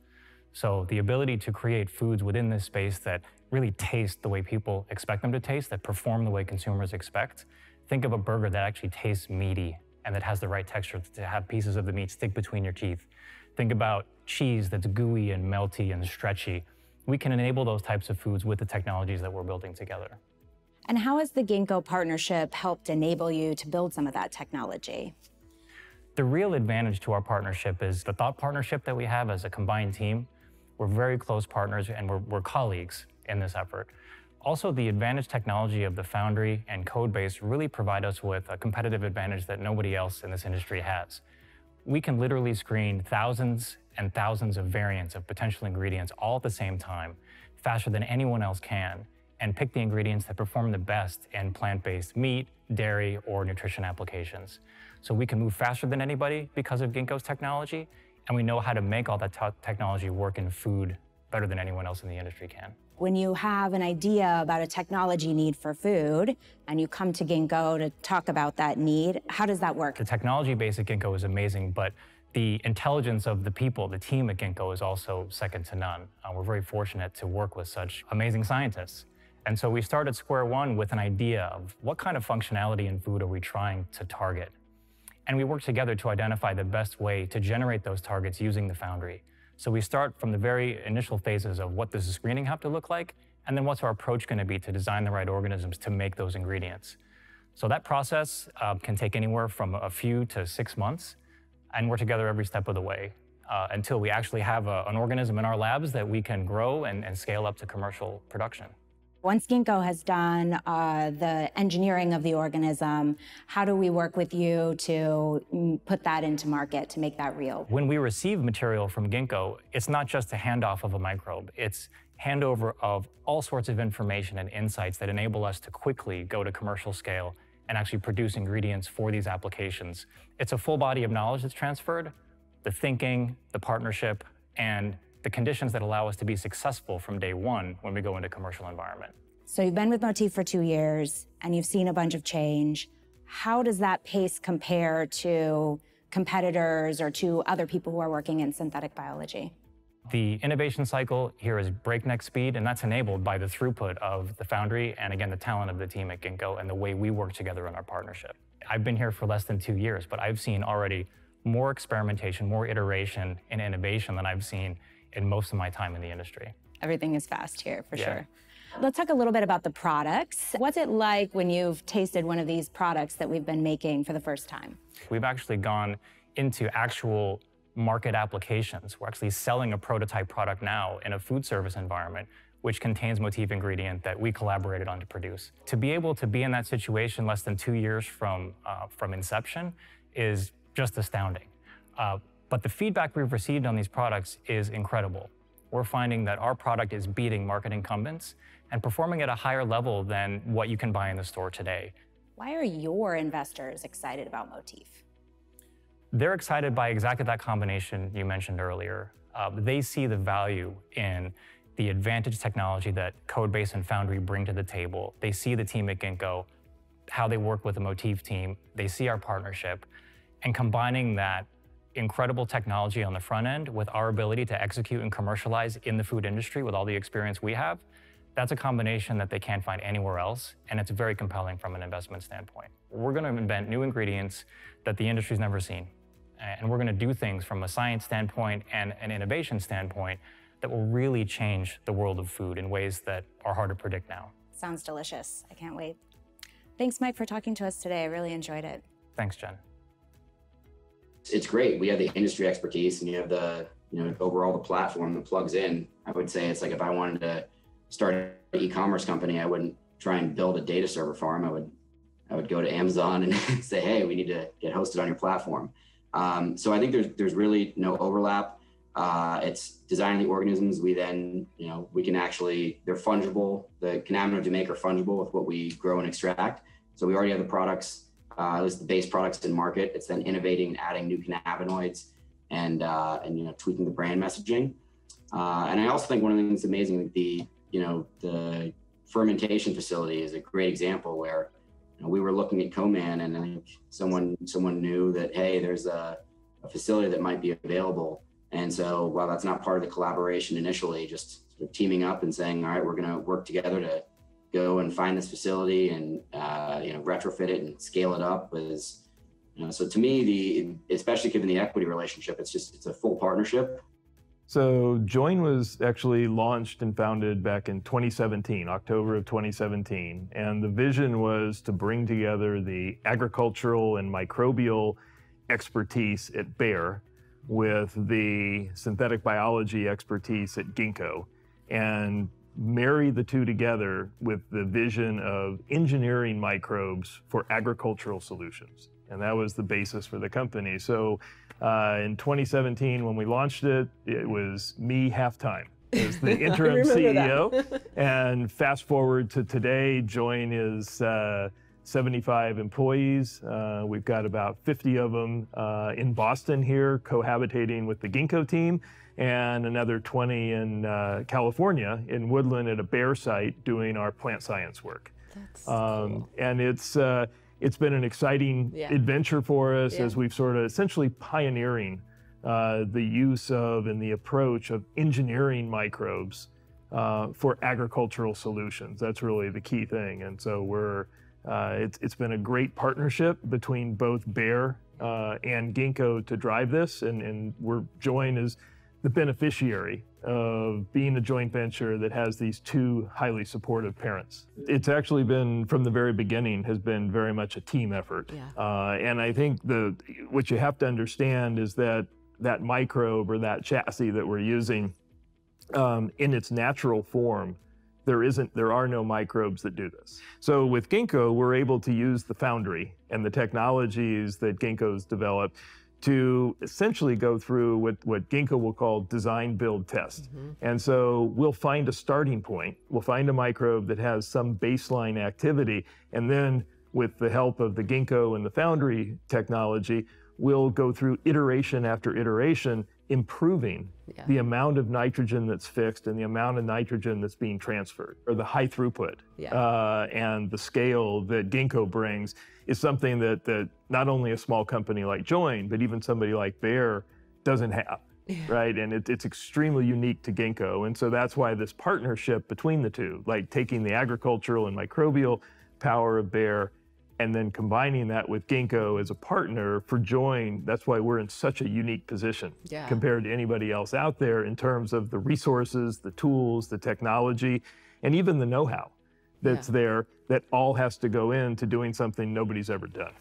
The ability to create foods within this space that really taste the way people expect them to taste, that perform the way consumers expect. Think of a burger that actually tastes meaty and that has the right texture to have pieces of the meat stick between your teeth. Think about cheese that's gooey and melty and stretchy. We can enable those types of foods with the technologies that we're building together. How has the Ginkgo partnership helped enable you to build some of that technology? The real advantage to our partnership is the thought partnership that we have as a combined team. We're very close partners, and we're colleagues in this effort. Also, the advantage technology of the foundry and Codebase really provide us with a competitive advantage that nobody else in this industry has. We can literally screen thousands and thousands of variants of potential ingredients all at the same time, faster than anyone else can, and pick the ingredients that perform the best in plant-based meat, dairy, or nutrition applications. We can move faster than anybody because of Ginkgo's technology, and we know how to make all that technology work in food better than anyone else in the industry can. When you have an idea about a technology need for food and you come to Ginkgo to talk about that need, how does that work? The technology base at Ginkgo is amazing, the intelligence of the people, the team at Ginkgo, is also second to none. We're very fortunate to work with such amazing scientists. We start at square one with an idea of what kind of functionality and food are we trying to target, and we work together to identify the best way to generate those targets using the foundry. We start from the very initial phases of what does the screening have to look like, what's our approach going to be to design the right organisms to make those ingredients. That process can take anywhere from a few to six months, and we're together every step of the way until we actually have an organism in our labs that we can grow and scale up to commercial production. Once Ginkgo has done the engineering of the organism, how do we work with you to put that into market to make that real? When we receive material from Ginkgo, it's not just a handoff of a microbe. It's handover of all sorts of information and insights that enable us to quickly go to commercial scale and actually produce ingredients for these applications. It's a full body of knowledge that's transferred, the thinking, the partnership, and the conditions that allow us to be successful from day one when we go into a commercial environment. You've been with Motif for 2 years, and you've seen a bunch of change. How does that pace compare to competitors or to other people who are working in synthetic biology? The innovation cycle here is breakneck speed, and that's enabled by the throughput of the foundry, and again, the talent of the team at Ginkgo and the way we work together in our partnership. I've been here for less than two years, but I've seen already more experimentation, more iteration, and innovation than I've seen in most of my time in the industry. Everything is fast here, for sure. Yeah. Let's talk a little bit about the products. What's it like when you've tasted one of these products that we've been making for the first time? We've actually gone into actual market applications. We're actually selling a prototype product now in a food service environment, which contains Motif ingredient that we collaborated on to produce. To be able to be in that situation less than two years from inception is just astounding. The feedback we've received on these products is incredible. We're finding that our product is beating market incumbents and performing at a higher level than what you can buy in the store today. Why are your investors excited about Motif? They're excited by exactly that combination you mentioned earlier. They see the value in the advantage technology that Codebase and foundry bring to the table. They see the team at Ginkgo, how they work with the Motif team. They see our partnership, and combining that incredible technology on the front end with our ability to execute and commercialize in the food industry with all the experience we have, that's a combination that they can't find anywhere else, and it's very compelling from an investment standpoint. We're going to invent new ingredients that the industry's never seen, and we're going to do things from a science standpoint and an innovation standpoint that will really change the world of food in ways that are hard to predict now. Sounds delicious. I can't wait. Thanks, Mike, for talking to us today. I really enjoyed it. Thanks, Jen. It's great. We have the industry expertise, and you have the overall platform that plugs in. I would say it's like if I wanted to start an e-commerce company, I wouldn't try and build a data server farm. I would go to Amazon and say, "Hey, we need to get hosted on your platform." I think there's really no overlap. It's designing the organisms. They're fungible. The cannabinoid we make are fungible with what we grow and extract, so we already have the products, at least the base products, in market. It's then innovating and adding new cannabinoids and tweaking the brand messaging. I also think one of the things that's amazing, the fermentation facility is a great example where we were looking at Koman, and then someone knew that, hey, there's a facility that might be available. While that's not part of the collaboration initially, just teaming up and saying, "All right, we're going to work together to go and find this facility and retrofit it and scale it up." To me, especially given the equity relationship, it's a full partnership. Joyn was actually launched and founded back in 2017, October of 2017, the vision was to bring together the agricultural and microbial expertise at Bayer with the synthetic biology expertise at Ginkgo and marry the two together with the vision of engineering microbes for agricultural solutions. That was the basis for the company. In 2017, when we launched it was me halftime. I remember that. As the interim CEO. Fast-forward to today, Joyn Bio is 75 employees. We've got about 50 of them in Boston here cohabitating with the Ginkgo team and another 20 in California in Woodland at a Bayer site doing our plant science work. That's great. It's been an exciting- Yeah Adventure for us as we've sort of essentially pioneering the use of and the approach of engineering microbes for agricultural solutions. That's really the key thing. It's been a great partnership between both Bayer and Ginkgo to drive this, and Joyn is the beneficiary of being the joint venture that has these two highly supportive parents. It's actually been, from the very beginning, has been very much a team effort. Yeah. I think what you have to understand is that microbe or that chassis that we're using. In its natural form, there are no microbes that do this. With Ginkgo, we're able to use the foundry and the technologies that Ginkgo's developed to essentially go through what Ginkgo will call design, build, test. We'll find a starting point. We'll find a microbe that has some baseline activity, and then with the help of the Ginkgo and the foundry technology, we'll go through iteration after iteration. Yeah the amount of nitrogen that's fixed and the amount of nitrogen that's being transferred, or the high throughput. Yeah. The scale that Ginkgo brings is something that not only a small company like Joyn, but even somebody like Bayer doesn't have. Yeah. Right. It's extremely unique to Ginkgo, and so that's why this partnership between the two, taking the agricultural and microbial power of Bayer and then combining that with Ginkgo as a partner for Joyn, that's why we're in such a unique position. Yeah compared to anybody else out there in terms of the resources, the tools, the technology, and even the knowhow. Yeah That's there, that all has to go into doing something nobody's ever done.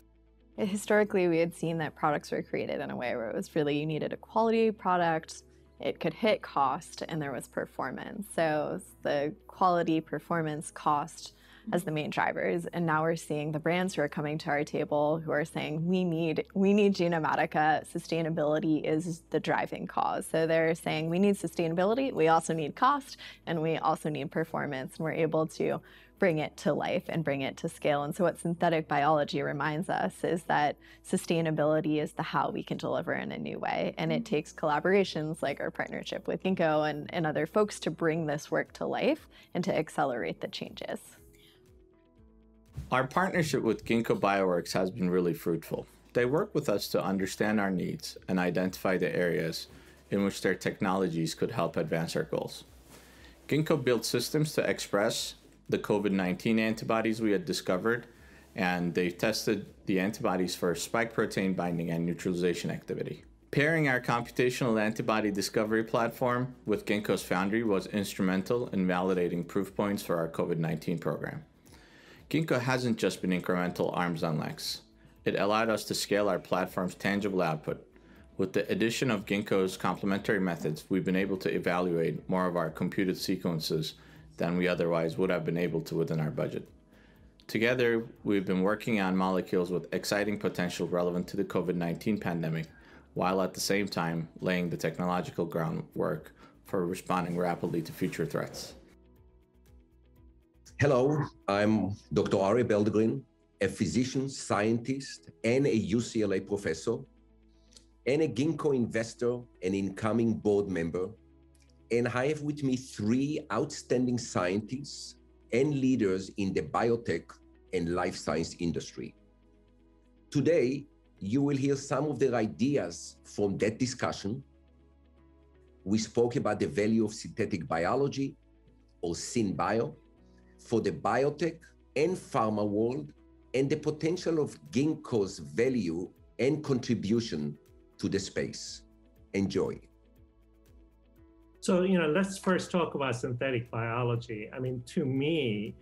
Historically, we had seen that products were created in a way where it was really you needed a quality product, it could hit cost, and there was performance. It's the quality, performance, cost as the main drivers, and now we're seeing the brands who are coming to our table who are saying, "We need Genomatica. Sustainability is the driving cause." They're saying, "We need sustainability, we also need cost, and we also need performance," and we're able to bring it to life and bring it to scale. What synthetic biology reminds us is that sustainability is the how we can deliver in a new way, and it takes collaborations like our partnership with Ginkgo and other folks to bring this work to life and to accelerate the changes. Our partnership with Ginkgo Bioworks has been really fruitful. They work with us to understand our needs and identify the areas in which their technologies could help advance our goals. Ginkgo built systems to express the COVID-19 antibodies we had discovered, and they tested the antibodies for our spike protein binding and neutralization activity. Pairing our computational antibody discovery platform with Ginkgo's foundry was instrumental in validating proof points for our COVID-19 program. Ginkgo hasn't just been incremental arms and legs. It allowed us to scale our platform's tangible output. With the addition of Ginkgo's complementary methods, we've been able to evaluate more of our computed sequences than we otherwise would have been able to within our budget. Together, we've been working on molecules with exciting potential relevant to the COVID-19 pandemic, while at the same time laying the technological groundwork for responding rapidly to future threats. Hello, I'm Dr. Arie Belldegrun, a physician scientist, and a UCLA professor, and a Ginkgo investor and incoming board member, and I have with me three outstanding scientists and leaders in the biotech and life science industry. Today, you will hear some of their ideas from that discussion. We spoke about the value of synthetic biology, or syn bio, for the biotech and pharma world, and the potential of Ginkgo's value and contribution to the space. Enjoy. Let's first talk about synthetic biology. To me,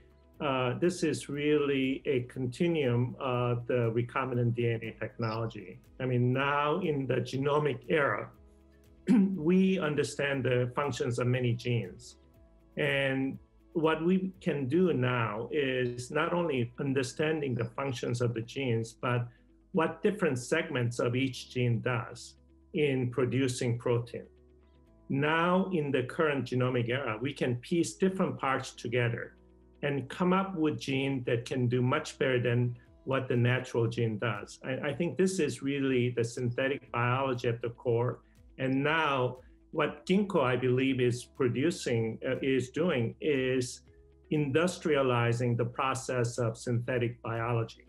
this is really a continuum of the recombinant DNA technology. Now in the genomic era, we understand the functions of many genes, and what we can do now is not only understanding the functions of the genes, but what different segments of each gene does in producing protein. Now in the current genomic era, we can piece different parts together and come up with gene that can do much better than what the natural gene does. I think this is really the synthetic biology at the core, and now what Ginkgo, I believe, is doing is industrializing the process of synthetic biology.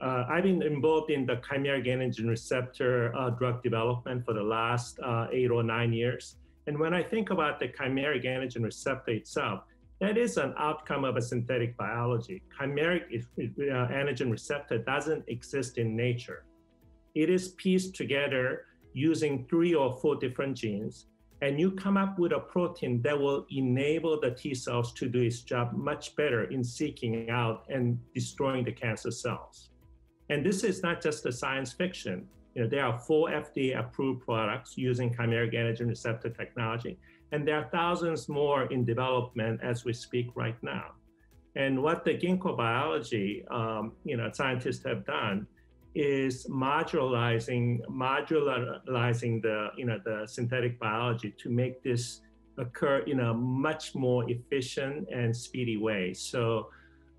I've been involved in the chimeric antigen receptor drug development for the last eight or nine years, and when I think about the chimeric antigen receptor itself, that is an outcome of a synthetic biology. Chimeric antigen receptor doesn't exist in nature. It is pieced together using three or four different genes, you come up with a protein that will enable the T cells to do its job much better in seeking out and destroying the cancer cells. This is not just a science fiction. There are four FDA-approved products using chimeric antigen receptor technology, and there are thousands more in development as we speak right now. What the Ginkgo biology scientists have done is modularizing the synthetic biology to make this occur in a much more efficient and speedy way.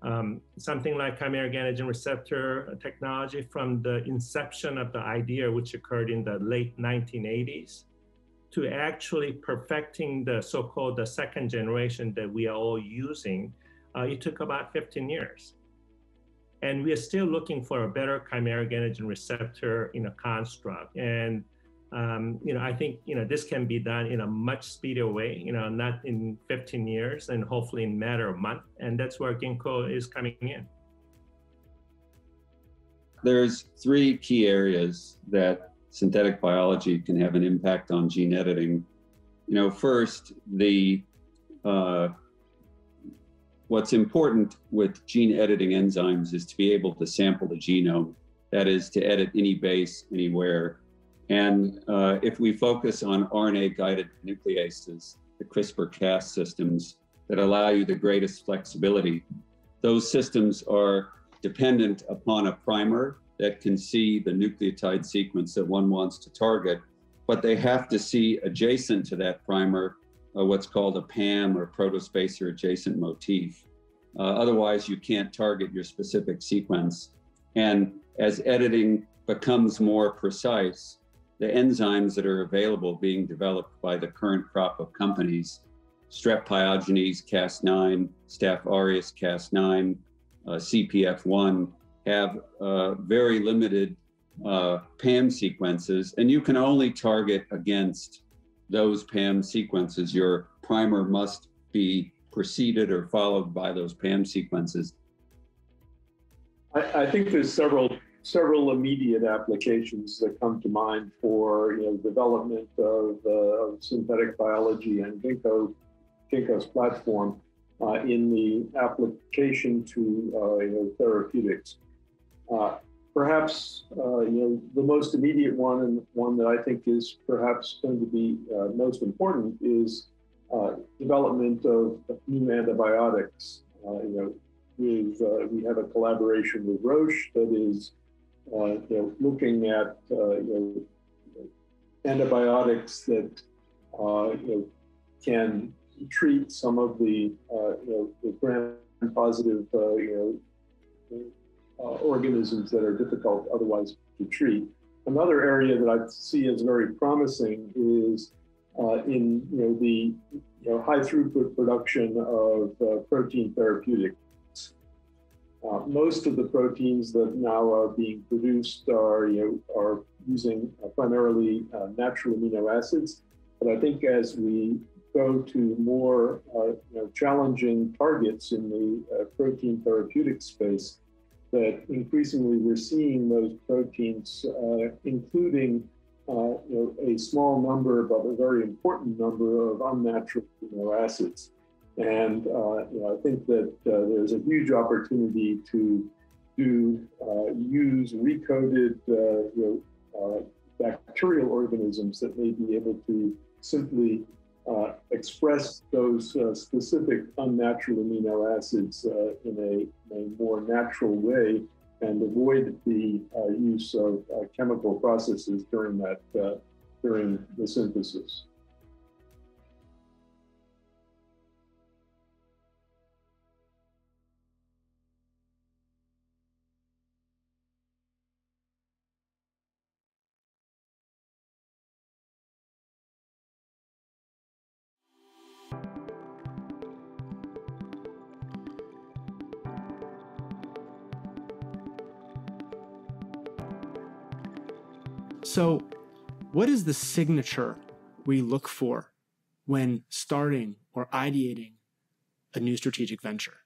Something like chimeric antigen receptor technology from the inception of the idea, which occurred in the late 1980s, to actually perfecting the so-called the second generation that we are all using, it took about 15 years, and we are still looking for a better chimeric antigen receptor construct. I think this can be done in a much speedier way, not in 15 years and hopefully in a matter of months, and that's where Ginkgo is coming in. There's three key areas that synthetic biology can have an impact on gene editing. What's important with gene editing enzymes is to be able to sample the genome, that is, to edit any base anywhere. If we focus on RNA-guided nucleases, the CRISPR-Cas systems that allow you the greatest flexibility, those systems are dependent upon a primer that can see the nucleotide sequence that one wants to target, but they have to see adjacent to that primer what's called a PAM or protospacer adjacent motif. Otherwise, you can't target your specific sequence. As editing becomes more precise, the enzymes that are available being developed by the current crop of companies, Streptococcus pyogenes Cas9, Staphylococcus aureus Cas9, Cpf1, have very limited PAM sequences, and you can only target against those PAM sequences. Your primer must be preceded or followed by those PAM sequences. I think there's several immediate applications that come to mind for development of synthetic biology and Ginkgo's platform in the application to therapeutics. Perhaps the most immediate one, and one that I think is perhaps going to be most important, is development of new antibiotics. We have a collaboration with Roche that is looking at antibiotics that can treat some of the gram-positive organisms that are difficult otherwise to treat. Another area that I see as very promising is in the high-throughput production of protein therapeutics. Most of the proteins that now are being produced are using primarily natural amino acids. I think as we go to more challenging targets in the protein therapeutic space, that increasingly we're seeing those proteins, including a small number, but a very important number, of unnatural amino acids. I think that there's a huge opportunity to use recoded bacterial organisms that may be able to simply express those specific unnatural amino acids in a more natural way and avoid the use of chemical processes during the synthesis. What is the signature we look for when starting or ideating a new strategic venture?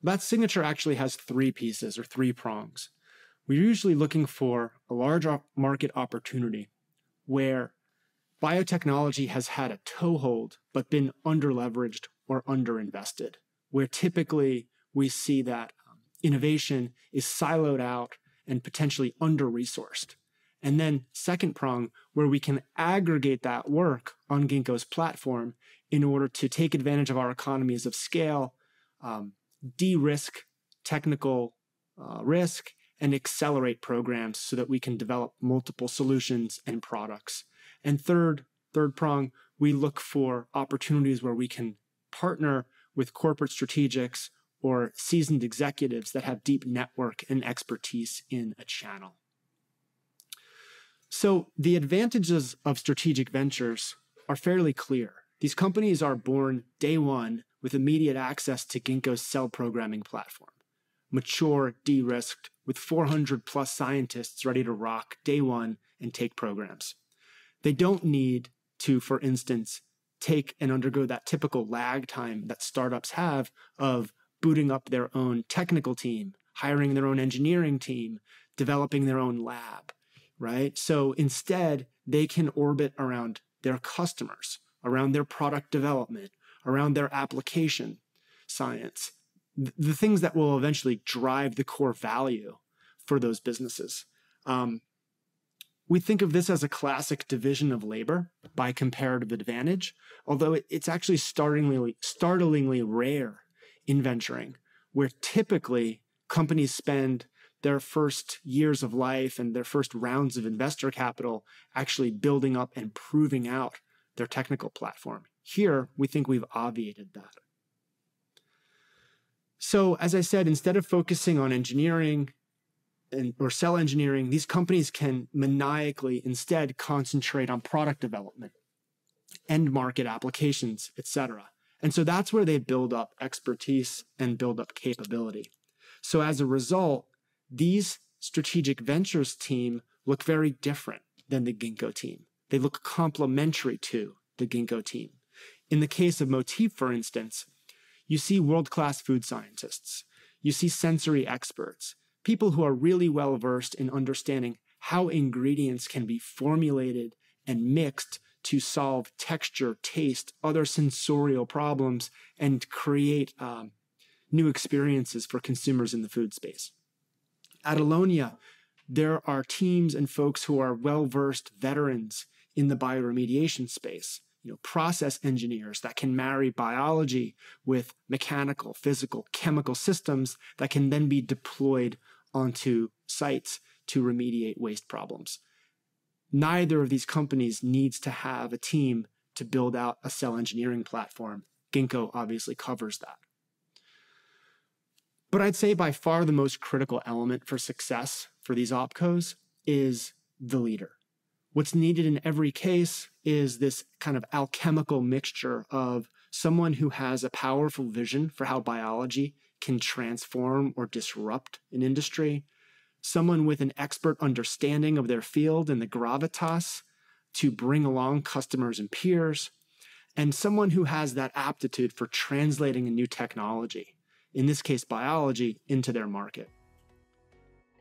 That signature actually has three pieces or three prongs. We're usually looking for a large market opportunity where biotechnology has had a toehold but been under-leveraged or under-invested, where typically we see that innovation is siloed out and potentially under-resourced. Then second prong, where we can aggregate that work on Ginkgo's platform in order to take advantage of our economies of scale, de-risk technical risk, and accelerate programs so that we can develop multiple solutions and products. Third prong, we look for opportunities where we can partner with corporate strategics or seasoned executives that have deep network and expertise in a channel. The advantages of strategic ventures are fairly clear. These companies are born day one with immediate access to Ginkgo's cell programming platform, mature, de-risked, with 400+ scientists ready to rock day one and take programs. They don't need to, for instance, take and undergo that typical lag time that startups have of booting up their own technical team, hiring their own engineering team, developing their own lab. Right? Instead, they can orbit around their customers, around their product development, around their application science, the things that will eventually drive the core value for those businesses. We think of this as a classic division of labor by comparative advantage, although it's actually startlingly rare in venturing, where typically companies spend their first years of life and their first rounds of investor capital actually building up and proving out their technical platform. Here, we think we've obviated that. As I said, instead of focusing on engineering or cell engineering, these companies can maniacally instead concentrate on product development, end market applications, et cetera. That's where they build up expertise and build up capability. As a result, these strategic ventures team look very different than the Ginkgo team. They look complementary to the Ginkgo team. In the case of Motif, for instance, you see world-class food scientists. You see sensory experts, people who are really well-versed in understanding how ingredients can be formulated and mixed to solve texture, taste, other sensorial problems, and create new experiences for consumers in the food space. At Allonnia, there are teams and folks who are well-versed veterans in the bioremediation space, process engineers that can marry biology with mechanical, physical, chemical systems that can then be deployed onto sites to remediate waste problems. Neither of these companies needs to have a team to build out a cell engineering platform. Ginkgo obviously covers that. But I'd say by far the most critical element for success for these opcos is the leader. What's needed in every case is this alchemical mixture of someone who has a powerful vision for how biology can transform or disrupt an industry, someone with an expert understanding of their field and the gravitas to bring along customers and peers, and someone who has that aptitude for translating a new technology, in this case, biology, into their market.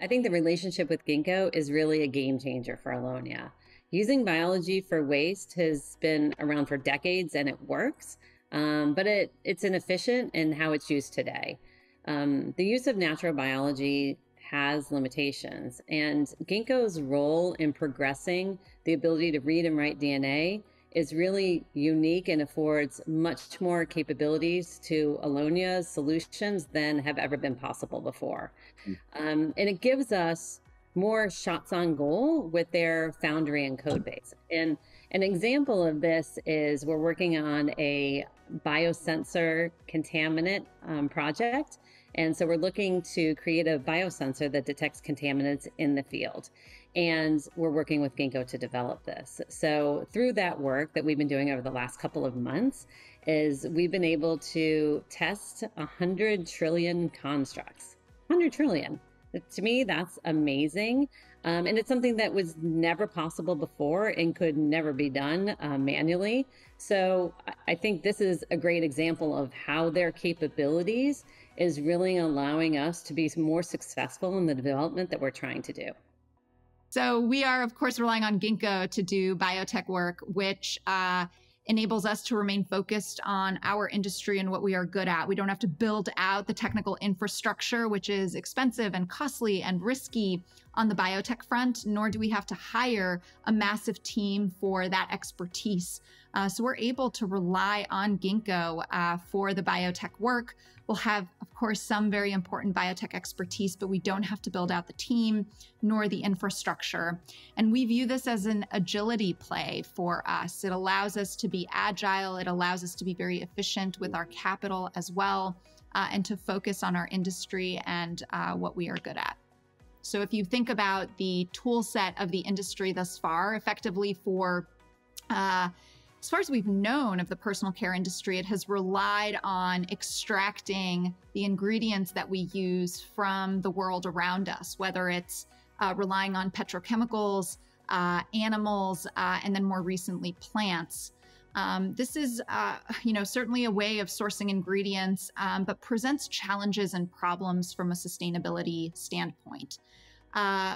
I think the relationship with Ginkgo is really a game changer for Allonnia. Using biology for waste has been around for decades, and it works, but it's inefficient in how it's used today. The use of natural biology has limitations, and Ginkgo's role in progressing the ability to read and write DNA is really unique and affords much more capabilities to Allonnia's solutions than have ever been possible before. It gives us more shots on goal with their foundry and Codebase. An example of this is we're working on a biosensor contaminant project, and so we're looking to create a biosensor that detects contaminants in the field. We're working with Ginkgo to develop this. Through that work that we've been doing over the last couple of months, is we've been able to test 100 trillion constructs. 100 trillion. To me, that's amazing, and it's something that was never possible before and could never be done manually. I think this is a great example of how their capabilities is really allowing us to be more successful in the development that we're trying to do. We are, of course, relying on Ginkgo to do biotech work, which enables us to remain focused on our industry and what we are good at. We don't have to build out the technical infrastructure, which is expensive and costly and risky on the biotech front, nor do we have to hire a massive team for that expertise. We're able to rely on Ginkgo for the biotech work. We'll have, of course, some very important biotech expertise, but we don't have to build out the team nor the infrastructure. We view this as an agility play for us. It allows us to be agile, it allows us to be very efficient with our capital as well, and to focus on our industry and what we are good at. If you think about the tool set of the industry thus far, effectively for as far as we've known of the personal care industry, it has relied on extracting the ingredients that we use from the world around us, whether it's relying on petrochemicals, animals, and then more recently, plants. This is certainly a way of sourcing ingredients, presents challenges and problems from a sustainability standpoint.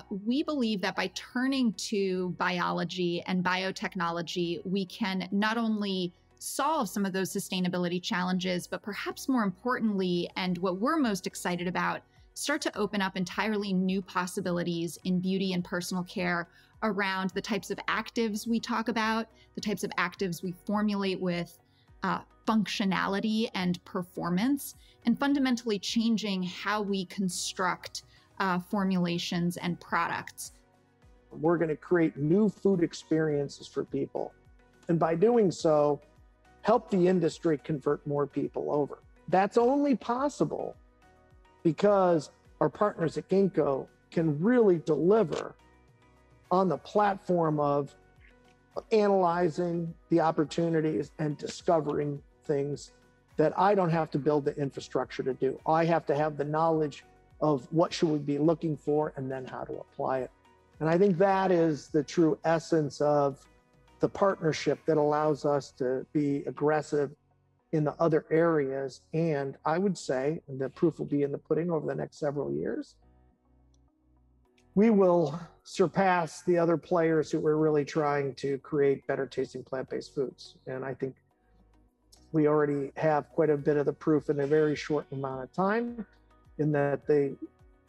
We believe that by turning to biology and biotechnology, we can not only solve some of those sustainability challenges, perhaps more importantly, and what we're most excited about, start to open up entirely new possibilities in beauty and personal care around the types of actives we talk about, the types of actives we formulate with functionality and performance, and fundamentally changing how we construct formulations and products. We're going to create new food experiences for people, and by doing so, help the industry convert more people over. That's only possible because our partners at Ginkgo can really deliver on the platform of analyzing the opportunities and discovering things that I don't have to build the infrastructure to do. I have to have the knowledge of what should we be looking for, and then how to apply it. I think that is the true essence of the partnership that allows us to be aggressive in the other areas. I would say, and the proof will be in the pudding over the next several years, we will surpass the other players who are really trying to create better-tasting plant-based foods. I think we already have quite a bit of the proof in a very short amount of time, in that the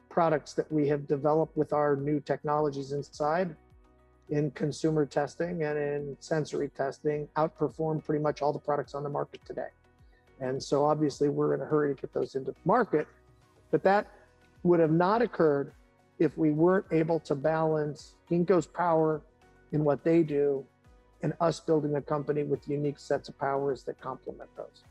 products that we have developed with our new technologies inside, in consumer testing and in sensory testing, outperform pretty much all the products on the market today. Obviously, we're in a hurry to get those into the market. That would have not occurred if we weren't able to balance Ginkgo's power in what they do and us building a company with unique sets of powers that complement those.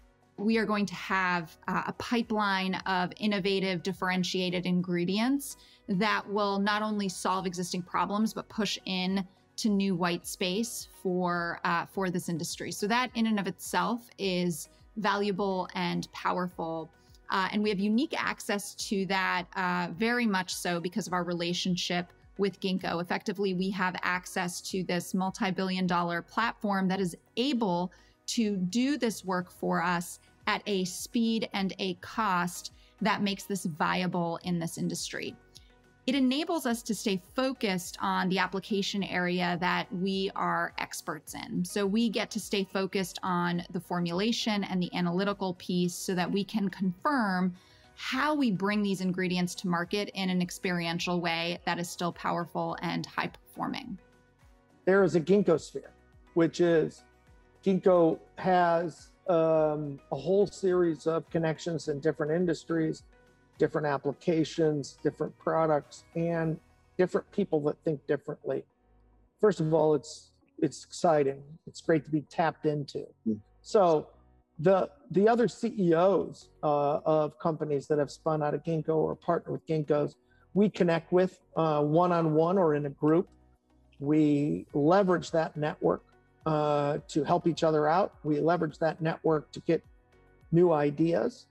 We are going to have a pipeline of innovative, differentiated ingredients that will not only solve existing problems, but push in to new white space for this industry. That in and of itself is valuable and powerful. We have unique access to that, very much so because of our relationship with Ginkgo Bioworks. Effectively, we have access to this multibillion-dollar platform that is able to do this work for us at a speed and a cost that makes this viable in this industry. It enables us to stay focused on the application area that we are experts in. We get to stay focused on the formulation and the analytical piece so that we can confirm how we bring these ingredients to market in an experiential way that is still powerful and high-performing. There is a Ginkgo sphere, which Ginkgo has a whole series of connections in different industries, different applications, different products, and different people that think differently. First of all, it is exciting. It is great to be tapped into. The other CEOs of companies that have spun out of Ginkgo or partner with Ginkgo, we connect with one-on-one or in a group. We leverage that network to help each other out. We leverage that network to get new ideas.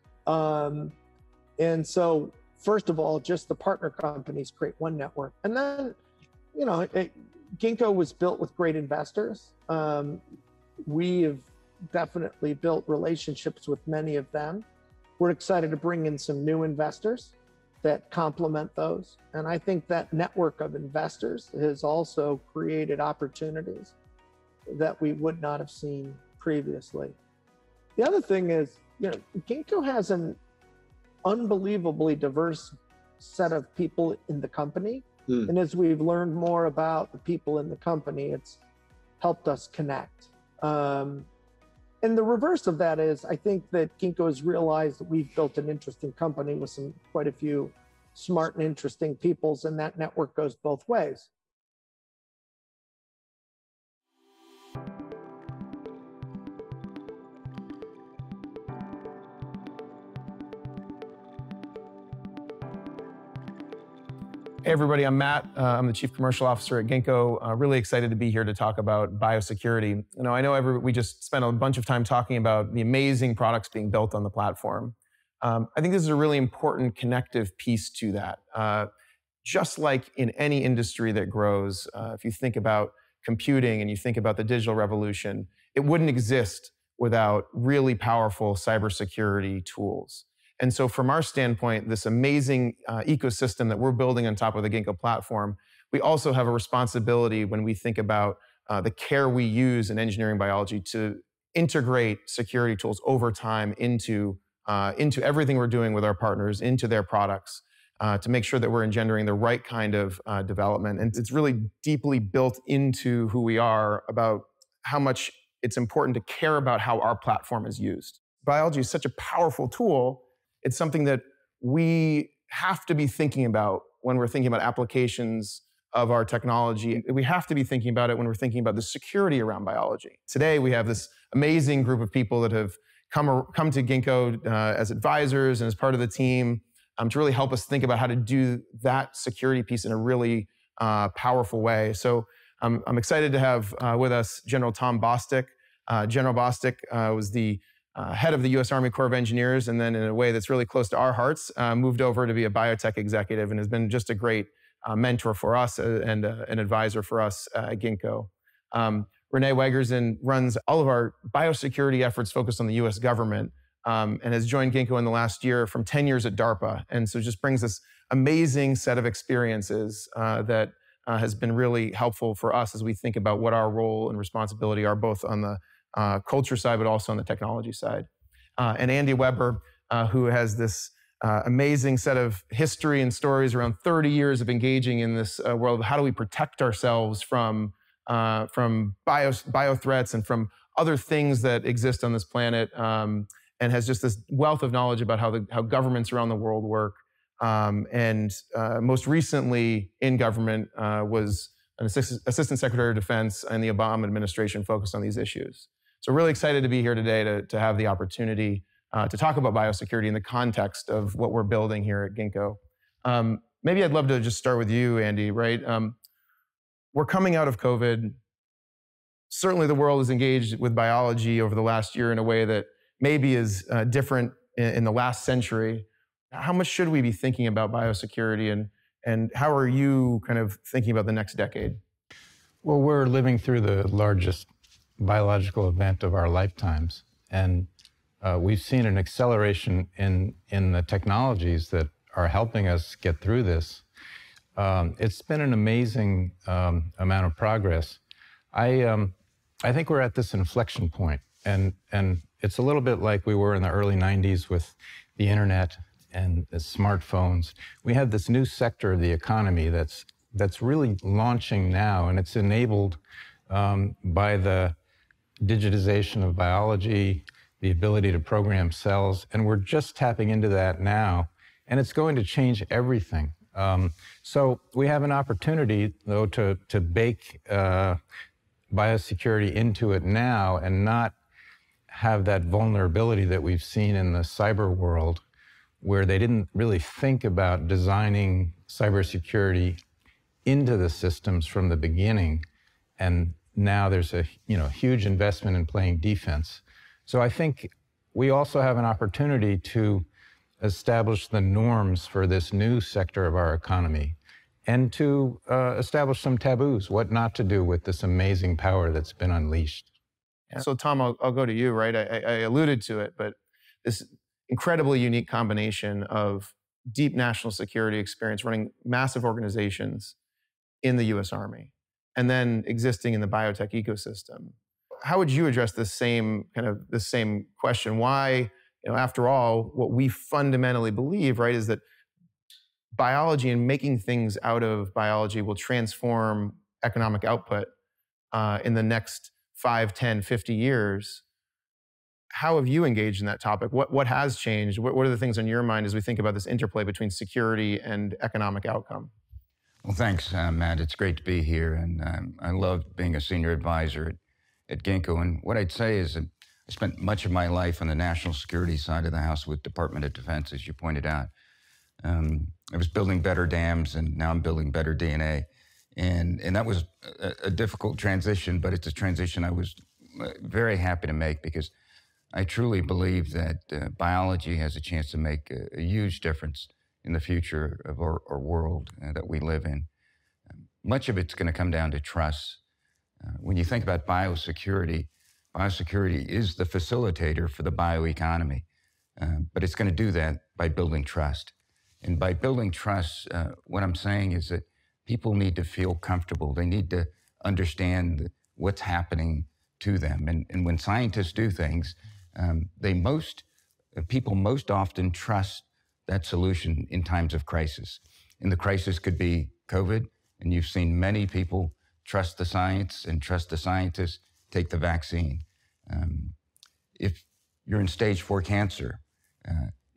First of all, just the partner companies create one network. Then, Ginkgo was built with great investors. We have definitely built relationships with many of them. We're excited to bring in some new investors that complement those, and I think that network of investors has also created opportunities that we would not have seen previously. The other thing is, Ginkgo has an unbelievably diverse set of people in the company. As we've learned more about the people in the company, it's helped us connect. The reverse of that is, I think that Ginkgo has realized that we've built an interesting company with quite a few smart and interesting people, and that network goes both ways. Hey, everybody, I'm Matt. I'm the Chief Commercial Officer at Ginkgo. Really excited to be here to talk about biosecurity. I know we just spent a bunch of time talking about the amazing products being built on the platform. I think this is a really important connective piece to that. Just like in any industry that grows, if you think about computing, and you think about the digital revolution, it wouldn't exist without really powerful cybersecurity tools. From our standpoint, this amazing ecosystem that we're building on top of the Ginkgo platform, we also have a responsibility when we think about the care we use in engineering biology to integrate security tools over time into everything we're doing with our partners, into their products, to make sure that we're engendering the right kind of development. It's really deeply built into who we are about how much it's important to care about how our platform is used. Biology is such a powerful tool, it's something that we have to be thinking about when we're thinking about applications of our technology. We have to be thinking about it when we're thinking about the security around biology. Today, we have this amazing group of people that have come to Ginkgo, as advisors and as part of the team, to really help us think about how to do that security piece in a really powerful way. I'm excited to have with us General Thomas Bostick. General Bostick was the head of the U.S. Army Corps of Engineers, then in a way that's really close to our hearts, moved over to be a biotech executive and has been just a great mentor for us and an advisor for us at Ginkgo. Renee Wegrzyn runs all of our biosecurity efforts focused on the U.S. government, has joined Ginkgo in the last year from 10 years at DARPA, just brings this amazing set of experiences that has been really helpful for us as we think about what our role and responsibility are, both on the culture side, but also on the technology side. Andrew Weber, who has this amazing set of history and stories around 30 years of engaging in this world. How do we protect ourselves from bio threats and from other things that exist on this planet, and has just this wealth of knowledge about how governments around the world work. Most recently in government, was an Assistant Secretary of Defense in the Obama administration focused on these issues. Really excited to be here today to have the opportunity to talk about biosecurity in the context of what we're building here at Ginkgo. Maybe I'd love to just start with you, Andrew Weber. We're coming out of COVID-19. Certainly, the world is engaged with biology over the last year in a way that maybe is different in the last century. How much should we be thinking about biosecurity, and how are you thinking about the next decade? Well, we're living through the largest biological event of our lifetimes, and we've seen an acceleration in the technologies that are helping us get through this. It's been an amazing amount of progress. I think we're at this inflection point, and it's a little bit like we were in the early '90s with the internet and the smartphones. We have this new sector of the economy that's really launching now, and it's enabled by the digitization of biology, the ability to program cells, and we're just tapping into that now, and it's going to change everything. We have an opportunity, though, to bake biosecurity into it now and not have that vulnerability that we've seen in the cyber world, where they didn't really think about designing cybersecurity into the systems from the beginning. Now there's a huge investment in playing defense. I think we also have an opportunity to establish the norms for this new sector of our economy and to establish some taboos, what not to do with this amazing power that's been unleashed. Tom, I'll go to you. I alluded to it, but this incredibly unique combination of deep national security experience running massive organizations in the U.S. Army, and then existing in the biotech ecosystem. How would you address the same question? Why, after all, what we fundamentally believe is that biology and making things out of biology will transform economic output in the next 5, 10, 50 years. How have you engaged in that topic? What has changed? What are the things on your mind as we think about this interplay between security and economic outcome? Well, thanks, Matt. It's great to be here. I loved being a senior advisor at Ginkgo. What I'd say is that I spent much of my life on the national security side of the house with Department of Defense, as you pointed out. I was building better dams. Now I'm building better DNA. That was a difficult transition, but it's a transition I was very happy to make because I truly believe that biology has a chance to make a huge difference in the future of our world that we live in. Much of it's going to come down to trust. When you think about biosecurity is the facilitator for the bioeconomy, but it's going to do that by building trust. By building trust, what I'm saying is that people need to feel comfortable. They need to understand what's happening to them. When scientists do things, people most often trust that solution in times of crisis, and the crisis could be COVID, and you've seen many people trust the science and trust the scientists take the vaccine. If you're in stage 4 cancer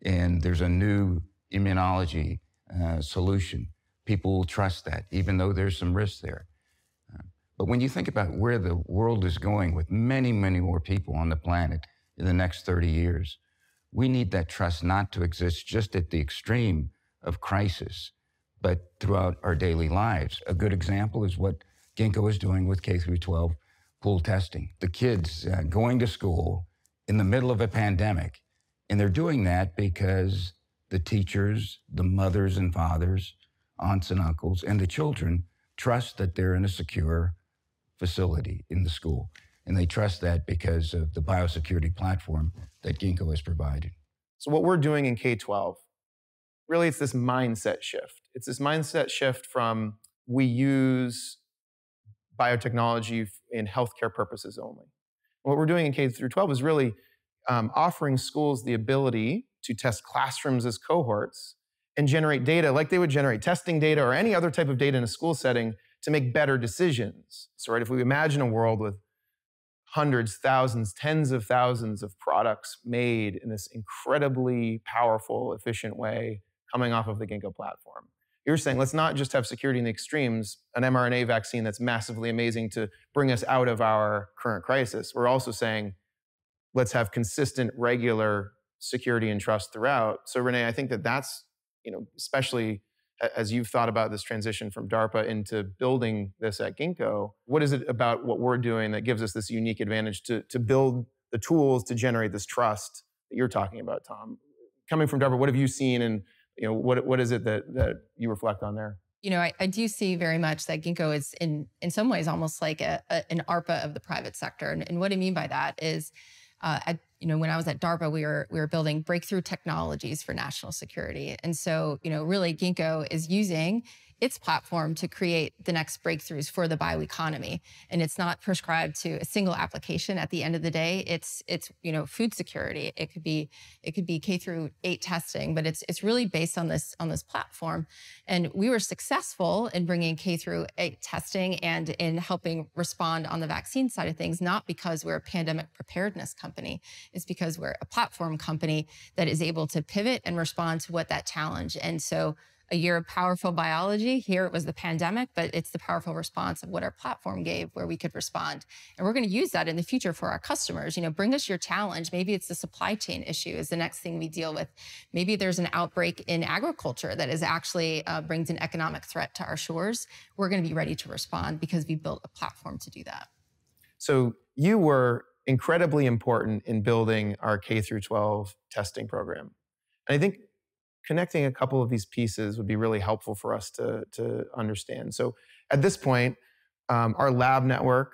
and there's a new immunology solution, people will trust that even though there's some risk there. When you think about where the world is going with many, many more people on the planet in the next 30 years, we need that trust not to exist just at the extreme of crisis, but throughout our daily lives. A good example is what Ginkgo is doing with K-12 pool testing. The kids going to school in the middle of a pandemic. They're doing that because the teachers, the mothers and fathers, aunts and uncles, and the children trust that they're in a secure facility in the school. They trust that because of the biosecurity platform that Ginkgo is providing. What we're doing in K-12, really it's this mindset shift. It's this mindset shift from we use biotechnology in healthcare purposes only. What we're doing in K through 12 is really offering schools the ability to test classrooms as cohorts and generate data like they would generate testing data or any other type of data in a school setting to make better decisions. If we imagine a world with hundreds, thousands, tens of thousands of products made in this incredibly powerful, efficient way coming off of the Ginkgo platform, you're saying let's not just have security in the extremes, an mRNA vaccine that's massively amazing to bring us out of our current crisis. We're also saying let's have consistent, regular security and trust throughout. Renee, I think that's, especially as you've thought about this transition from DARPA into building this at Ginkgo, what is it about what we're doing that gives us this unique advantage to build the tools to generate this trust that you're talking about, Tom? Coming from DARPA, what have you seen, and what is it that you reflect on there? I do see very much that Ginkgo is in some ways almost like an DARPA of the private sector, and what I mean by that is when I was at DARPA, we were building breakthrough technologies for national security, and so really Ginkgo is using its platform to create the next breakthroughs for the bioeconomy, and it's not prescribed to a single application. At the end of the day, it's food security. It could be K through 12 testing, but it's really based on this platform, and we were successful in bringing K through 12 testing and in helping respond on the vaccine side of things, not because we're a pandemic preparedness company. It's because we're a platform company that is able to pivot and respond to what that challenge. A year of powerful biology, here it was the pandemic, but it's the powerful response of what our platform gave, where we could respond, and we're going to use that in the future for our customers. Bring us your challenge. Maybe it's the supply chain issue is the next thing we deal with. Maybe there's an outbreak in agriculture that actually brings an economic threat to our shores. We're going to be ready to respond because we've built a platform to do that. You were incredibly important in building our K-12 testing program. I think connecting a couple of these pieces would be really helpful for us to understand. At this point, our lab network,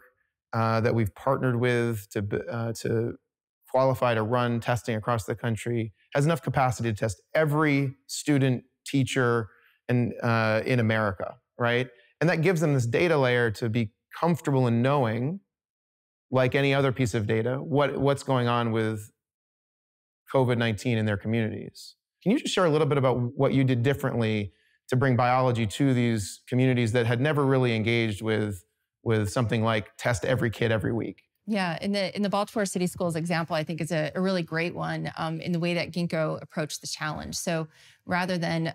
that we've partnered with to qualify to run testing across the country, has enough capacity to test every student teacher in America, right? That gives them this data layer to be comfortable in knowing, like any other piece of data, what's going on with COVID-19 in their communities. Can you just share a little bit about what you did differently to bring biology to these communities that had never really engaged with something like test every kid, every week? Yeah. The Baltimore City Schools example, I think, is a really great one in the way that Ginkgo approached the challenge. Rather than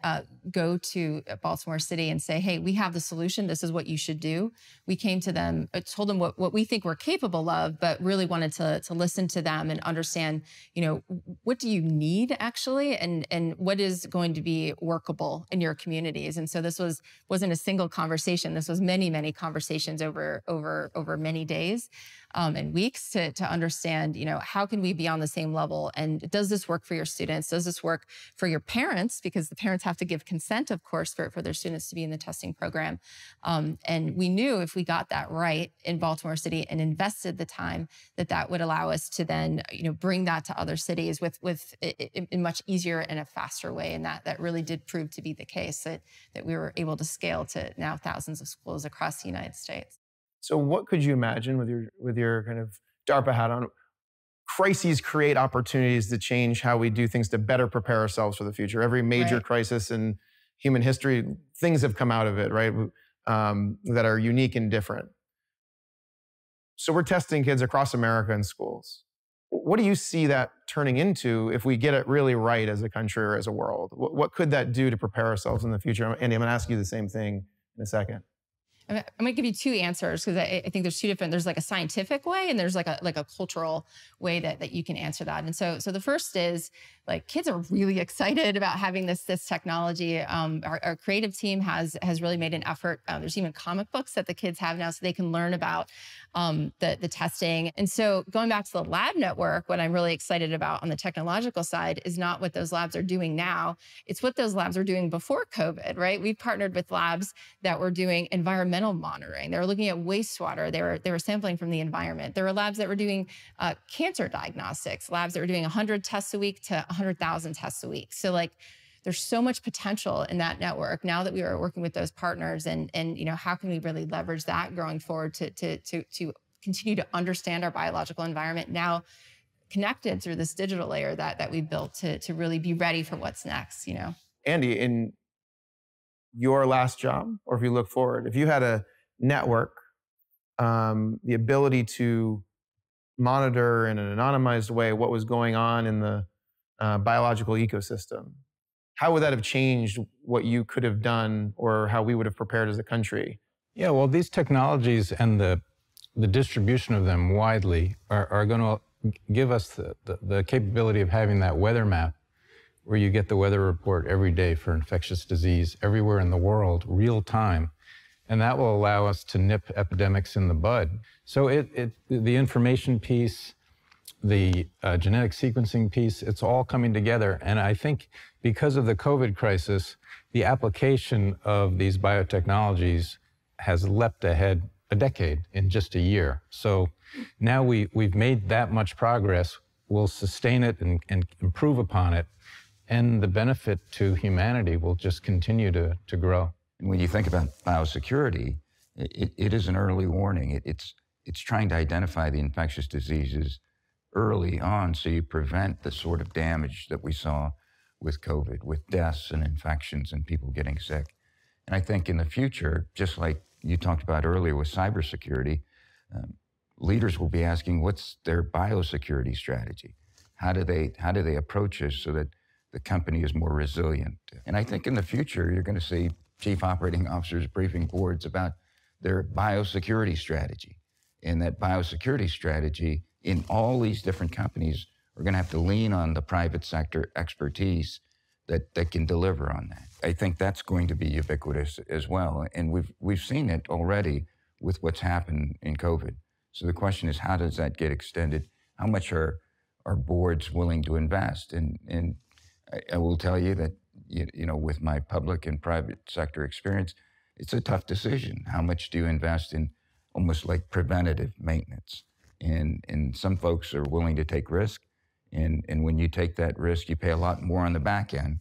go to Baltimore City and say, "Hey, we have the solution. This is what you should do." We came to them and told them what we think we're capable of, but really wanted to listen to them and understand, what do you need, actually, and what is going to be workable in your communities? This wasn't a single conversation. This was many, many conversations over many days and weeks to understand how can we be on the same level, and does this work for your students? Does this work for your parents? Because the parents have to give consent, of course, for their students to be in the testing program. We knew if we got that right in Baltimore City and invested the time, that that would allow us to then bring that to other cities in a much easier and a faster way, and that really did prove to be the case, that we were able to scale to now thousands of schools across the United States. What could you imagine with your kind of DARPA hat on? Crises create opportunities to change how we do things to better prepare ourselves for the future. Right. Every major crisis in human history, things have come out of it, right, that are unique and different. We're testing kids across America in schools. What do you see that turning into if we get it really right as a country or as a world? What could that do to prepare ourselves in the future? Andy, I'm going to ask you the same thing in a second. I'm going to give you two answers because I think there's a scientific way, and there's a cultural way that you can answer that. The first is, kids are really excited about having this technology. Our creative team has really made an effort. There's even comic books that the kids have now, so they can learn about the testing. Going back to the lab network, what I'm really excited about on the technological side is not what those labs are doing now, it's what those labs were doing before COVID, right. We partnered with labs that were doing environmental monitoring. They were looking at wastewater. They were sampling from the environment. There were labs that were doing cancer diagnostics, labs that were doing 100 tests a week to 100,000 tests a week. There's so much potential in that network now that we are working with those partners and how can we really leverage that going forward to continue to understand our biological environment now connected through this digital layer that we've built to really be ready for what's next. Andy, in your last job, or if you look forward, if you had a network, the ability to monitor in an anonymized way what was going on in the biological ecosystem, how would that have changed what you could have done or how we would have prepared as a country? Yeah. Well, these technologies and the distribution of them widely are going to give us the capability of having that weather map, where you get the weather report every day for infectious disease everywhere in the world, real time. That will allow us to nip epidemics in the bud. The information piece, the genetic sequencing piece, it's all coming together, and I think because of the COVID crisis, the application of these biotechnologies has leapt ahead a decade in just a year. Now we've made that much progress. We'll sustain it and improve upon it, and the benefit to humanity will just continue to grow. When you think about biosecurity, it is an early warning. It's trying to identify the infectious diseases early on, so you prevent the sort of damage that we saw with COVID, with deaths and infections and people getting sick. I think in the future, just like you talked about earlier with cybersecurity, leaders will be asking what's their biosecurity strategy, how do they approach this so that the company is more resilient. I think in the future, you're going to see chief operating officers briefing boards about their biosecurity strategy. That biosecurity strategy in all these different companies are going to have to lean on the private sector expertise that can deliver on that. I think that's going to be ubiquitous as well, and we've seen it already with what's happened in COVID-19. The question is how does that get extended? How much are boards willing to invest? I will tell you that with my public and private sector experience, it's a tough decision. How much do you invest in almost preventative maintenance? Some folks are willing to take risks, and when you take that risk, you pay a lot more on the back end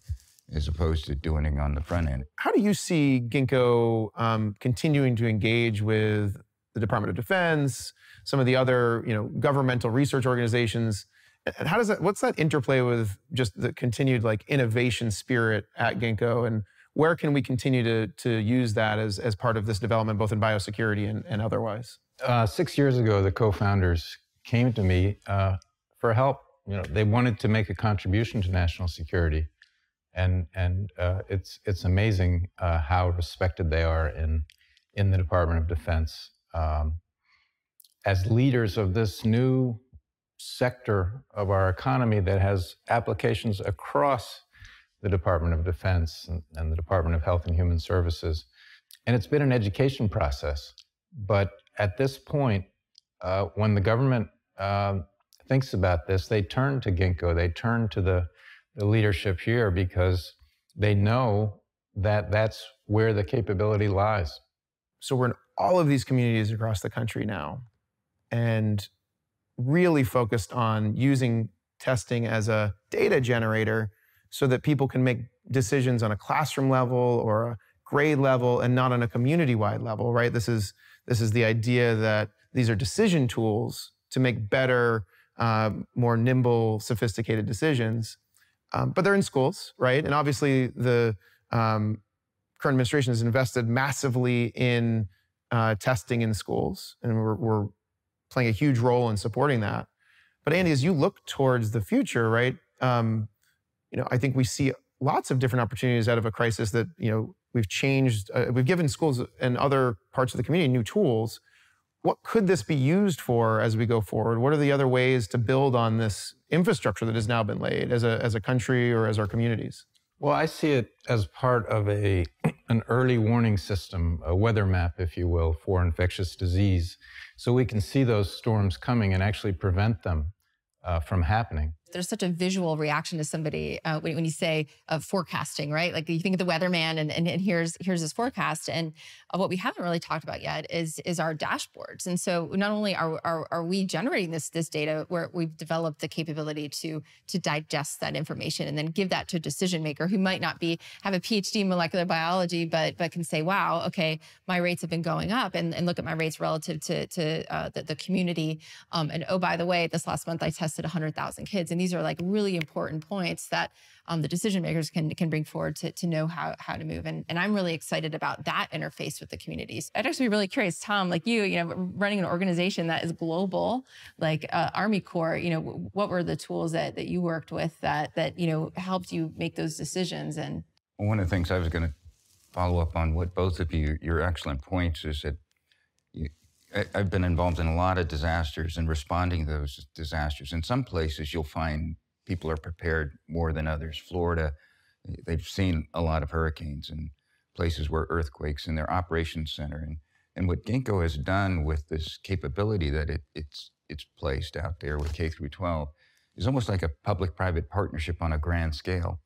as opposed to doing it on the front end. How do you see Ginkgo continuing to engage with the Department of Defense, some of the other governmental research organizations? What's that interplay with just the continued innovation spirit at Ginkgo, and where can we continue to use that as part of this development, both in biosecurity and otherwise? Six years ago, the co-founders came to me for help. It's amazing how respected they are in the Department of Defense as leaders of this new sector of our economy that has applications across the Department of Defense and the Department of Health and Human Services. It's been an education process. At this point, when the government thinks about this, they turn to Ginkgo, they turn to the leadership here because they know that that's where the capability lies. We're in all of these communities across the country now and really focused on using testing as a data generator so that people can make decisions on a classroom level or a grade level and not on a community-wide level, right. This is the idea that these are decision tools to make better, more nimble, sophisticated decisions. They're in schools, right. Obviously, the current administration has invested massively in testing in schools, and we're playing a huge role in supporting that. Andy, as you look towards the future, right, I think we see lots of different opportunities out of a crisis that we've given schools and other parts of the community new tools. What could this be used for as we go forward? What are the other ways to build on this infrastructure that has now been laid as a country or as our communities? Well, I see it as part of an early warning system, a weather map, if you will, for infectious disease, so we can see those storms coming and actually prevent them from happening. There's such a visual reaction to somebody when you say "forecasting," right? You think of the weatherman, and here's his forecast. What we haven't really talked about yet is our dashboards. Not only are we generating this data where we've developed the capability to digest that information and then give that to a decision-maker who might not have a PhD in molecular biology but can say, "Wow, okay. My rates have been going up," and look at my rates relative to the community. Oh, by the way, this last month, I tested 100,000 kids. These are really important points that the decision-makers can bring forward to know how to move. I'm really excited about that interface with the communities. I'd actually be really curious, Tom, like you, running an organization that is global, like Army Corps, what were the tools that you worked with that helped you make those decisions? One of the things I was going to follow up on both of your excellent points is that I've been involved in a lot of disasters and responding to those disasters. In some places, you'll find people are prepared more than others. Florida, they've seen a lot of hurricanes, and places where earthquakes, and their operations center. What Ginkgo has done with this capability that it's placed out there with K through 12 is almost like a public-private partnership on a grand scale.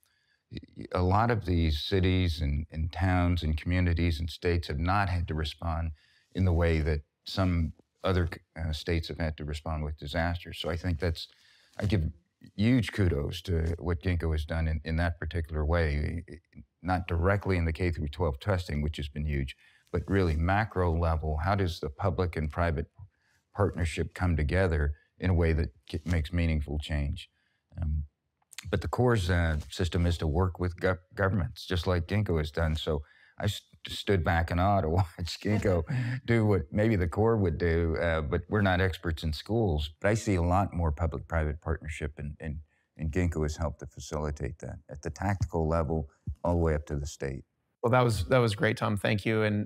A lot of these cities and towns and communities and states have not had to respond in the way that some other states have had to respond with disasters. I give huge kudos to what Ginkgo has done in that particular way, not directly in the K through 12 testing, which has been huge, but really macro level, how does the public and private partnership come together in a way that makes meaningful change? The Corps' system is to work with governments, just like Ginkgo has done. I stood back in awe to watch Ginkgo do what maybe the Corps would do. We're not experts in schools. I see a lot more public-private partnership, and Ginkgo has helped to facilitate that at the tactical level all the way up to the state. Well, that was great, Tom. Thank you.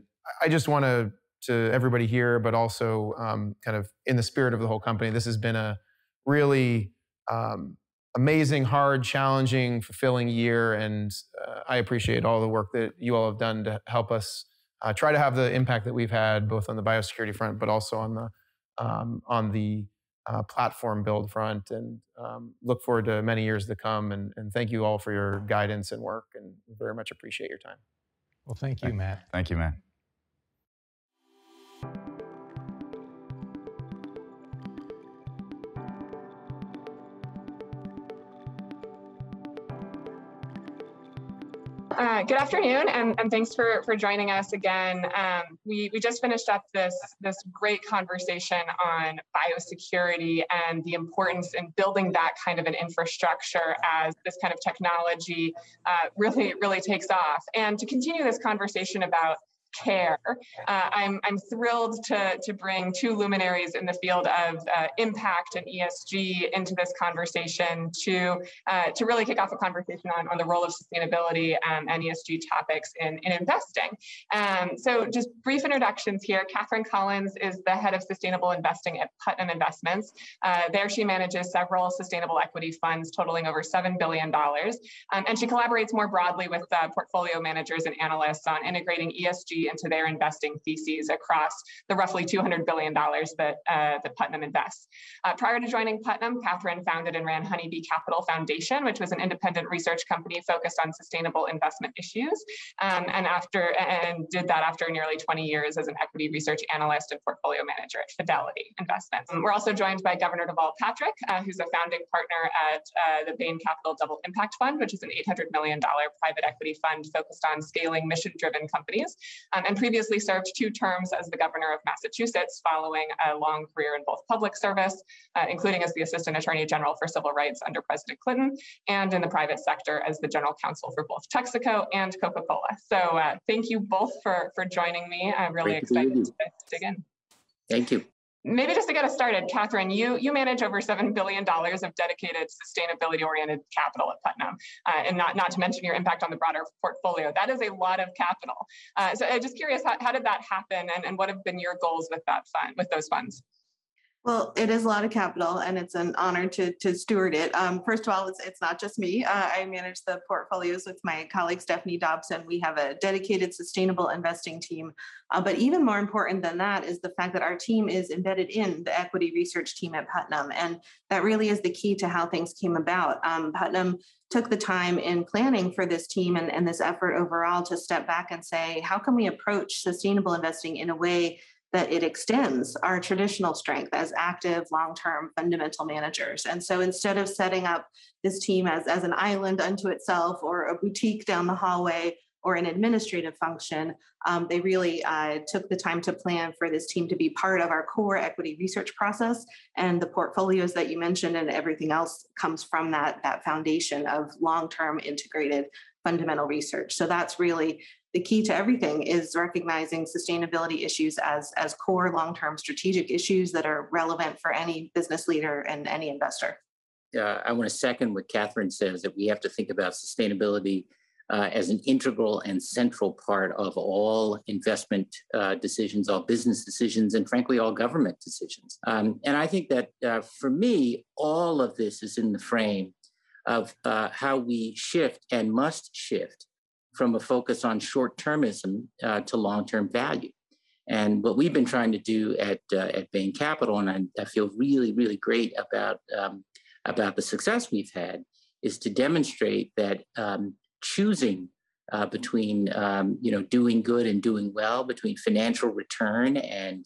To everybody here, but also in the spirit of the whole company, this has been a really amazing, hard, challenging, fulfilling year, and I appreciate all the work that you all have done to help us try to have the impact that we've had, both on the biosecurity front, but also on the platform build front. Look forward to many years to come, and thank you all for your guidance and work, and very much appreciate your time. Well, thank you, Matt. Thank you, Matt. Good afternoon, thanks for joining us again. We just finished up this great conversation on biosecurity and the importance in building that kind of an infrastructure as this kind of technology really takes off. To continue this conversation about care, I'm thrilled to bring two luminaries in the field of impact and ESG into this conversation to really kick off a conversation on the role of sustainability and ESG topics in investing. Just brief introductions here. Katherine Collins is the Head of Sustainable Investing at Putnam Investments. There, she manages several sustainable equity funds totaling over $7 billion. She collaborates more broadly with portfolio managers and analysts on integrating ESG into their investing theses across the roughly $200 billion that Putnam invests. Prior to joining Putnam, Katherine founded and ran Honeybee Capital Foundation, which was an independent research company focused on sustainable investment issues, and did that after nearly 20 years as an equity research analyst and portfolio manager at Fidelity Investments. We're also joined by Governor Deval Patrick, who's a founding partner at the Bain Capital Double Impact Fund, which is an $800 million private equity fund focused on scaling mission-driven companies, and previously served two terms as the governor of Massachusetts following a long career in both public service, including as the Assistant Attorney General for Civil Rights under President Clinton, and in the private sector as the general counsel for both Texaco and Coca-Cola. Thank you both for joining me. Thank you. I'm really excited to dig in. Thank you. Maybe just to get us started, Katherine, you manage over $7 billion of dedicated, sustainability-oriented capital at Putnam, and not to mention your impact on the broader portfolio. That is a lot of capital. Just curious, how did that happen, and what have been your goals with those funds? Well, it is a lot of capital, and it's an honor to steward it. First of all, it's not just me. I manage the portfolios with my colleague Stephanie Dobson. We have a dedicated sustainable investing team. Even more important than that is the fact that our team is embedded in the equity research team at Putnam, and that really is the key to how things came about. Putnam took the time in planning for this team and this effort overall to step back and say, "How can we approach sustainable investing in a way that it extends our traditional strength as active, long-term, fundamental managers?" Instead of setting up this team as an island unto itself or a boutique down the hallway or an administrative function, they really took the time to plan for this team to be part of our core equity research process. The portfolios that you mentioned and everything else comes from that foundation of long-term, integrated, fundamental research. That's really the key to everything, is recognizing sustainability issues as core, long-term, strategic issues that are relevant for any business leader and any investor. Yeah. I want to second what Katherine says, that we have to think about sustainability as an integral and central part of all investment decisions, all business decisions, and frankly, all government decisions. I think that for me, all of this is in the frame of how we shift and must shift from a focus on short-termism to long-term value. What we've been trying to do at Bain Capital, and I feel really, really great about the success we've had, is to demonstrate that choosing between doing good and doing well, between financial return and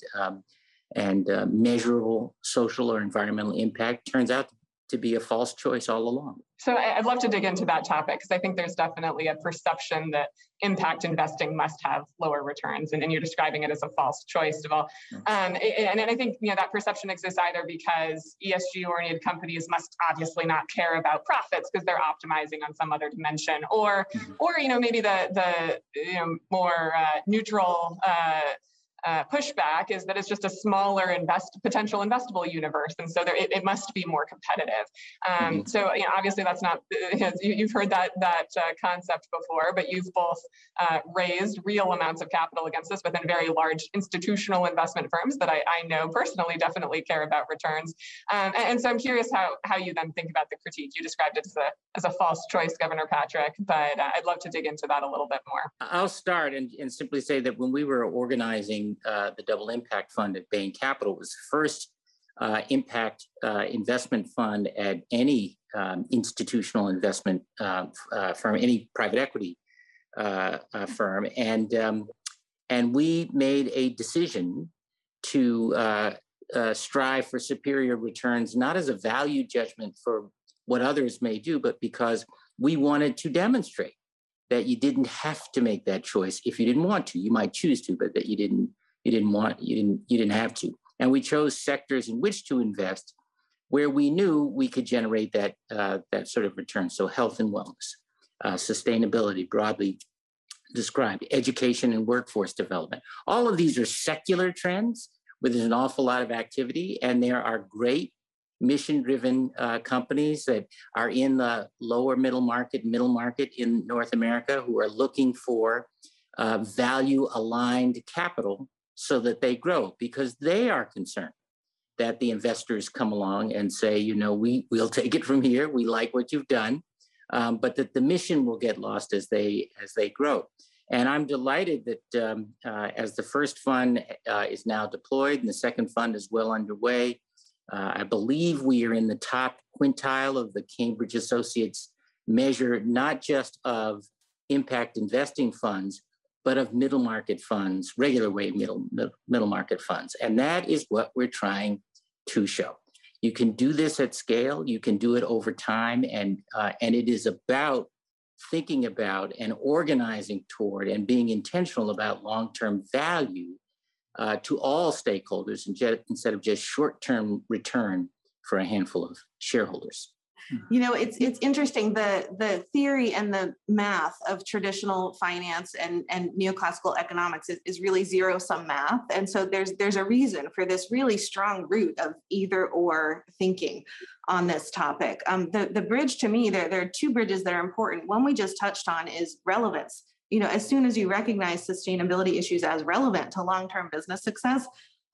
measurable social or environmental impact turns out to be a false choice all along. I want to dig into that topic because I think there's definitely a perception that impact investing must have lower returns, and you're describing it as a false choice, of all. I think that perception exists either because ESG-oriented companies must obviously not care about profits because they're optimizing on some other dimension or maybe the more neutral pushback is that it's just a smaller potential investable universe, and so it must be more competitive. Obviously, you've heard that concept before, but you've both raised real amounts of capital against this within very large institutional investment firms that I know personally definitely care about returns. I'm curious how you then think about the critique you described as a false choice, Governor Patrick, but I'd love to dig into that a little bit more. I'll start and simply say that when we were organizing the Double Impact Fund at Bain Capital, it was the first impact investment fund at any institutional investment firm, any private equity firm. We made a decision to strive for superior returns, not as a value judgment for what others may do, but because we wanted to demonstrate that you didn't have to make that choice if you didn't want to. You might choose to, but that you didn't have to. We chose sectors in which to invest, where we knew we could generate that sort of return: health and wellness, sustainability, broadly described, education and workforce development. All of these are secular trends with an awful lot of activity. There are great mission-driven companies that are in the lower middle-market, middle-market in North America who are looking for value-aligned capital so that they grow because they are concerned that the investors come along and say, "We'll take it from here. We like what you've done," but that the mission will get lost as they grow. I'm delighted that as the first fund is now deployed and the second fund is well underway, I believe we are in the top quintile of the Cambridge Associates measure, not just of impact investing funds, but of middle-market funds, regular rate middle-market funds. That is what we're trying to show. You can do this at scale, you can do it over time, and it is about thinking about and organizing toward and being intentional about long-term value to all stakeholders instead of just short-term return for a handful of shareholders. It's interesting, the theory and the math of traditional finance and neoclassical economics is really zero-sum math. There's a reason for this really strong root of either/or thinking on this topic. The bridge to me, there are two bridges that are important. One we just touched on is relevance. As soon as you recognize sustainability issues as relevant to long-term business success,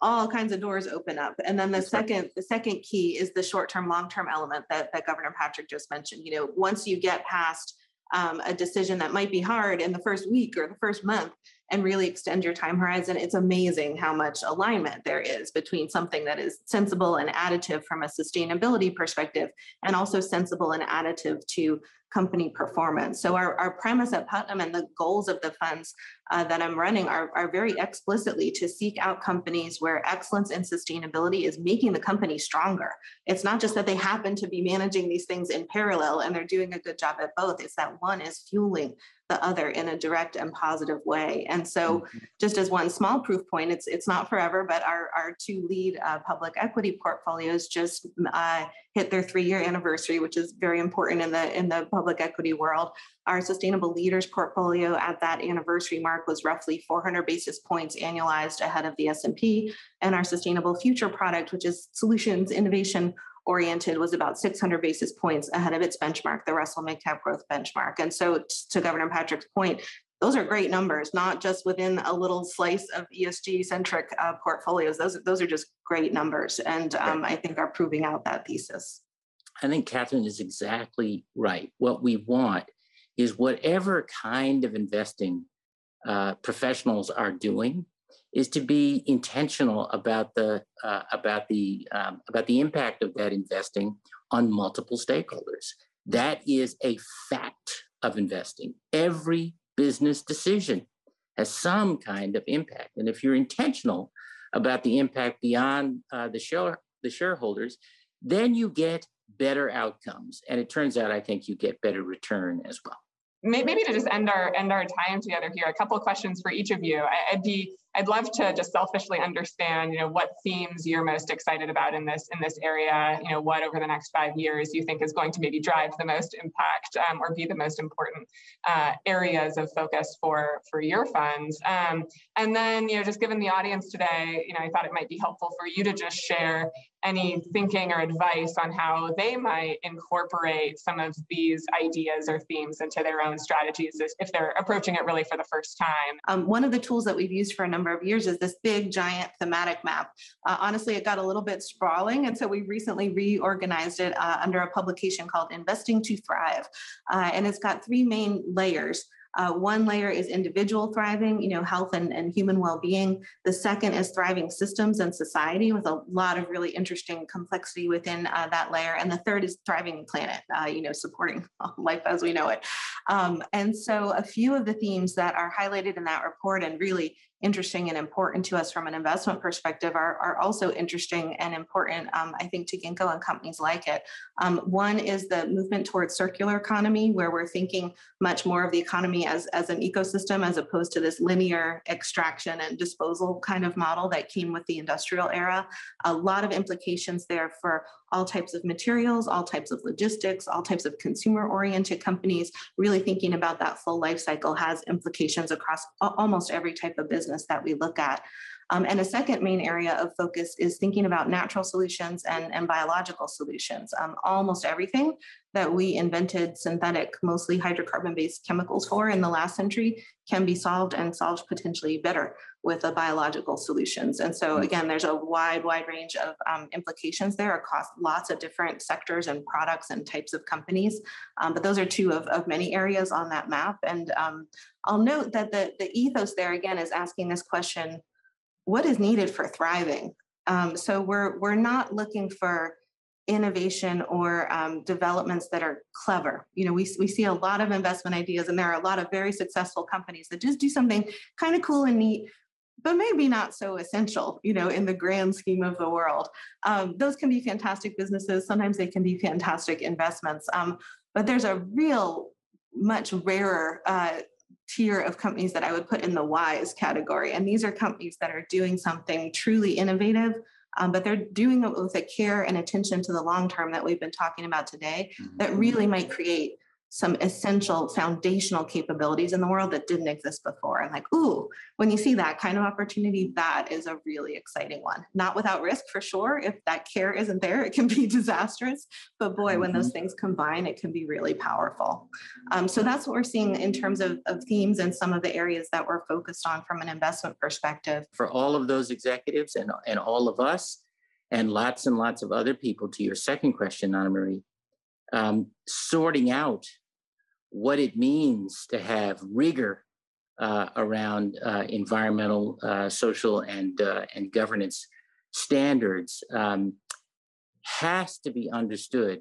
all kinds of doors open up. The second key is the short-term, long-term element that Governor Patrick just mentioned. Once you get past a decision that might be hard in the first week or the first month and really extend your time horizon, it's amazing how much alignment there is between something that is sensible and additive from a sustainability perspective and also sensible and additive to company performance. Our premise at Putnam and the goals of the funds that I'm running are very explicitly to seek out companies where excellence in sustainability is making the company stronger. It's not just that they happen to be managing these things in parallel and are doing a good job at both. It's that one is fueling the other in a direct and positive way. Just as one small proof point, it's not forever, but our two lead public equity portfolios just hit their three-year anniversary, which is very important in the public equity world. Our Sustainable Leaders portfolio at that anniversary mark was roughly 400 basis points annualized ahead of the S&P, and our Sustainable Future product, which is solutions innovation-oriented, was about 600 basis points ahead of its benchmark, the Russell Midcap Growth benchmark. To Governor Patrick's point, those are great numbers, not just within a little slice of ESG-centric portfolios. Those are just great numbers, and I think are proving out that thesis. I think Katherine is exactly right. What we want is whatever kind of investing professionals are doing is to be intentional about the impact of that investing on multiple stakeholders. That is a fact of investing. Every business decision has some kind of impact. If you're intentional about the impact beyond the shareholders, then you get better outcomes. It turns out, I think you get better return as well. Maybe to just end our time together here, a couple of questions for each of you. I'd love to just selfishly understand what themes you're most excited about in this area. What, over the next five years, do you think is going to maybe drive the most impact or be the most important areas of focus for your funds? Just given the audience today, I thought it might be helpful for you to just share any thinking or advice on how they might incorporate some of these ideas or themes into their own strategies if they're approaching it really for the first time. One of the tools that we've used for a number of years is this big, giant thematic map. Honestly, it got a little bit sprawling. We recently reorganized it under a publication called "Investing to Thrive." It's got three main layers. One layer is individual thriving, health and human wellbeing. The second is thriving systems and society, with a lot of really interesting complexity within that layer. The third is thriving planet, supporting life as we know it. A few of the themes that are highlighted in that report, and really interesting and important to us from an an investment perspective, are also interesting and important, I think, to Ginkgo and companies like it. One is the movement towards circular economy, where we're thinking much more of the economy as an ecosystem as opposed to this linear extraction and disposal kind of model that came with the industrial era. A lot of implications there for all types of materials, all types of logistics, all types of consumer-oriented companies. Really thinking about that full life cycle has implications across almost every type of business that we look at. A second main area of focus is thinking about natural solutions and biological solutions. Almost everything that we invented synthetic, mostly hydrocarbon-based chemicals for in the last century can be solved, and solved potentially better, with biological solutions. Again, there's a wide range of implications there across lots of different sectors and products and types of companies. Those are two of many areas on that map. I'll note that the ethos there again is asking this question, what is needed for thriving? We're not looking for innovation or developments that are clever. We see a lot of investment ideas, and there are a lot of very successful companies that just do something kind of cool and neat, but maybe not so essential in the grand scheme of the world. Those can be fantastic businesses. Sometimes they can be fantastic investments. There's a real much rarer tier of companies that I would put in the wise category. These are companies that are doing something truly innovative, but they're doing it with a care and attention to the long term that we've been talking about today that really might create some essential foundational capabilities in the world that didn't exist before. Like, ooh, when you see that kind of opportunity, that is a really exciting one. Not without risk, for sure. If that care isn't there, it can be disastrous. Boy, when those things combine, it can be really powerful. That's what we're seeing in terms of themes and some of the areas that we're focused on from an investment perspective. For all of those executives and all of us, lots and lots of other people, to your second question, Anna Marie, sorting out what it means to have rigor around environmental, social, and governance standards has to be understood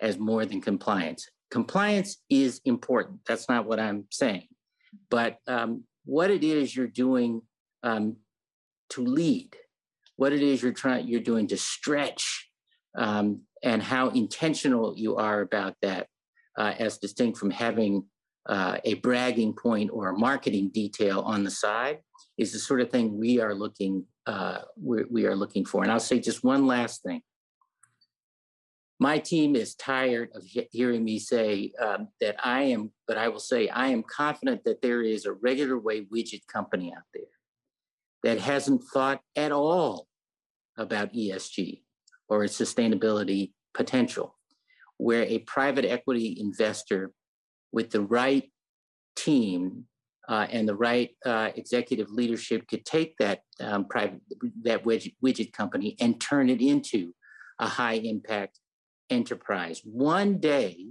as more than compliance. Compliance is important. That's not what I'm saying. What it is you're doing to lead, what it is you're doing to stretch, and how intentional you are about that, as distinct from having a bragging point or a marketing detail on the side, is the sort of thing we are looking for. I'll say just one last thing. My team is tired of hearing me say that I am, but I will say, I am confident that there is a regular wave widget company out there that hasn't thought at all about ESG or its sustainability potential, where a private equity investor with the right team and the right executive leadership could take that widget company and turn it into a high-impact enterprise. One day,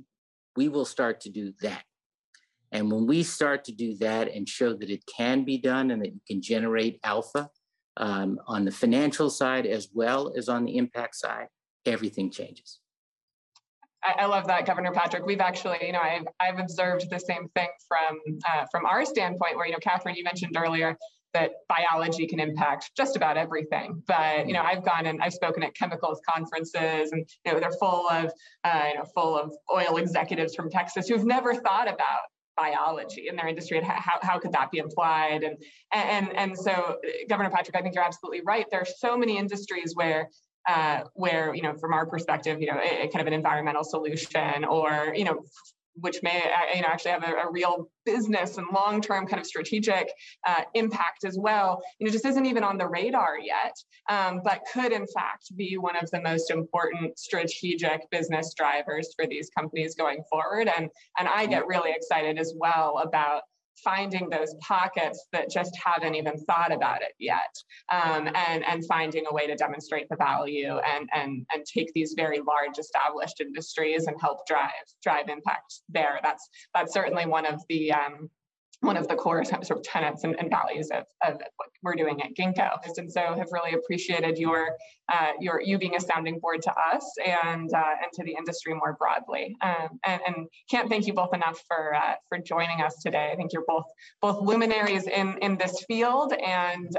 we will start to do that. When we start to do that and show that it can be done and that it can generate alpha on the financial side as well as on the impact side, everything changes. I love that, Governor Patrick. We've actually, I've observed the same thing from our standpoint where, Katherine, you mentioned earlier that biology can impact just about everything. I've gone and I've spoken at chemicals conferences, and they're full of oil executives from Texas who've never thought about biology in their industry and how could that be applied. Governor Patrick, I think you're absolutely right. There are so many industries where from our perspective, kind of an environmental solution or which may actually have a real business and long-term kind of strategic impact as well, just isn't even on the radar yet. Could, in fact, be one of the most important strategic business drivers for these companies going forward. I get really excited as well about finding those pockets that just haven't even thought about it yet, and finding a way to demonstrate the value and take these very large, established industries and help drive impact there. That's certainly one of the core sort of tenets and values of what we're doing at Ginkgo. Have really appreciated you being a sounding board to us and to the industry more broadly. Can't thank you both enough for joining us today. I think you're both luminaries in this field and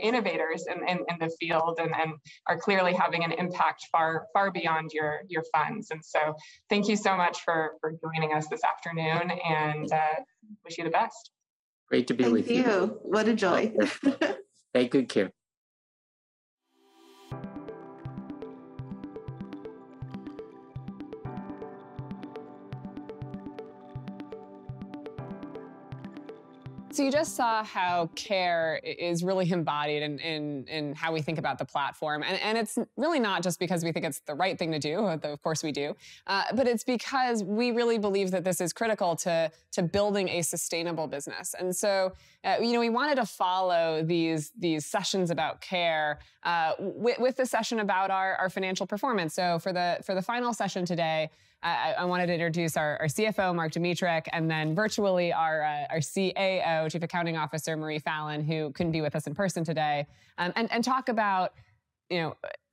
innovators in the field and are clearly having an impact far beyond your funds. Thank you so much for joining us this afternoon, and wish you the best. Great to be with you. Thank you. What a joy. Stay tuned. You just saw how care is really embodied in how we think about the platform. It's really not just because we think it's the right thing to do, although, of course, we do, but it's because we really believe that this is critical to building a sustainable business. We wanted to follow these sessions about care with a session about our financial performance. For the final session today, I wanted to introduce our CFO, Mark Dmytruk, and then virtually our CAO, Chief Accounting Officer, Marie Fallon, who couldn't be with us in person today, and talk about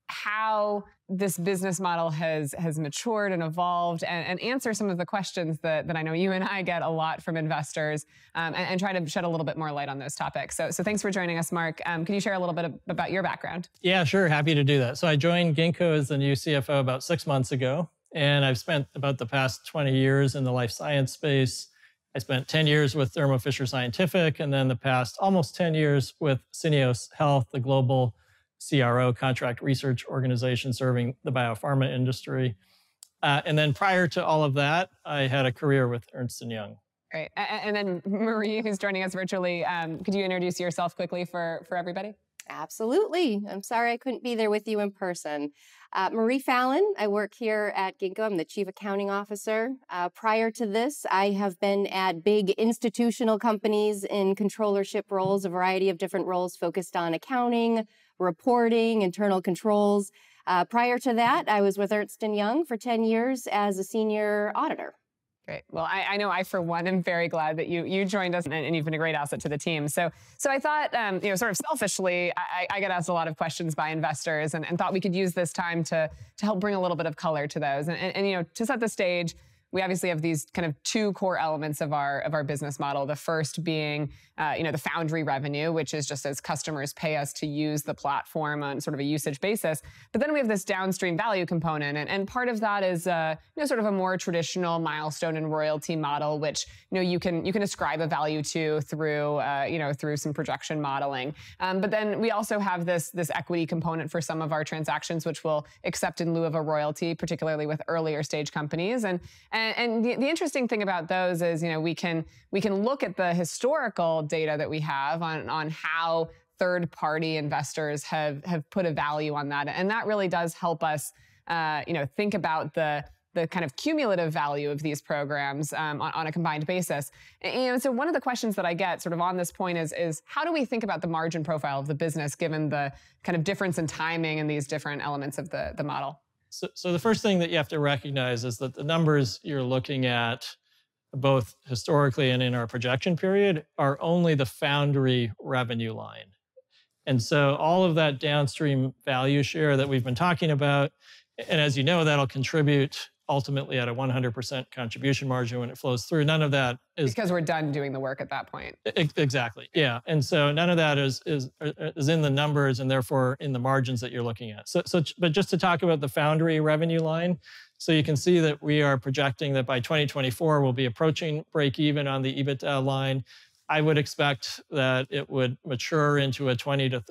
how this business model has matured and evolved and answer some of the questions that I know you and I get a lot from investors, and try to shed a little bit more light on those topics. Thanks for joining us, Mark. Can you share a little bit about your background? Happy to do that. I joined Ginkgo as the new CFO about six months ago, and I've spent about the past 20 years in the life science space. I spent 10 years with Thermo Fisher Scientific, and the past almost 10 years with Syneos Health, the global CRO, contract research organization, serving the biopharma industry. Prior to all of that, I had a career with Ernst & Young. Great. Marie, you can join us virtually. Could you introduce yourself quickly for everybody? Absolutely. I'm sorry I couldn't be there with you in person. Marie Follin, I work here at Ginkgo. I'm the Chief Accounting Officer. Prior to this, I have been at big institutional companies in controllership roles, a variety of different roles focused on accounting, reporting, internal controls. Prior to that, I was with Ernst & Young for 10 years as a senior auditor. Great. Well, I know I, for one, am very glad that you joined us, and you've been a great asset to the team. I thought, sort of selfishly, I get asked a lot of questions by investors and thought we could use this time to help bring a little bit of color to those. To set the stage, we obviously have these two core elements of our business model. The first being, the foundry revenue, which is just as customers pay us to use the platform on a usage basis. We have this downstream value component, and part of that is a more traditional milestone and royalty model, which you can ascribe a value to through some projection modeling. We also have this equity component for some of our transactions, which we'll accept in lieu of a royalty, particularly with earlier-stage companies. The interesting thing about those is, we can look at the historical data that we have on how third-party investors have put a value on that. That really does help us think about the cumulative value of these programs on a combined basis. One of the questions that I get on this point is how do we think about the margin profile of the business given the difference in timing in these different elements of the model? The first thing that you have to recognize is that the numbers you're looking at, both historically and in our projection period, are only the foundry revenue line. All of that downstream value share that we've been talking about, and as you know, that'll contribute ultimately at a 100% contribution margin when it flows through. We're done doing the work at that point. Exactly, yeah. None of that is in the numbers and therefore in the margins that you're looking at. Just to talk about the foundry revenue line, you can see that we are projecting that by 2024, we'll be approaching break even on the EBITDA line. I would expect that it would mature into a 20%-30%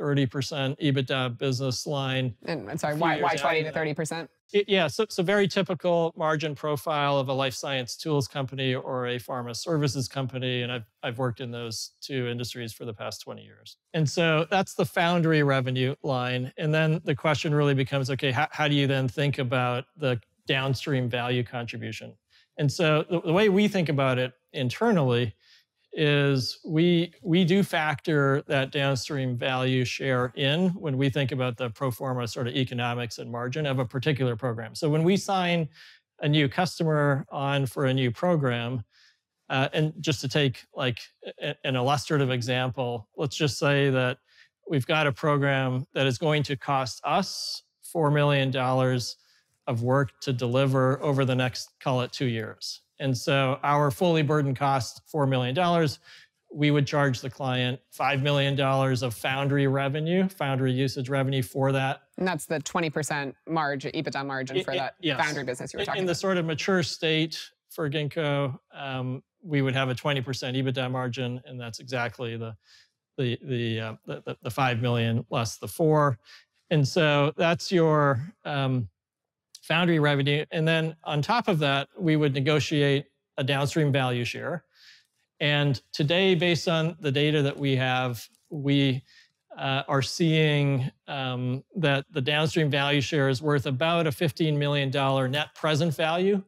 EBITDA business line. Why 20%-30%? Yeah. It's a very typical margin profile of a life science tools company or a pharma services company, and I've worked in those two industries for the past 20 years. That's the foundry revenue line. The question really becomes, okay, how do you then think about the downstream value contribution? The way we think about it internally is we do factor that downstream value share in when we think about the pro forma sort of economics and margin of a particular program. When we sign a new customer on for a new program, and just to take an illustrative example, let's just say that we've got a program that is going to cost us $4 million of work to deliver over the next, call it, two years. Our fully burdened cost, $4 million, we would charge the client $5 million of foundry revenue, foundry usage revenue for that. That's the 20% margin, EBITDA margin for your foundry business you're talking about. Yes. In the sort of mature state for Ginkgo, we would have a 20% EBITDA margin, that's exactly the $5 million less the $4. That's your foundry revenue. On top of that, we would negotiate a downstream value share. Today, based on the data that we have, we are seeing that the downstream value share is worth about a $15 million net present value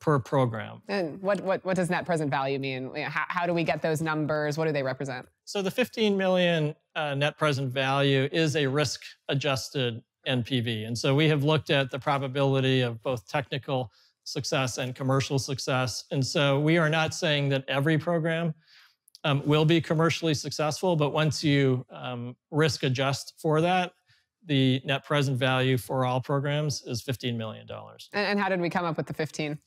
per program. What does net present value mean? How do we get those numbers? What do they represent? The $15 million net present value is a risk-adjusted NPV. We have looked at the probability of both technical success and commercial success. We are not saying that every program will be commercially successful, but once you risk adjust for that, the net present value for all programs is $15 million. How did we come up with the 15?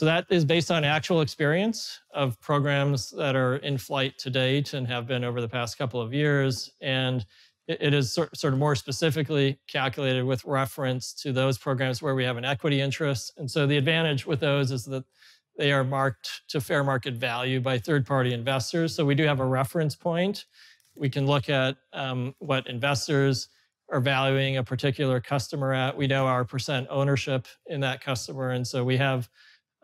That is based on actual experience of programs that are in flight to date and have been over the past couple of years, and it is more specifically calculated with reference to those programs where we have an equity interest. The advantage with those is that they are marked to fair market value by third-party investors. We do have a reference point. We can look at what investors are valuing a particular customer at. We know our % ownership in that customer, and so we have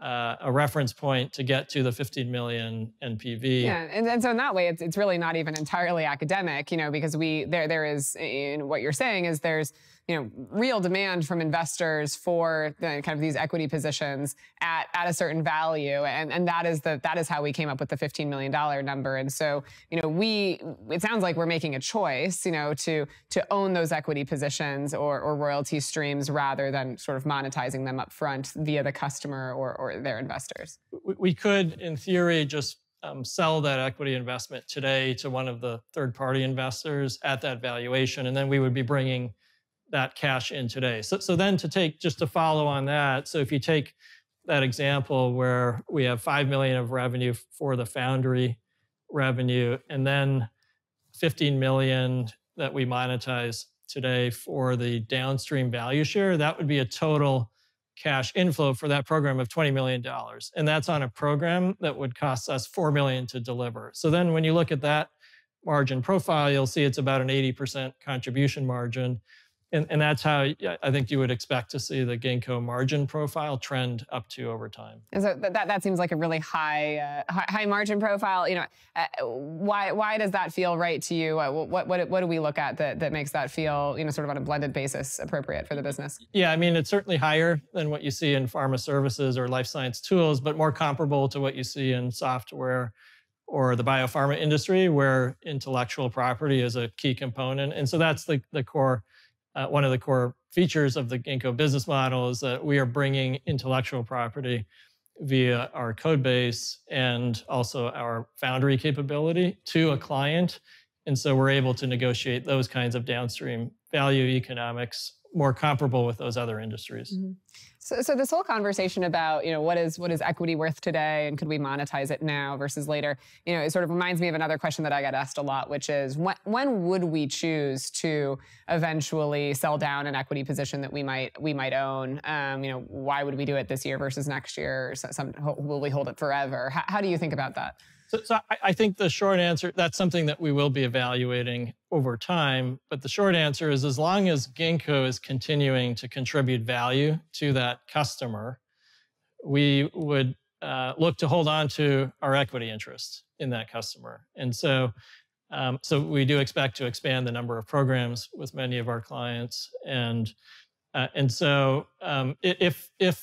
a reference point to get to the $15 million NPV. Yeah. In that way, it's really not even entirely academic, because what you're saying is there's real demand from investors for kind of these equity positions at a certain value. That is how we came up with the $15 million number. It sounds like we're making a choice, to own those equity positions or royalty streams rather than sort of monetizing them upfront via the customer or their investors. We could, in theory, just sell that equity investment today to one of the third-party investors at that valuation, and then we would be bringing that cash in today. Just to follow on that, if you take that example where we have $5 million of revenue for the foundry revenue and then $15 million that we monetize today for the downstream value share, that would be a total cash inflow for that program of $20 million. That's on a program that would cost us $4 million to deliver. When you look at that margin profile, you'll see it's about an 80% contribution margin. That's how I think you would expect to see the Ginkgo margin profile trend up to over time. That seems like a really high margin profile. Why does that feel right to you? What do we look at that makes that feel sort of on a blended basis appropriate for the business? Yeah, it's certainly higher than what you see in pharma services or life science tools, but more comparable to what you see in software or the biopharma industry, where intellectual property is a key component. That's one of the core features of the Ginkgo business model is that we are bringing intellectual property via our Codebase and also our foundry capability to a client. We're able to negotiate those kinds of downstream value economics more comparable with those other industries. This whole conversation about what is equity worth today and can we monetize it now versus later, it sort of reminds me of another question that I get asked a lot, which is when would we choose to eventually sell down an equity position that we might own, why would we do it this year versus next year? Will we hold it forever? How do you think about that? I think that's something that we will be evaluating over time, but the short answer is as long as Ginkgo is continuing to contribute value to that customer, we would look to hold onto our equity interest in that customer. We do expect to expand the number of programs with many of our clients. If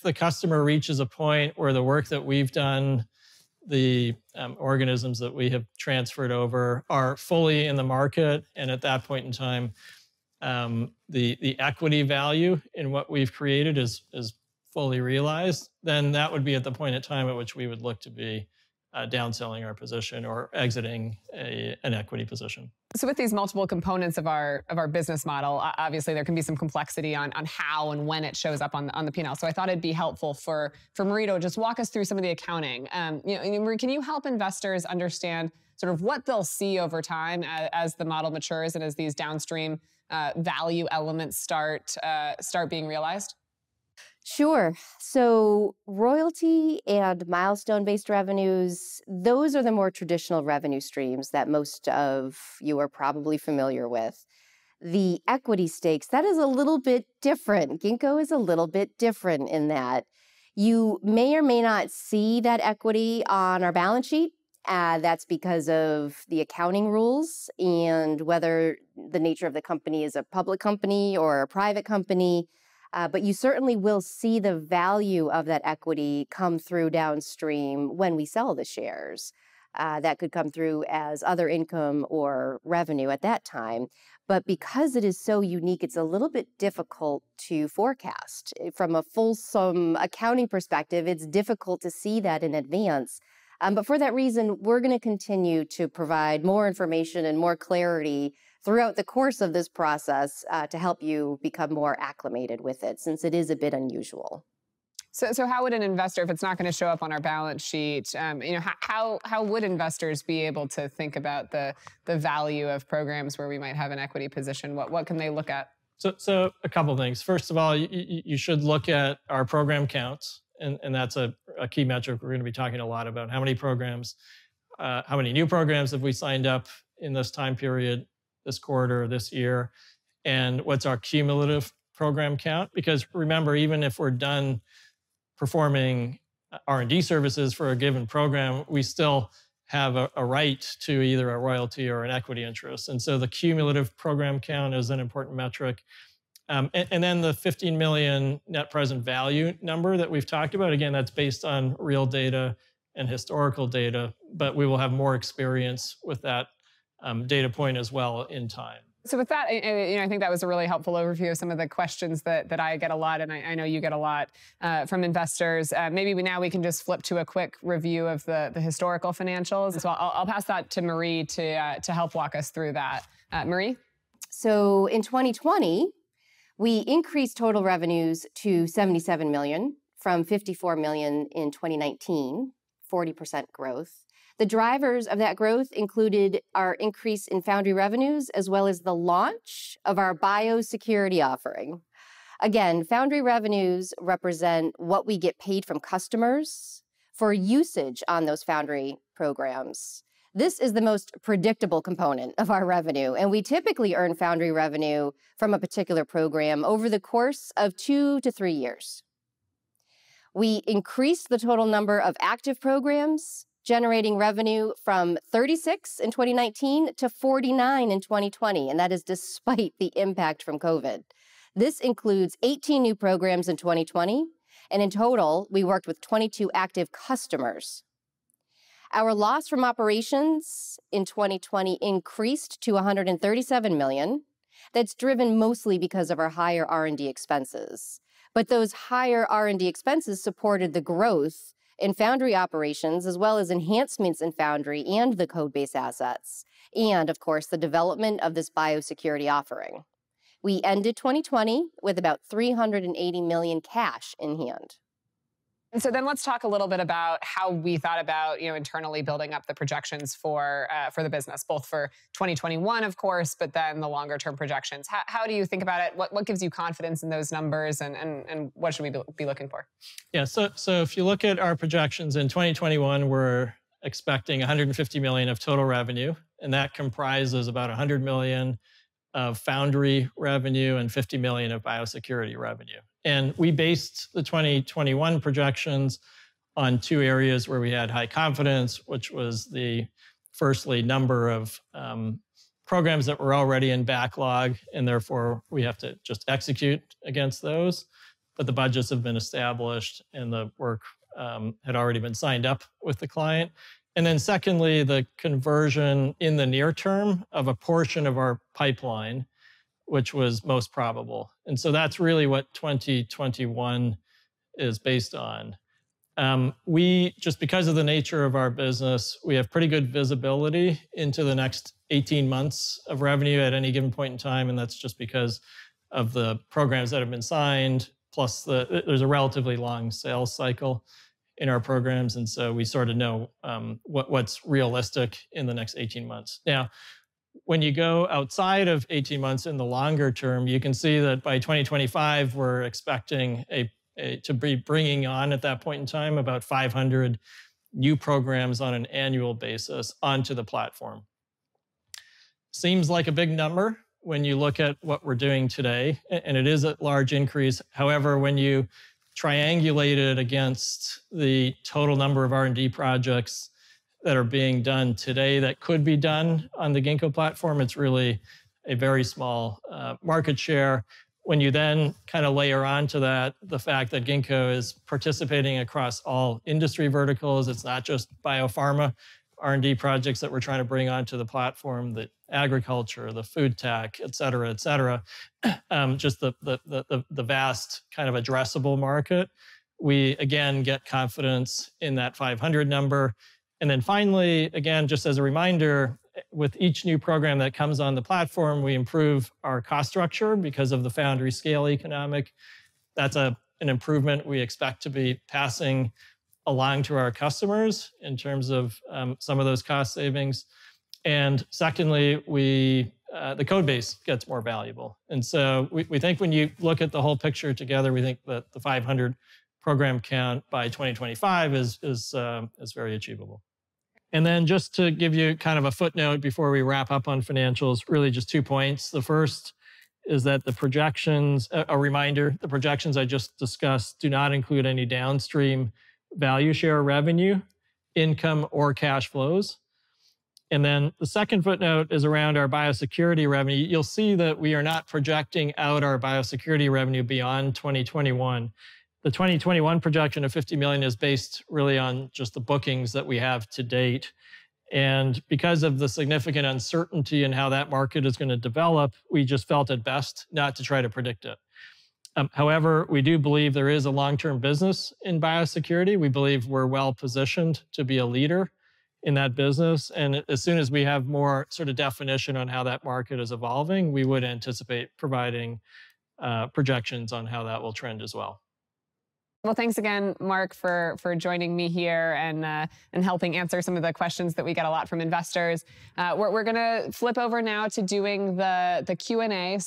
the customer reaches a point where the work that we've done, the organisms that we have transferred over are fully in the market, and at that point in time, the equity value in what we've created is fully realized, then that would be at the point in time at which we would look to be down selling our position or exiting an equity position. With these multiple components of our business model, obviously there can be some complexity on how and when it shows up on the P&L. I thought it'd be helpful for Marie, just walk us through some of the accounting. Mark, can you help investors understand sort of what they'll see over time as the model matures and as these downstream value elements start being realized? Royalty and milestone-based revenues, those are the more traditional revenue streams that most of you are probably familiar with. The equity stakes, that is a little bit different. Ginkgo is a little bit different in that. You may or may not see that equity on our balance sheet. That's because of the accounting rules and whether the nature of the company is a public company or a private company. You certainly will see the value of that equity come through downstream when we sell the shares. That could come through as other income or revenue at that time. Because it is so unique, it's a little bit difficult to forecast. From a fulsome accounting perspective, it's difficult to see that in advance. For that reason, we're going to continue to provide more information and more clarity throughout the course of this process to help you become more acclimated with it, since it is a bit unusual. How would an investor, if it's not going to show up on our balance sheet, how would investors be able to think about the value of programs where we might have an equity position? What can they look at? A couple of things. First of all, you should look at our program counts, and that's a key metric we're going to be talking a lot about. How many new programs have we signed up in this time period, this quarter, or this year, and what's our cumulative program count? Because remember, even if we're done performing R&D services for a given program, we still have a right to either a royalty or an equity interest. The cumulative program count is an important metric. Then the $15 million net present value number that we've talked about, again, that's based on real data and historical data, but we will have more experience with that data point as well in time. With that, I think that was a really helpful overview of some of the questions that I get a lot, and I know you get a lot from investors. Maybe now we can just flip to a quick review of the historical financials. I'll pass that to Marie to help walk us through that. Marie? In 2020, we increased total revenues to $77 million from $54 million in 2019, 40% growth. The drivers of that growth included our increase in foundry revenues, as well as the launch of our biosecurity offering. Again, foundry revenues represent what we get paid from customers for usage on those foundry programs. This is the most predictable component of our revenue, and we typically earn foundry revenue from a particular program over the course of two to three years. We increased the total number of active programs generating revenue from 36 in 2019 to 49 in 2020, and that is despite the impact from COVID-19. This includes 18 new programs in 2020, and in total, we worked with 22 active customers. Our loss from operations in 2020 increased to $137 million. That's driven mostly because of our higher R&D expenses. Those higher R&D expenses supported the growth in foundry operations as well as enhancements in foundry and the Codebase assets and, of course, the development of this biosecurity offering. We ended 2020 with about $380 million cash in hand. Let's talk a little bit about how we thought about internally building up the projections for the business, both for 2021, of course, but then the longer-term projections. How do you think about it? What gives you confidence in those numbers, and what should we be looking for? If you look at our projections in 2021, we're expecting $150 million of total revenue, and that comprises about $100 million of foundry revenue and $50 million of biosecurity revenue. We based the 2021 projections on two areas where we had high confidence, which was, firstly, number of programs that were already in backlog, and therefore we have to just execute against those. The budgets have been established, and the work had already been signed up with the client. Secondly, the conversion in the near term of a portion of our pipeline, which was most probable. That's really what 2021 is based on. Just because of the nature of our business, we have pretty good visibility into the next 18 months of revenue at any given point in time, and that's just because of the programs that have been signed. There's a relatively long sales cycle in our programs. We sort of know what's realistic in the next 18 months. When you go outside of 18 months in the longer term, you can see that by 2025, we're expecting to be bringing on at that point in time about 500 new programs on an annual basis onto the platform. Seems like a big number when you look at what we're doing today. It is a large increase. When you triangulate it against the total number of R&D projects that are being done today that could be done on the Ginkgo platform, it's really a very small market share. When you then layer onto that the fact that Ginkgo is participating across all industry verticals, it's not just biopharma R&D projects that we're trying to bring onto the platform, the agriculture, the food tech, et cetera, just the vast addressable market. We again get confidence in that 500 number. Finally, again, just as a reminder, with each new program that comes on the platform, we improve our cost structure because of the foundry scale economic. That's an improvement we expect to be passing along to our customers in terms of some of those cost savings. Secondly, the codebase gets more valuable. So we think when you look at the whole picture together, we think that the 500 program count by 2025 is very achievable. Just to give you kind of a footnote before we wrap up on financials, really just two points. The first is that the projections, a reminder, the projections I just discussed do not include any downstream value share revenue, income, or cash flows. The second footnote is around our biosecurity revenue. You will see that we are not projecting out our biosecurity revenue beyond 2021. The 2021 projection of $50 million is based really on just the bookings that we have to date. Because of the significant uncertainty in how that market is going to develop, we just felt it best not to try to predict it. However, we do believe there is a long-term business in biosecurity. We believe we are well-positioned to be a leader in that business. As soon as we have more definition on how that market is evolving, we would anticipate providing projections on how that will trend as well. Well, thanks again, Mark, for joining me here and helping answer some of the questions that we get a lot from investors. We're going to flip over now to doing the Q&A.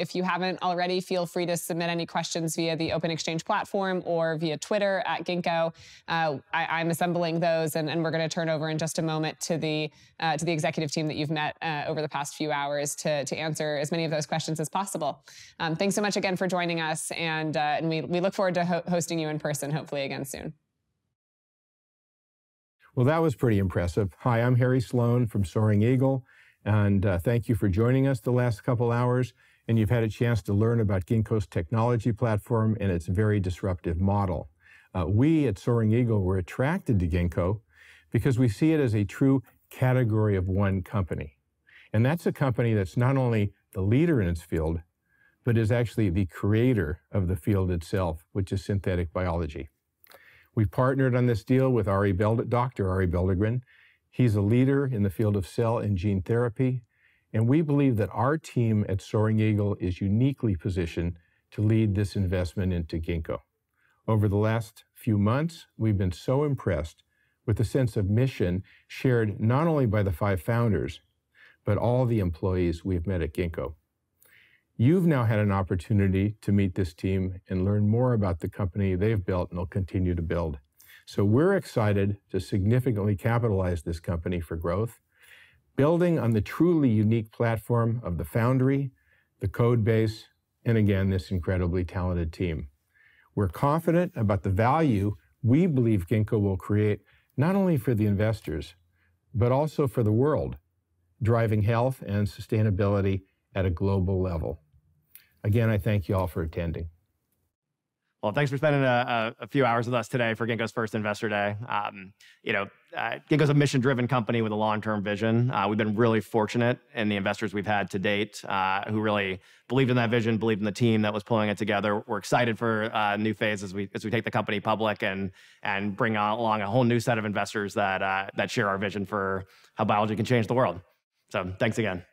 If you haven't already, feel free to submit any questions via the OpenExchange platform or via Twitter at Ginkgo. I'm assembling those, and we're going to turn over in just a moment to the executive team that you've met over the past few hours to answer as many of those questions as possible. Thanks so much again for joining us, and we look forward to hosting you in person hopefully again soon. Well, that was pretty impressive. Hi, I'm Harry Sloan from Soaring Eagle. Thank you for joining us the last couple hours. You've had a chance to learn about Ginkgo's technology platform and its very disruptive model. We at Soaring Eagle were attracted to Ginkgo because we see it as a true category of one company. That's a company that's not only the leader in its field but is actually the creator of the field itself, which is synthetic biology. We've partnered on this deal with Dr. Arie Belldegrun. He's a leader in the field of cell and gene therapy. We believe that our team at Soaring Eagle is uniquely positioned to lead this investment into Ginkgo. Over the last few months, we've been so impressed with the sense of mission shared not only by the five founders, but all the employees we've met at Ginkgo. You've now had an opportunity to meet this team and learn more about the company they've built and will continue to build. We're excited to significantly capitalize this company for growth, building on the truly unique platform of the foundry, the Codebase, and again, this incredibly talented team. We're confident about the value we believe Ginkgo will create, not only for the investors, but also for the world, driving health and sustainability at a global level. Again, I thank you all for attending. Well, thanks for spending a few hours with us today for Ginkgo's first Investor Day. Ginkgo is a mission-driven company with a long-term vision. We've been really fortunate in the investors we've had to date, who really believe in that vision, believe in the team that was pulling it together. We're excited for a new phase as we take the company public and bring along a whole new set of investors that share our vision for how biology can change the world. Thanks again.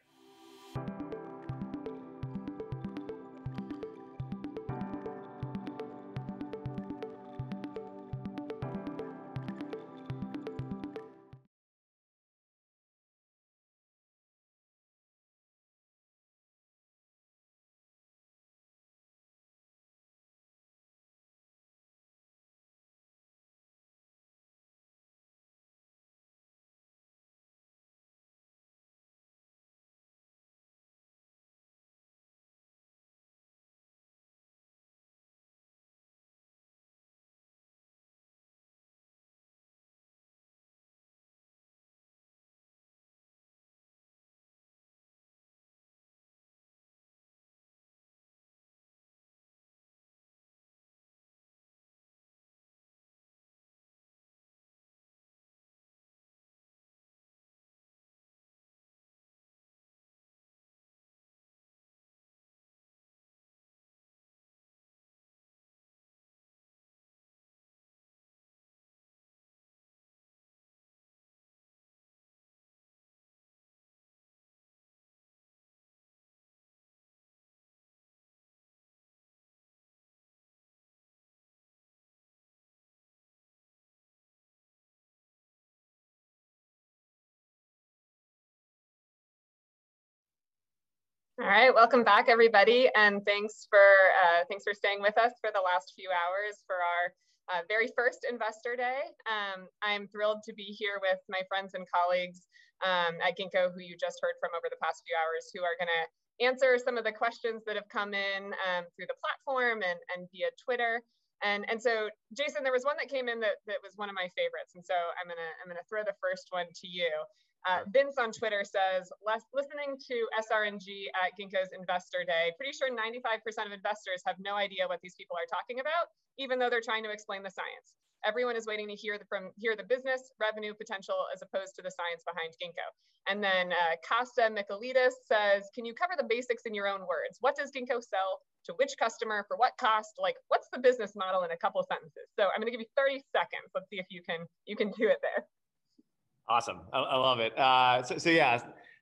All right, welcome back, everybody, thanks for staying with us for the last few hours for our very first Investor Day. I'm thrilled to be here with my friends and colleagues at Ginkgo, who you just heard from over the past few hours, who are going to answer some of the questions that have come in through the platform and via Twitter. Jason, there was one that came in that was one of my favorites, I'm going to throw the first one to you. Vince on Twitter says, "Listening to SRNG at Ginkgo's Investor Day. Pretty sure 95% of investors have no idea what these people are talking about, even though they're trying to explain the science. Everyone is waiting to hear the business revenue potential as opposed to the science behind Ginkgo." Casa Nicolitas says, "Can you cover the basics in your own words? What does Ginkgo sell? To which customer? For what cost? What's the business model in a couple sentences?" I'm going to give you 30 seconds. Let's see if you can do it there. Awesome. I love it. Yeah.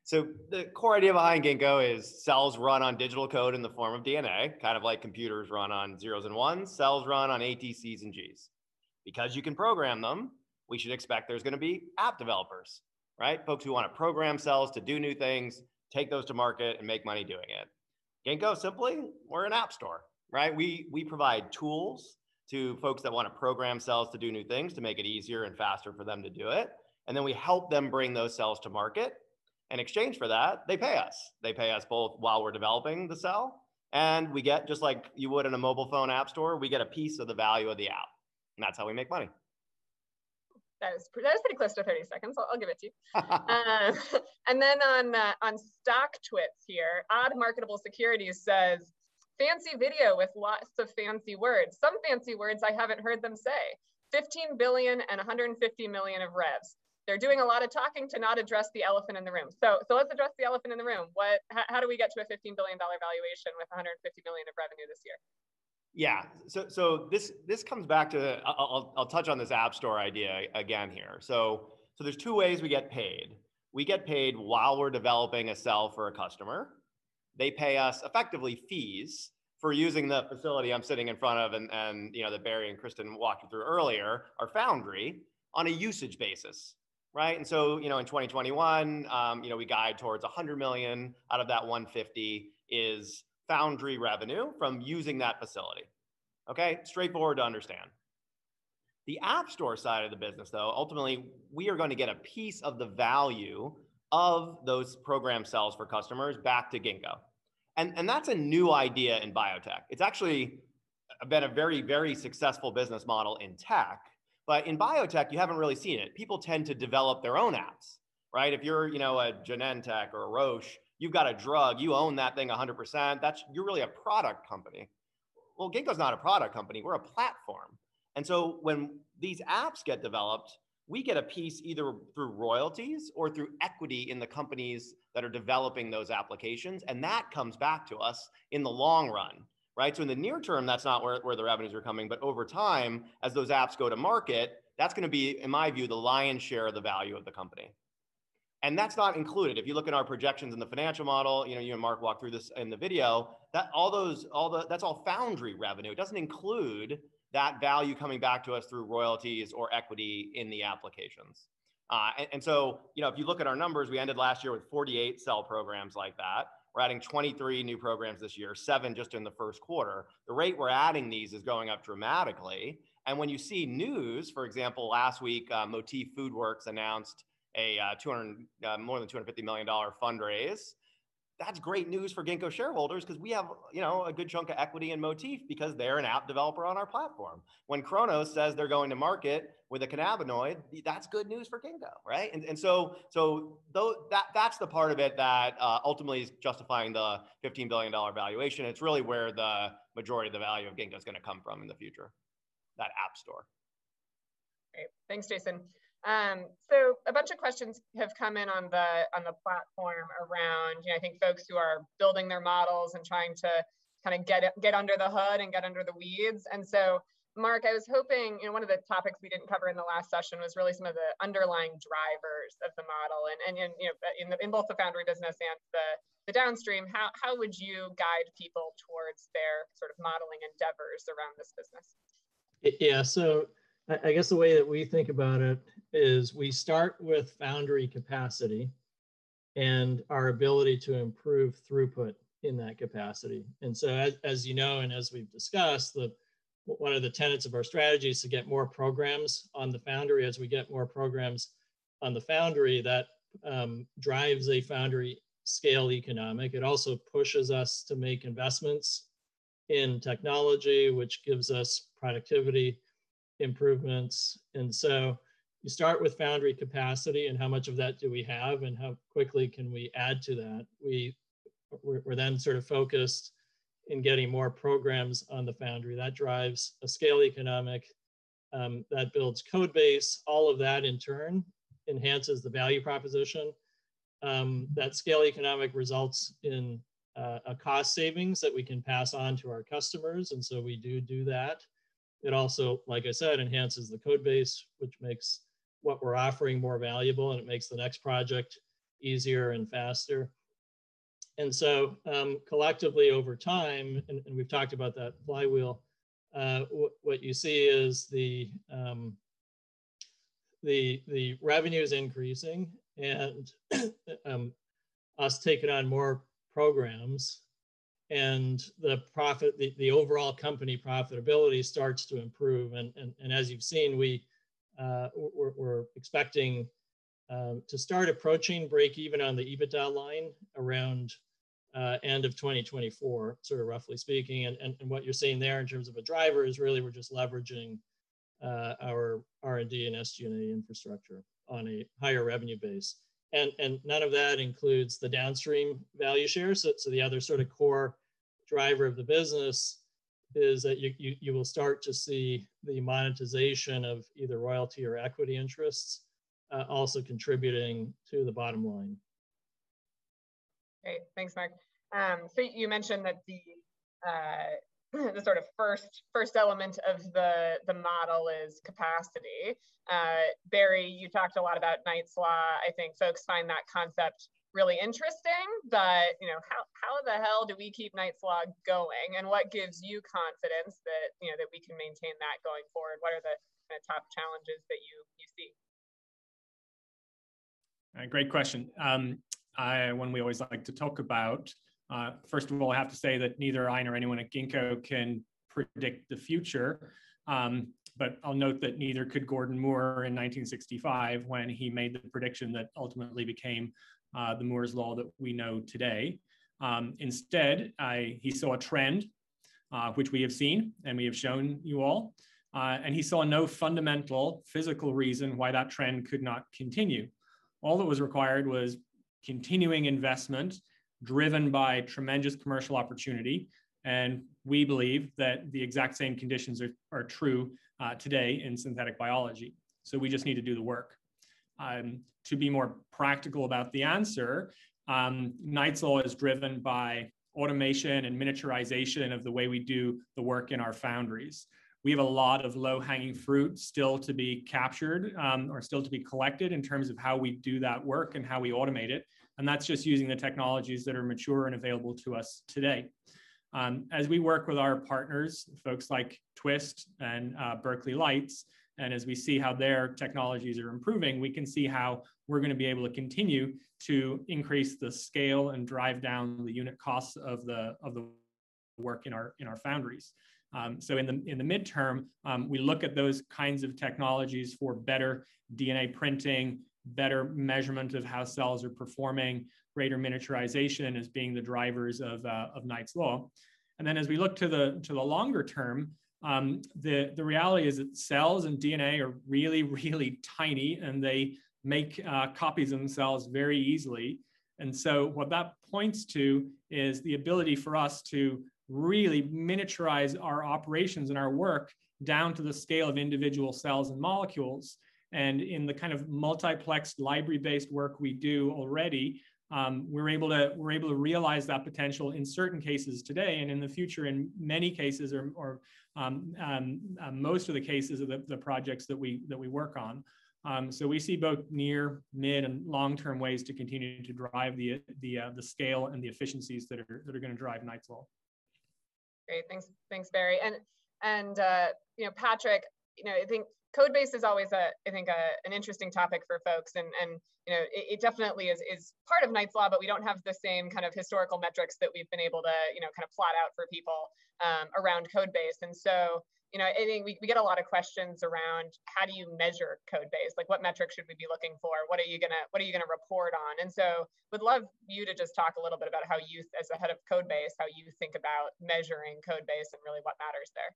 The core idea behind Ginkgo is cells run on digital code in the form of DNA, kind of like computers run on zeros and ones, cells run on A, T, Cs and Gs. Because you can program them, we should expect there's going to be app developers, right? Folks who want to program cells to do new things, take those to market, and make money doing it. Ginkgo, simply, we're an app store, right? We provide tools to folks that want to program cells to do new things, to make it easier and faster for them to do it, we help them bring those cells to market. In exchange for that, they pay us. They pay us both while we're developing the cell, and we get, just like you would in a mobile phone app store, we get a piece of the value of the app. That's how we make money. That was pretty close to 30 seconds, so I'll give it to you. On StockTwits here, Odd Marketable Securities says, "Fancy video with lots of fancy words. Some fancy words I haven't heard them say. $15 billion and $150 million of revs. They're doing a lot of talking to not address the elephant in the room." Let's address the elephant in the room. How do we get to a $15 billion valuation with $150 million of revenue this year? Yeah. I'll touch on this app store idea again here. There's two ways we get paid. We get paid while we're developing a cell for a customer. They pay us, effectively, fees for using the facility I'm sitting in front of, and that Barry and Kristen walked you through earlier, our foundry, on a usage basis. Right? In 2021, we guide towards $100 million, out of that $150 is foundry revenue from using that facility. Okay? Straightforward to understand. The app store side of the business, though, ultimately, we are going to get a piece of the value of those program cells for customers back to Ginkgo. That's a new idea in biotech. It's actually been a very successful business model in tech, but in biotech, you haven't really seen it. People tend to develop their own apps, right? If you're a Genentech or a Roche, you've got a drug, you own that thing 100%. You're really a product company. Well, Ginkgo's not a product company, we're a platform. When these apps get developed, we get a piece either through royalties or through equity in the companies that are developing those applications, and that comes back to us in the long run. Right? In the near term, that's not where the revenues are coming, but over time, as those apps go to market, that's going to be, in my view, the lion's share of the value of the company. That's not included. If you look at our projections in the financial model, you and Mark walked through this in the video, that's all foundry revenue. It doesn't include that value coming back to us through royalties or equity in the applications. If you look at our numbers, we ended last year with 48 cell programs like that. We're adding 23 new programs this year, seven just in the first quarter. The rate we're adding these is going up dramatically. When you see news, for example, last week, Motif FoodWorks announced a more than $250 million fundraise. That's great news for Ginkgo shareholders because we have a good chunk of equity in Motif because they're an app developer on our platform. When Cronos says they're going to market with a cannabinoid, that's good news for Ginkgo, right? So that's the part of it that ultimately is justifying the $15 billion valuation. It's really where the majority of the value of Ginkgo's going to come from in the future, that app store. Great. Thanks, Jason. A bunch of questions have come in on the platform around, I think, folks who are building their models and trying to get under the hood and get under the weeds. Mark, I was hoping, one of the topics we didn't cover in the last session was really some of the underlying drivers of the model and in both the foundry business and the downstream, how would you guide people towards their modeling endeavors around this business? Yeah. I guess the way that we think about it is we start with foundry capacity and our ability to improve throughput in that capacity. As you know, and as we've discussed, one of the tenets of our strategy is to get more programs on the foundry. As we get more programs on the foundry, that drives a foundry scale economic. It also pushes us to make investments in technology, which gives us productivity improvements. You start with foundry capacity and how much of that do we have and how quickly can we add to that. We're then sort of focused in getting more programs on the foundry. That drives a scale economic, that builds Codebase. All of that in turn enhances the value proposition. That scale economic results in a cost savings that we can pass on to our customers, and so we do that. It also, like I said, enhances the Codebase, which makes what we're offering more valuable, and it makes the next project easier and faster. Collectively over time, and we've talked about that flywheel, what you see is the revenue is increasing and us taking on more programs and the overall company profitability starts to improve. As you've seen, we're expecting to start approaching breakeven on the EBITDA line around end of 2024, sort of roughly speaking. What you're seeing there in terms of the driver is really we're just leveraging our R&D and SG&A infrastructure on a higher revenue base. None of that includes the downstream value shares. The other sort of core driver of the business is that you will start to see the monetization of either royalty or equity interests also contributing to the bottom line. Great. Thanks, Mark. You mentioned that the sort of first element of the model is capacity. Barry, you talked a lot about Knight's Law. I think folks find that concept really interesting, how the hell do we keep Knight's Law going? What gives you confidence that we can maintain that going forward? What are the top challenges that you see? Great question. One we always like to talk about. I have to say that neither I nor anyone at Ginkgo can predict the future. I'll note that neither could Gordon Moore in 1965 when he made the prediction that ultimately became the Moore's Law that we know today. Instead, he saw a trend, which we have seen, and we have shown you all, and he saw no fundamental physical reason why that trend could not continue. All that was required was continuing investment driven by tremendous commercial opportunity, and we believe that the exact same conditions are true today in synthetic biology. We just need to do the work. To be more practical about the answer, Knight's Law is driven by automation and miniaturization of the way we do the work in our foundries. We have a lot of low-hanging fruit still to be captured, or still to be collected in terms of how we do that work and how we automate it, and that's just using the technologies that are mature and available to us today. As we work with our partners, folks like Twist and Berkeley Lights, and as we see how their technologies are improving, we can see how we're going to be able to continue to increase the scale and drive down the unit cost of the. Work in our foundries. In the midterm, we look at those kinds of technologies for better DNA printing, better measurement of how cells are performing, greater miniaturization as being the drivers of Knight's Law. As we look to the longer term, the reality is that cells and DNA are really, really tiny, and they make copies of themselves very easily. What that points to is the ability for us to really miniaturize our operations and our work down to the scale of individual cells and molecules. In the kind of multiplex library-based work we do already, we're able to realize that potential in certain cases today, and in the future, in many cases or most of the cases of the projects that we work on. We see both near, mid, and long-term ways to continue to drive the scale and the efficiencies that are going to drive Knight's Law. Great. Thanks, Barry. Patrick, I think Codebase is always an interesting topic for folks, and it definitely is part of Knight's Law, but we don't have the same kind of historical metrics that we've been able to plot out for people around Codebase. So, we get a lot of questions around how do you measure Codebase? What metrics should we be looking for? What are you going to report on? So we'd love you to just talk a little bit about how you, as the head of Codebase, how you think about measuring Codebase and really what matters there.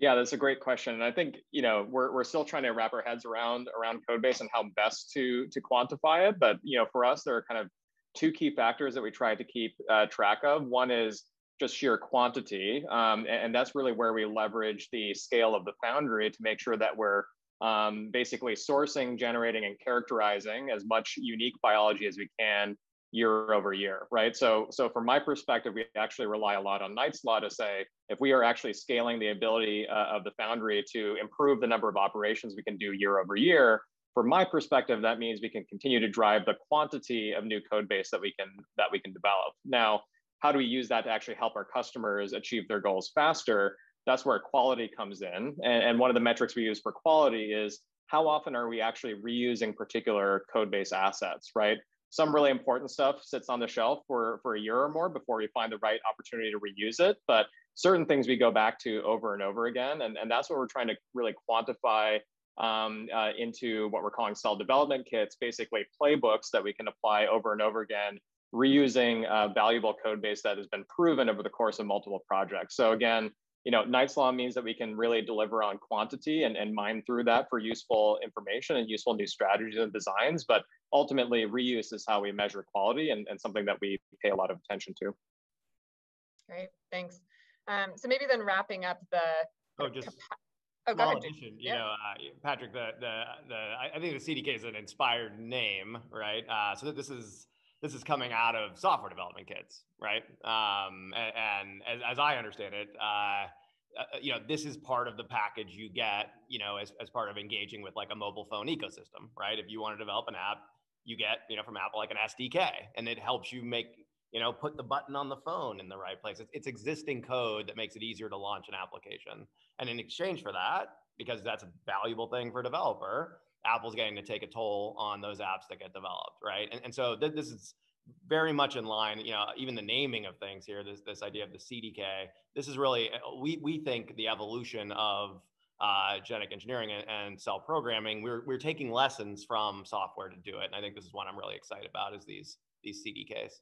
Yeah. That's a great question. I think we're still trying to wrap our heads around Codebase and how best to quantify it. For us, there are two key factors that we try to keep track of. One is just sheer quantity, and that's really where we leverage the scale of the foundry to make sure that we're basically sourcing, generating, and characterizing as much unique biology as we can year-over-year, right? From my perspective, we actually rely a lot on Knight's Law to say if we are actually scaling the ability of the foundry to improve the number of operations we can do year-over-year, from my perspective, that means we can continue to drive the quantity of new Codebase that we can develop. Now, how do we use that to actually help our customers achieve their goals faster? That's where quality comes in. One of the metrics we use for quality is how often are we actually reusing particular Codebase assets, right. Some really important stuff sits on the shelf for a year or more before we find the right opportunity to reuse it. Certain things we go back to over and over again, and that's what we're trying to really quantify into what we're calling Cell Development Kits, basically playbooks that we can apply over and over again, reusing valuable Codebase that has been proven over the course of multiple projects. Again, Knight's Law means that we can really deliver on quantity and mine through that for useful information and useful new strategies and designs, but ultimately, reuse is how we measure quality and something that we pay a lot of attention to. Great. Thanks. Oh, just one addition. Oh, go ahead. Yeah. Patrick, I think the CDK is an inspired name, right? This is coming out of software development kits, right? As I understand it, this is part of the package you get as part of engaging with a mobile phone ecosystem, right? If you want to develop an app, you get from Apple, an SDK, and it helps you put the button on the phone in the right place. It's existing code that makes it easier to launch an application. In exchange for that, because that's a valuable thing for a developer, Apple's getting to take a toll on those apps that get developed, right? This is very much in line, even the naming of things here, this idea of the CDK. We think the evolution of genetic engineering and cell programming, we're taking lessons from software to do it. I think this is what I'm really excited about, is these CDKs.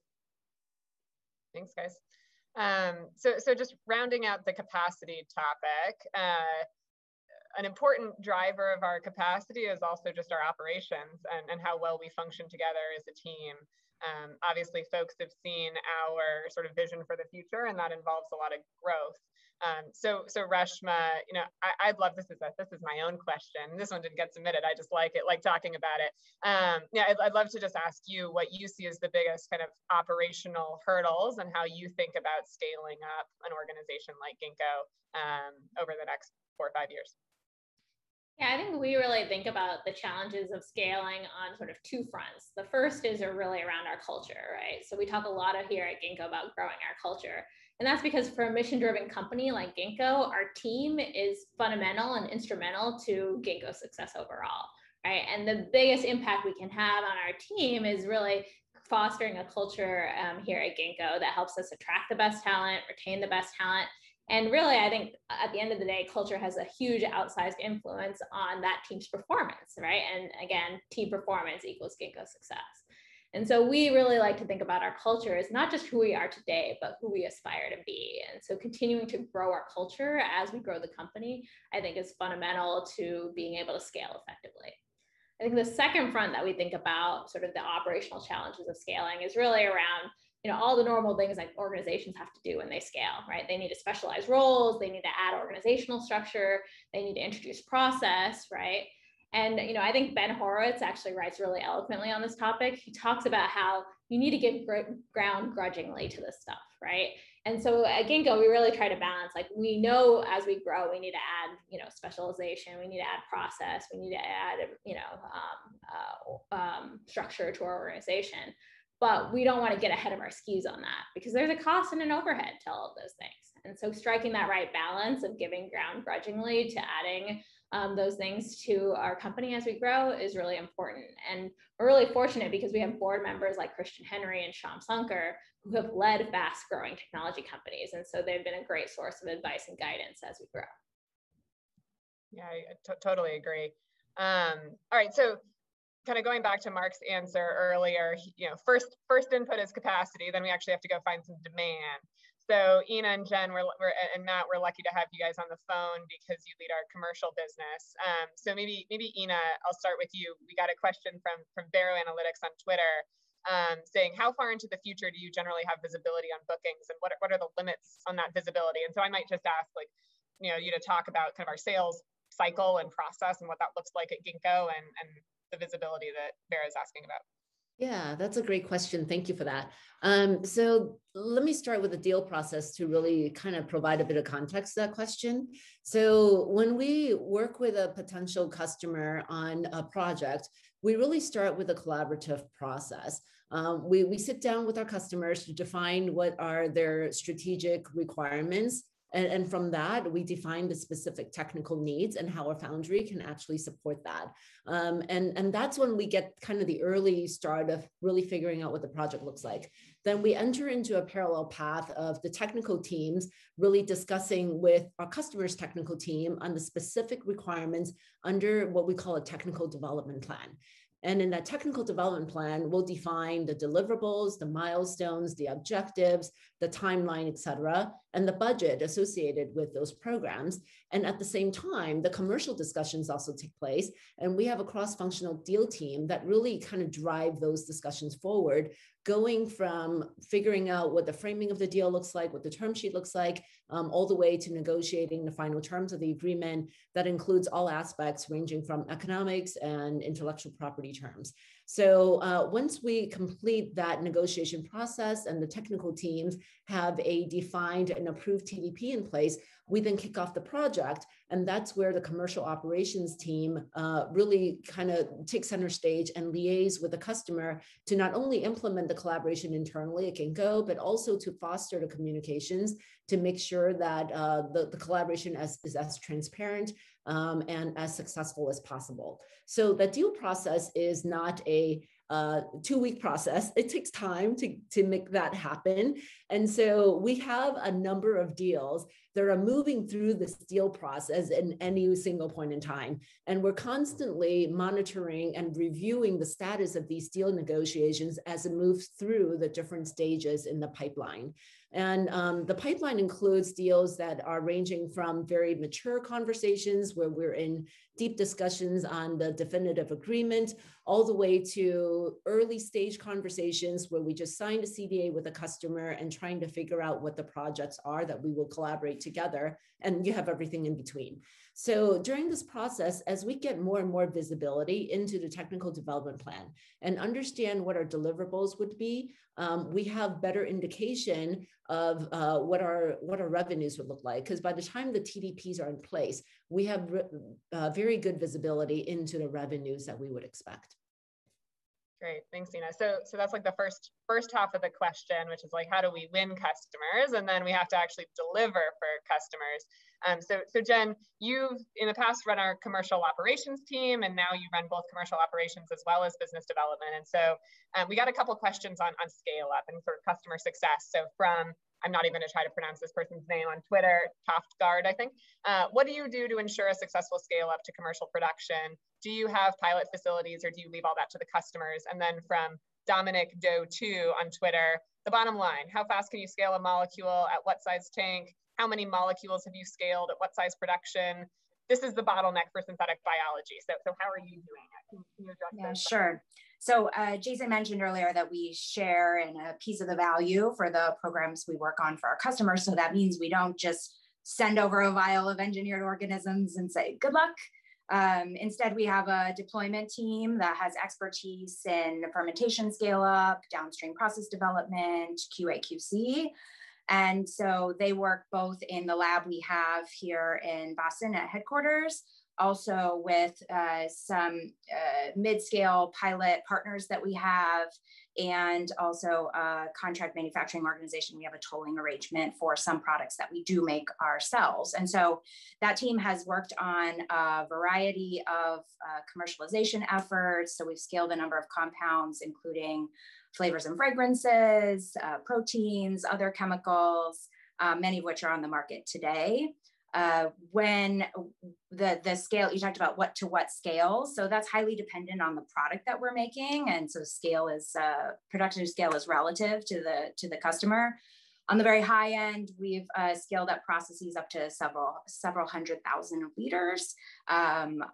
Thanks, guys. Just rounding out the capacity topic. An important driver of our capacity is also just our operations and how well we function together as a team. Obviously, folks have seen our sort of vision for the future, and that involves a lot of growth. Reshma, this is my own question. This one didn't get submitted. I just like talking about it. Yeah, I'd love to just ask you what you see as the biggest operational hurdles and how you think about scaling up an organization like Ginkgo over the next four or five years. I think we really think about the challenges of scaling on two fronts. The first is really around our culture, right? We talk a lot here at Ginkgo about growing our culture, and that's because for a mission-driven company like Ginkgo, our team is fundamental and instrumental to Ginkgo's success overall, right? The biggest impact we can have on our team is really fostering a culture here at Ginkgo that helps us attract the best talent, retain the best talent, and really, I think at the end of the day, culture has a huge outsized influence on that team's performance, right? Again, team performance equals Ginkgo's success. We really like to think about our culture as not just who we are today, but who we aspire to be. Continuing to grow our culture as we grow the company, I think is fundamental to being able to scale effectively. I think the second front that we think about, sort of the operational challenges of scaling, is really around all the normal things like organizations have to do when they scale, right? They need to specialize roles, they need to add organizational structure, they need to introduce process, right? I think Ben Horowitz actually writes really eloquently on this topic. He talks about how you need to give ground grudgingly to this stuff, right? At Ginkgo, we really try to balance, we know as we grow, we need to add specialization, we need to add process, we need to add structure to our organization. We don't want to get ahead of our skis on that, because there's a cost and an overhead to all of those things. Striking that right balance of giving ground grudgingly to adding those things to our company as we grow is really important. We're really fortunate because we have board members like Christian Henry and Shyam Sankar, who have led fast-growing technology companies, and so they've been a great source of advice and guidance as we grow. Yeah, I totally agree. All right. Going back to Mark's answer earlier, first input is capacity, then we actually have to go find some demand. Ena and Jen, and Matt, we're lucky to have you guys on the phone because you lead our commercial business. Maybe, Ena, I'll start with you. We got a question from Vera Analytics on Twitter, saying, "How far into the future do you generally have visibility on bookings, and what are the limits on that visibility?" I might just ask you to talk about our sales cycle and process and what that looks like at Ginkgo and the visibility that Vera's asking about. Yeah, that's a great question. Thank you for that. Let me start with the deal process to really provide a bit of context to that question. When we work with a potential customer on a project, we really start with a collaborative process. We sit down with our customers to define what are their strategic requirements, and from that, we define the specific technical needs and how our foundry can actually support that. That's when we get the early start of really figuring out what the project looks like. We enter into a parallel path of the technical teams really discussing with our customer's technical team on the specific requirements under what we call a Technical Development Plan. In that Technical Development Plan, we'll define the deliverables, the milestones, the objectives, the timeline, et cetera, and the budget associated with those programs. At the same time, the commercial discussions also take place, and we have a cross-functional deal team that really drive those discussions forward, going from figuring out what the framing of the deal looks like, what the term sheet looks like, all the way to negotiating the final terms of the agreement. That includes all aspects ranging from economics and intellectual property terms. Once we complete that negotiation process and the technical teams have a defined and approved TDP in place, we then kick off the project, and that's where the commercial operations team really takes center stage and liaise with the customer to not only implement the collaboration internally at Ginkgo, but also to foster the communications to make sure that the collaboration is as transparent and as successful as possible. The deal process is not a two-week process. It takes time to make that happen. We have a number of deals that are moving through this deal process at any single point in time. We're constantly monitoring and reviewing the status of these deal negotiations as it moves through the different stages in the pipeline. The pipeline includes deals that are ranging from very mature conversations where we're in deep discussions on the definitive agreement, all the way to early-stage conversations where we just signed a CDA with a customer and trying to figure out what the projects are that we will collaborate together, and we have everything in between. During this process, as we get more and more visibility into the technical development plan and understand what our deliverables would be, we have better indication of what our revenues will look like. By the time the TDPs are in place, we have very good visibility into the revenues that we would expect. Great. Thanks, Ena. That's the first half of the question, which is how do we win customers, we have to actually deliver for customers. Jen, you've in the past run our commercial operations team, you run both commercial operations as well as business development. We got a couple questions on scale-up and for customer success. From, I'm not even going to try to pronounce this person's name on Twitter, Topguard, I think, "What do you do to ensure a successful scale-up to commercial production? Do you have pilot facilities or do you leave all that to the customers?" From Dominic Doe on Twitter, "The bottom line, how fast can you scale a molecule? At what size tank? How many molecules have you scaled? At what size production? This is the bottleneck for synthetic biology." How are you doing that? Can you jump in? Yeah, sure. Jason mentioned earlier that we share a piece of the value for the programs we work on for our customers. That means we don't just send over a vial of engineered organisms and say, "Good luck." Instead, we have a deployment team that has expertise in the fermentation scale-up, downstream process development, QA/QC. They work both in the lab we have here in Boston at headquarters, also with some mid-scale pilot partners that we have, and also a contract manufacturing organization. We have a tolling arrangement for some products that we do make ourselves. That team has worked on a variety of commercialization efforts. We've scaled a number of compounds, including flavors and fragrances, proteins, other chemicals, many of which are on the market today. You talked about what to what scale, so that's highly dependent on the product that we're making, and so production scale is relative to the customer. On the very high end, we've scaled up processes up to several hundred thousand liters. Some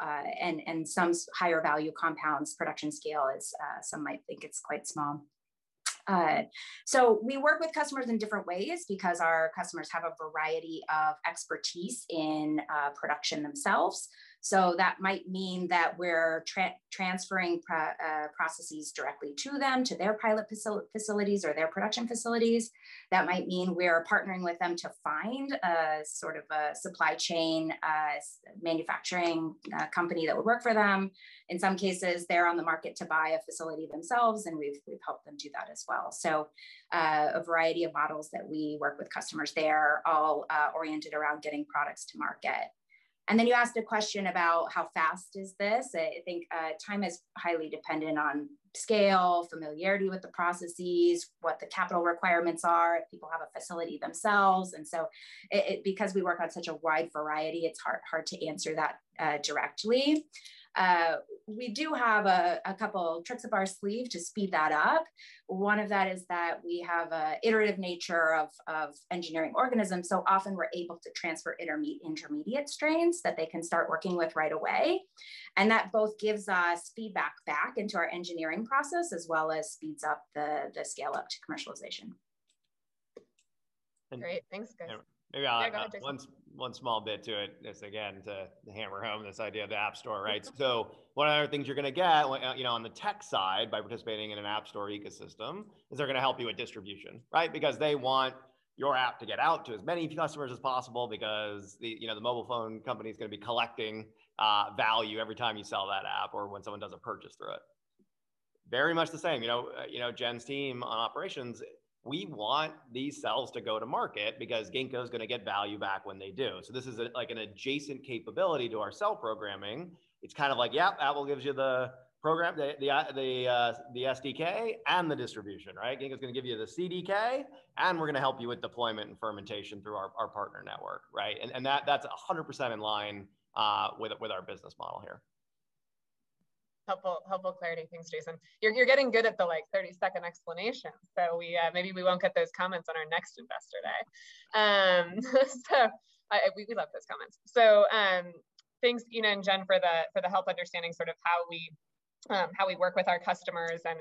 higher value compounds, production scale is, some might think it's quite small. We work with customers in different ways because our customers have a variety of expertise in production themselves. That might mean that we're transferring processes directly to them, to their pilot facilities or their production facilities. That might mean we are partnering with them to find a supply chain manufacturing company that will work for them. In some cases, they're on the market to buy a facility themselves, and we've helped them do that as well. A variety of models that we work with customers. They are all oriented around getting products to market. You asked a question about how fast is this. I think time is highly dependent on scale, familiarity with the processes, what the capital requirements are, if people have a facility themselves, because we work on such a wide variety, it's hard to answer that directly. We do have a couple tricks up our sleeve to speed that up. One of that is that we have an iterative nature of engineering organisms, so often we're able to transfer intermediate strains that they can start working with right away. That both gives us feedback back into our engineering process as well as speeds up the scale-up to commercialization. Great. Thanks, guys. Maybe I'll add one small bit to it, just again, to hammer home this idea of the app store. One of the things you're going to get on the tech side by participating in an app store ecosystem is they're going to help you with distribution. They want your app to get out to as many customers as possible because the mobile phone company's going to be collecting value every time you sell that app or when someone does a purchase through it. Very much the same, Jen's team Operations, we want these cells to go to market because Ginkgo's going to get value back when they do. This is an adjacent capability to our cell programming. It's kind of like, yep, Apple gives you the program, the SDK, and the distribution. Ginkgo's going to give you the CDK, and we're going to help you with deployment and fermentation through our partner network. That's 100% in line with our business model here. Helpful clarity. Thanks, Jason. You're getting good at the 30-second explanation. Maybe we won't get those comments on our next Investor Day. We love those comments. Thanks, Ena and Jennifer Wipf, for the help understanding how we work with our customers and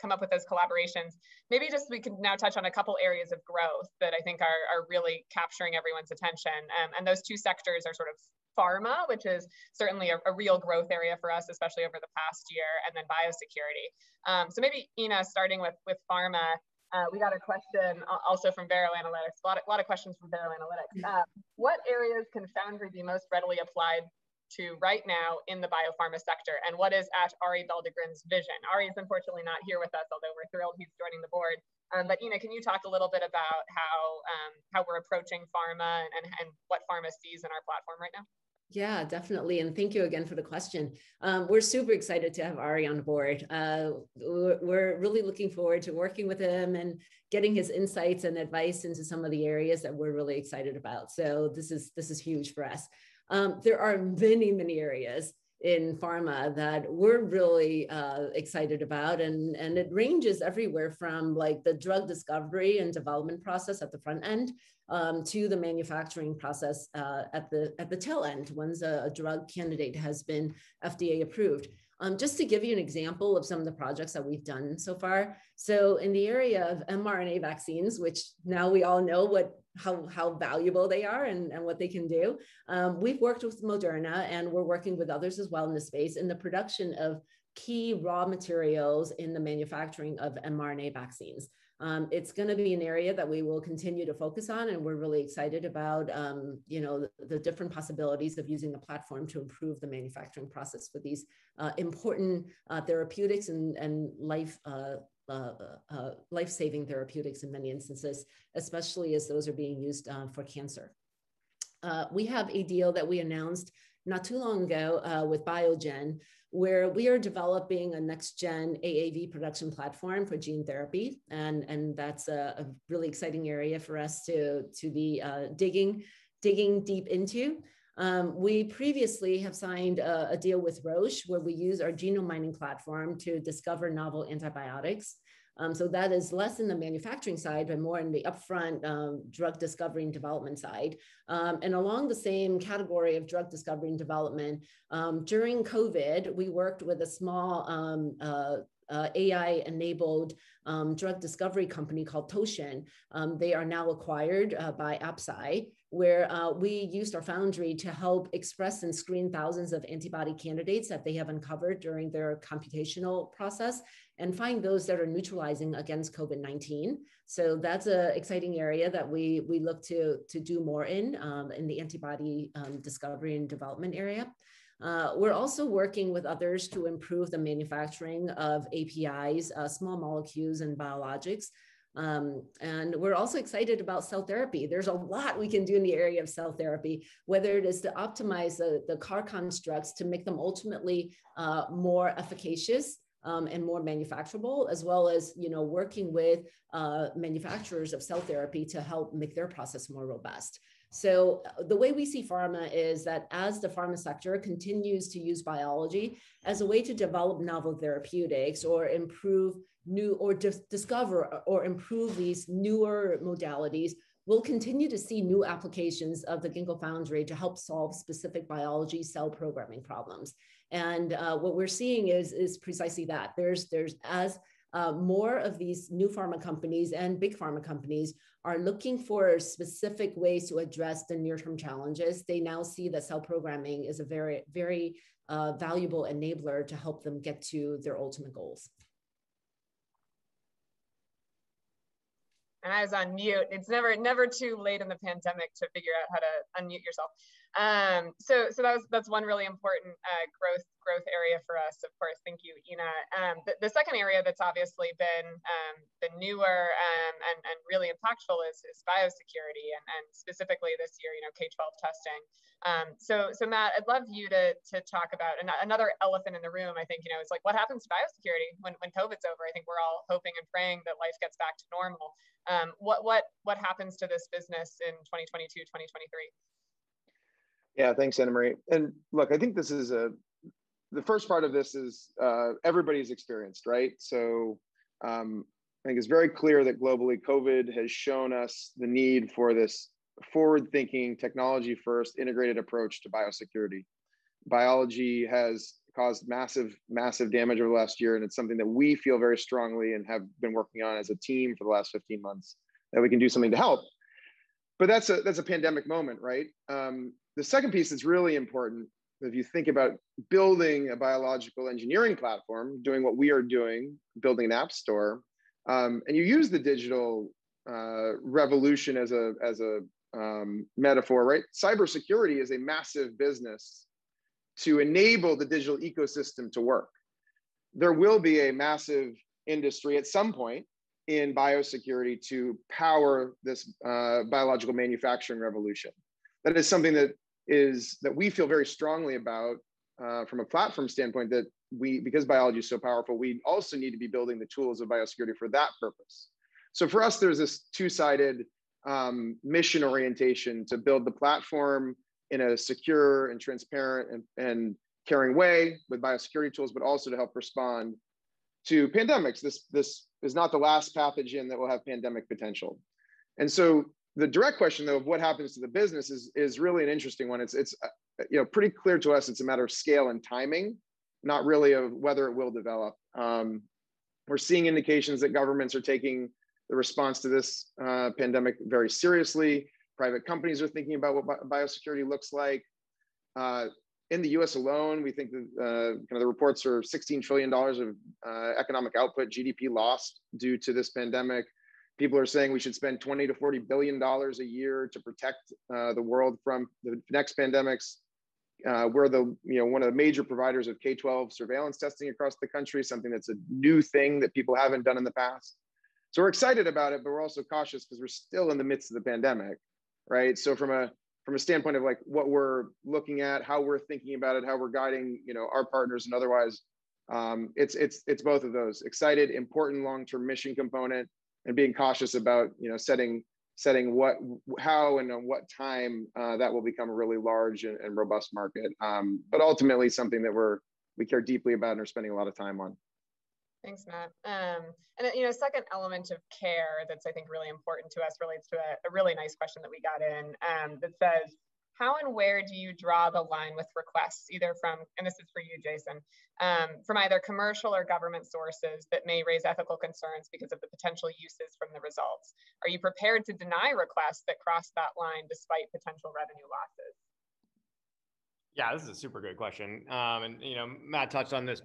come up with those collaborations. Maybe just we can now touch on a couple areas of growth that I think are really capturing everyone's attention, and those two sectors are pharma, which is certainly a real growth area for us, especially over the past year, and then biosecurity. Maybe, Ena, starting with pharma, we got a question also from Vera Analytics. A lot of questions from Vera Analytics. What areas can Foundry be most readily applied to right now in the biopharma sector, and what is Arie Belldegrun's vision? Arie is unfortunately not here with us, although we're thrilled he's joining the board. Ena, can you talk a little bit about how we're approaching pharma and what pharma sees in our platform right now? Yeah, definitely, thank you again for the question. We're super excited to have Arie on board. We're really looking forward to working with him and getting his insights and advice into some of the areas that we're really excited about. This is huge for us. There are many areas in pharma that we're really excited about, and it ranges everywhere from the drug discovery and development process at the front end to the manufacturing process at the tail end, once a drug candidate has been FDA approved. Just to give you an example of some of the projects that we've done so far. In the area of mRNA vaccines, which now we all know how valuable they are and what they can do, we've worked with Moderna, and we're working with others as well in the space in the production of key raw materials in the manufacturing of mRNA vaccines. It's going to be an area that we will continue to focus on, and we're really excited about the different possibilities of using the platform to improve the manufacturing process for these important therapeutics and life-saving therapeutics in many instances, especially as those are being used for cancer. We have a deal that we announced not too long ago with Biogen, where we are developing a next gen AAV production platform for gene therapy, and that's a really exciting area for us to be digging deep into. We previously have signed a deal with Roche, where we use our genome mining platform to discover novel antibiotics. That is less in the manufacturing side and more in the upfront drug discovery and development side. Along the same category of drug discovery and development, during COVID-19, we worked with a small AI-enabled drug discovery company called Totient. They are now acquired by AbCellera, where we used our foundry to help express and screen thousands of antibody candidates that they have uncovered during their computational process and find those that are neutralizing against COVID-19. That's an exciting area that we look to do more in the antibody discovery and development area. We're also working with others to improve the manufacturing of APIs, small molecules, and biologics. We're also excited about cell therapy. There's a lot we can do in the area of cell therapy, whether it is to optimize the CAR-T constructs to make them ultimately more efficacious and more manufacturable, as well as working with manufacturers of cell therapy to help make their process more robust. The way we see pharma is that as the pharma sector continues to use biology as a way to develop novel therapeutics or discover or improve these newer modalities, we'll continue to see new applications of the Ginkgo Foundry to help solve specific biology cell programming problems. What we're seeing is precisely that. As more of these new pharma companies and big pharma companies are looking for specific ways to address the near-term challenges, they now see that cell programming is a very valuable enabler to help them get to their ultimate goals. Anna's on mute. It's never too late in the pandemic to figure out how to unmute yourself. That's one really important growth area for us, of course. Thank you, Ena. The second area that's obviously been newer and really impactful is biosecurity, and specifically this year, K-12 testing. Matt, I'd love you to talk about. Another elephant in the room, I think, is what happens to biosecurity when COVID's over? I think we're all hoping and praying that life gets back to normal. What happens to this business in 2022, 2023? Yeah, thanks, Anna Marie. Look, I think the first part of this is everybody's experience. I think it's very clear that globally, COVID has shown us the need for this forward-thinking, technology-first integrated approach to biosecurity. Biology has caused massive damage over the last year, it's something that we feel very strongly and have been working on as a team for the last 15 months that we can do something to help. That's a pandemic moment, right? The second piece is really important if you think about building a biological engineering platform, doing what we are doing, building an app store, you use the digital revolution as a metaphor, right? Cybersecurity is a massive business to enable the digital ecosystem to work. There will be a massive industry at some point in biosecurity to power this biological manufacturing revolution. That is something that we feel very strongly about from a platform standpoint, that because biology is so powerful, we also need to be building the tools of biosecurity for that purpose. For us, there's this two-sided mission orientation to build the platform in a secure and transparent and caring way with biosecurity tools, but also to help respond to pandemics. This is not the last pathogen that will have pandemic potential. The direct question of what happens to the business is really an interesting one. It's pretty clear to us it's a matter of scale and timing, not really of whether it will develop. We're seeing indications that governments are taking the response to this pandemic very seriously. Private companies are thinking about what biosecurity looks like. In the U.S. alone, we think that the reports are $16 trillion of economic output, GDP loss due to this pandemic. People are saying we should spend $20 billion-$40 billion a year to protect the world from the next pandemics. We're one of the major providers of K-12 surveillance testing across the country, something that's a new thing that people haven't done in the past. We're excited about it, but we're also cautious because we're still in the midst of the pandemic, right? From a standpoint of what we're looking at, how we're thinking about it, how we're guiding our partners and otherwise, it's both of those. Excited, important long-term mission component, and being cautious about setting how and on what time that will become a really large and robust market. Ultimately something that we care deeply about and are spending a lot of time on. Thanks, Matt. A second element of care that's I think really important to us relates to a really nice question that we got in that says: How and where do you draw the line with requests either from, and this is for you, Jason, from either commercial or government sources that may raise ethical concerns because of the potential uses from the results? Are you prepared to deny requests that cross that line despite potential revenue losses? Yeah, this is a super good question. Matt touched on this.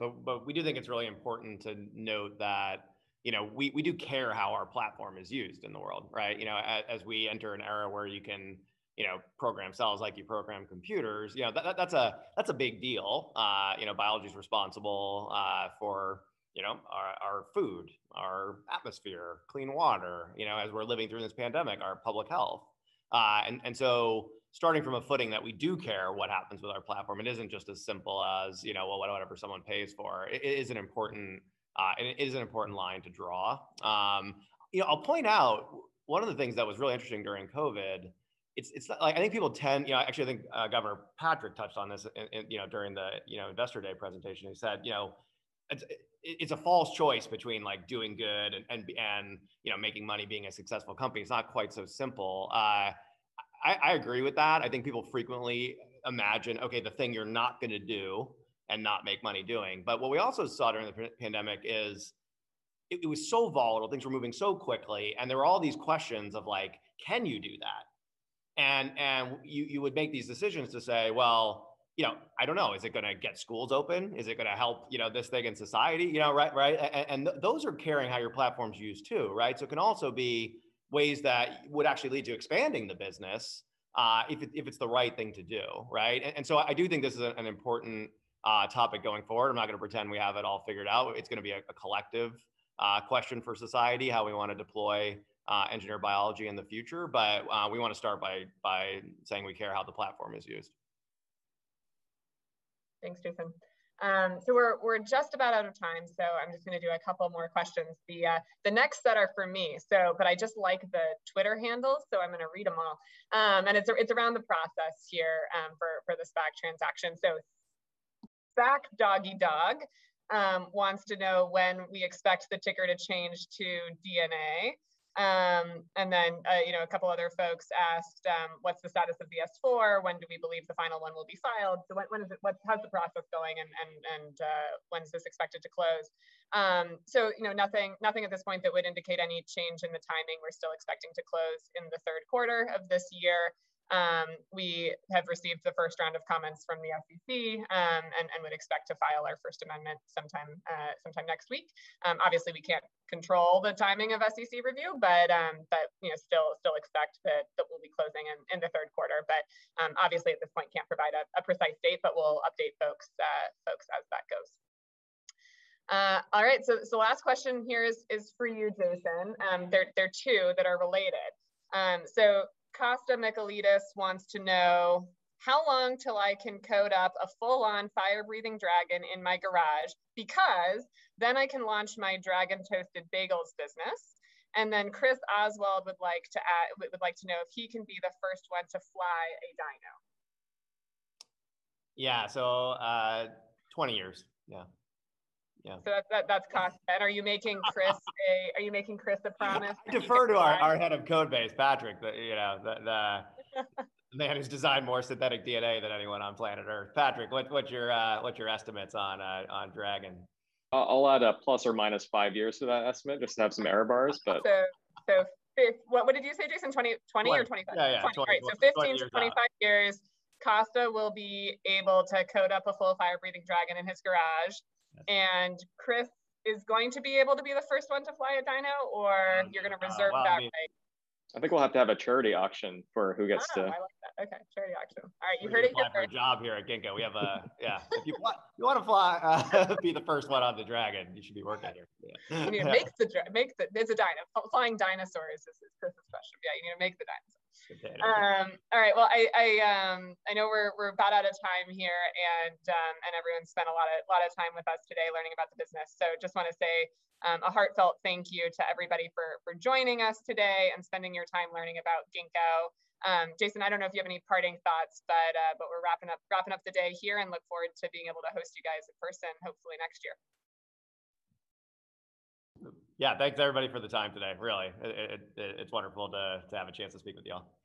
We do think it's really important to note that we do care how our platform is used in the world, right? As we enter an era where you can program cells like you program computers, that's a big deal. Biology is responsible for our food, our atmosphere, clean water, as we're living through this pandemic, our public health. Starting from a footing that we do care what happens with our platform, it isn't just as simple as, well, whatever someone pays for. It is an important line to draw. I'll point out, one of the things that was really interesting during COVID. Actually, I think Governor Patrick touched on this during the Investor Day presentation. He said it's a false choice between doing good and making money, being a successful company. It's not quite so simple. I agree with that. I think people frequently imagine, okay, the thing you're not going to do and not make money doing. What we also saw during the pandemic is it was so volatile. Things were moving so quickly, and there were all these questions of, like, can you do that? You would make these decisions to say, well, I don't know. Is it going to get schools open? Is it going to help this thing in society? Right? Those are caring how your platform is used, too, right? It can also be ways that would actually lead to expanding the business if it's the right thing to do, right? I do think this is an important topic going forward. I'm not going to pretend we have it all figured out. It's going to be a collective question for society, how we want to deploy engineered biology in the future. We want to start by saying we care how the platform is used. Thanks, Jason. We're just about out of time, so I'm just going to do a couple more questions. The next set are for me, but I just like the Twitter handles, so I'm going to read them all. It's around the process here for the SPAC transaction. @SPACdoggydog wants to know when we expect the ticker to change to DNA. A couple other folks asked, what's the status of the S-4? When do we believe the final one will be filed? How's the process going, and when is this expected to close? Nothing at this point that would indicate any change in the timing. We're still expecting to close in the third quarter of this year. We have received the first round of comments from the SEC and would expect to file our first amendment sometime next week. We can't control the timing of SEC review, but still expect that we'll be closing in the third quarter. Obviously, at this point, can't provide a precise date, but we'll update folks as that goes. The last question here is for you, Jason. They're two that are related. Kosta Michailidis wants to know, how long till I can code up a full-on fire-breathing dragon in my garage because then I can launch my dragon-toasted bagels business. Chris Oswell would like to know if he can be the first one to fly a dino. Yeah. 20 years Yeah. That's Kosta then. Are you making Chris a promise? Defer to our Head of Codebase, Patrick, the man who's designed more synthetic DNA than anyone on planet Earth. Patrick, what's your estimates on dragon? I'll add a ±5 years to that estimate, just to have some error bars. What did you say, Jason? 20 or 25? Yeah. All right. 15-25 years, Kosta will be able to code up a full fire-breathing dragon in his garage. Yes. Chris is going to be able to be the first one to fly a dino, or you're going to reserve that right? I think we'll have to have a charity auction. Oh, no, I like that. Okay. Charity auction. All right. You heard it here first. You could apply for a job here at Ginkgo. If you want to be the first one on the dragon, you should be working here. Yeah. You need to make the dino. Flying dinosaurs is Chris's question. Yeah, you need to make the dinosaurs. Okay. All right. Well, I know we're about out of time here, and everyone's spent a lot of time with us today learning about the business. Just want to say a heartfelt thank you to everybody for joining us today and spending your time learning about Ginkgo. Jason, I don't know if you have any parting thoughts, but we're wrapping up the day here and look forward to being able to host you guys in person hopefully next year. Thanks everybody for the time today, really. It's wonderful to have a chance to speak with you all.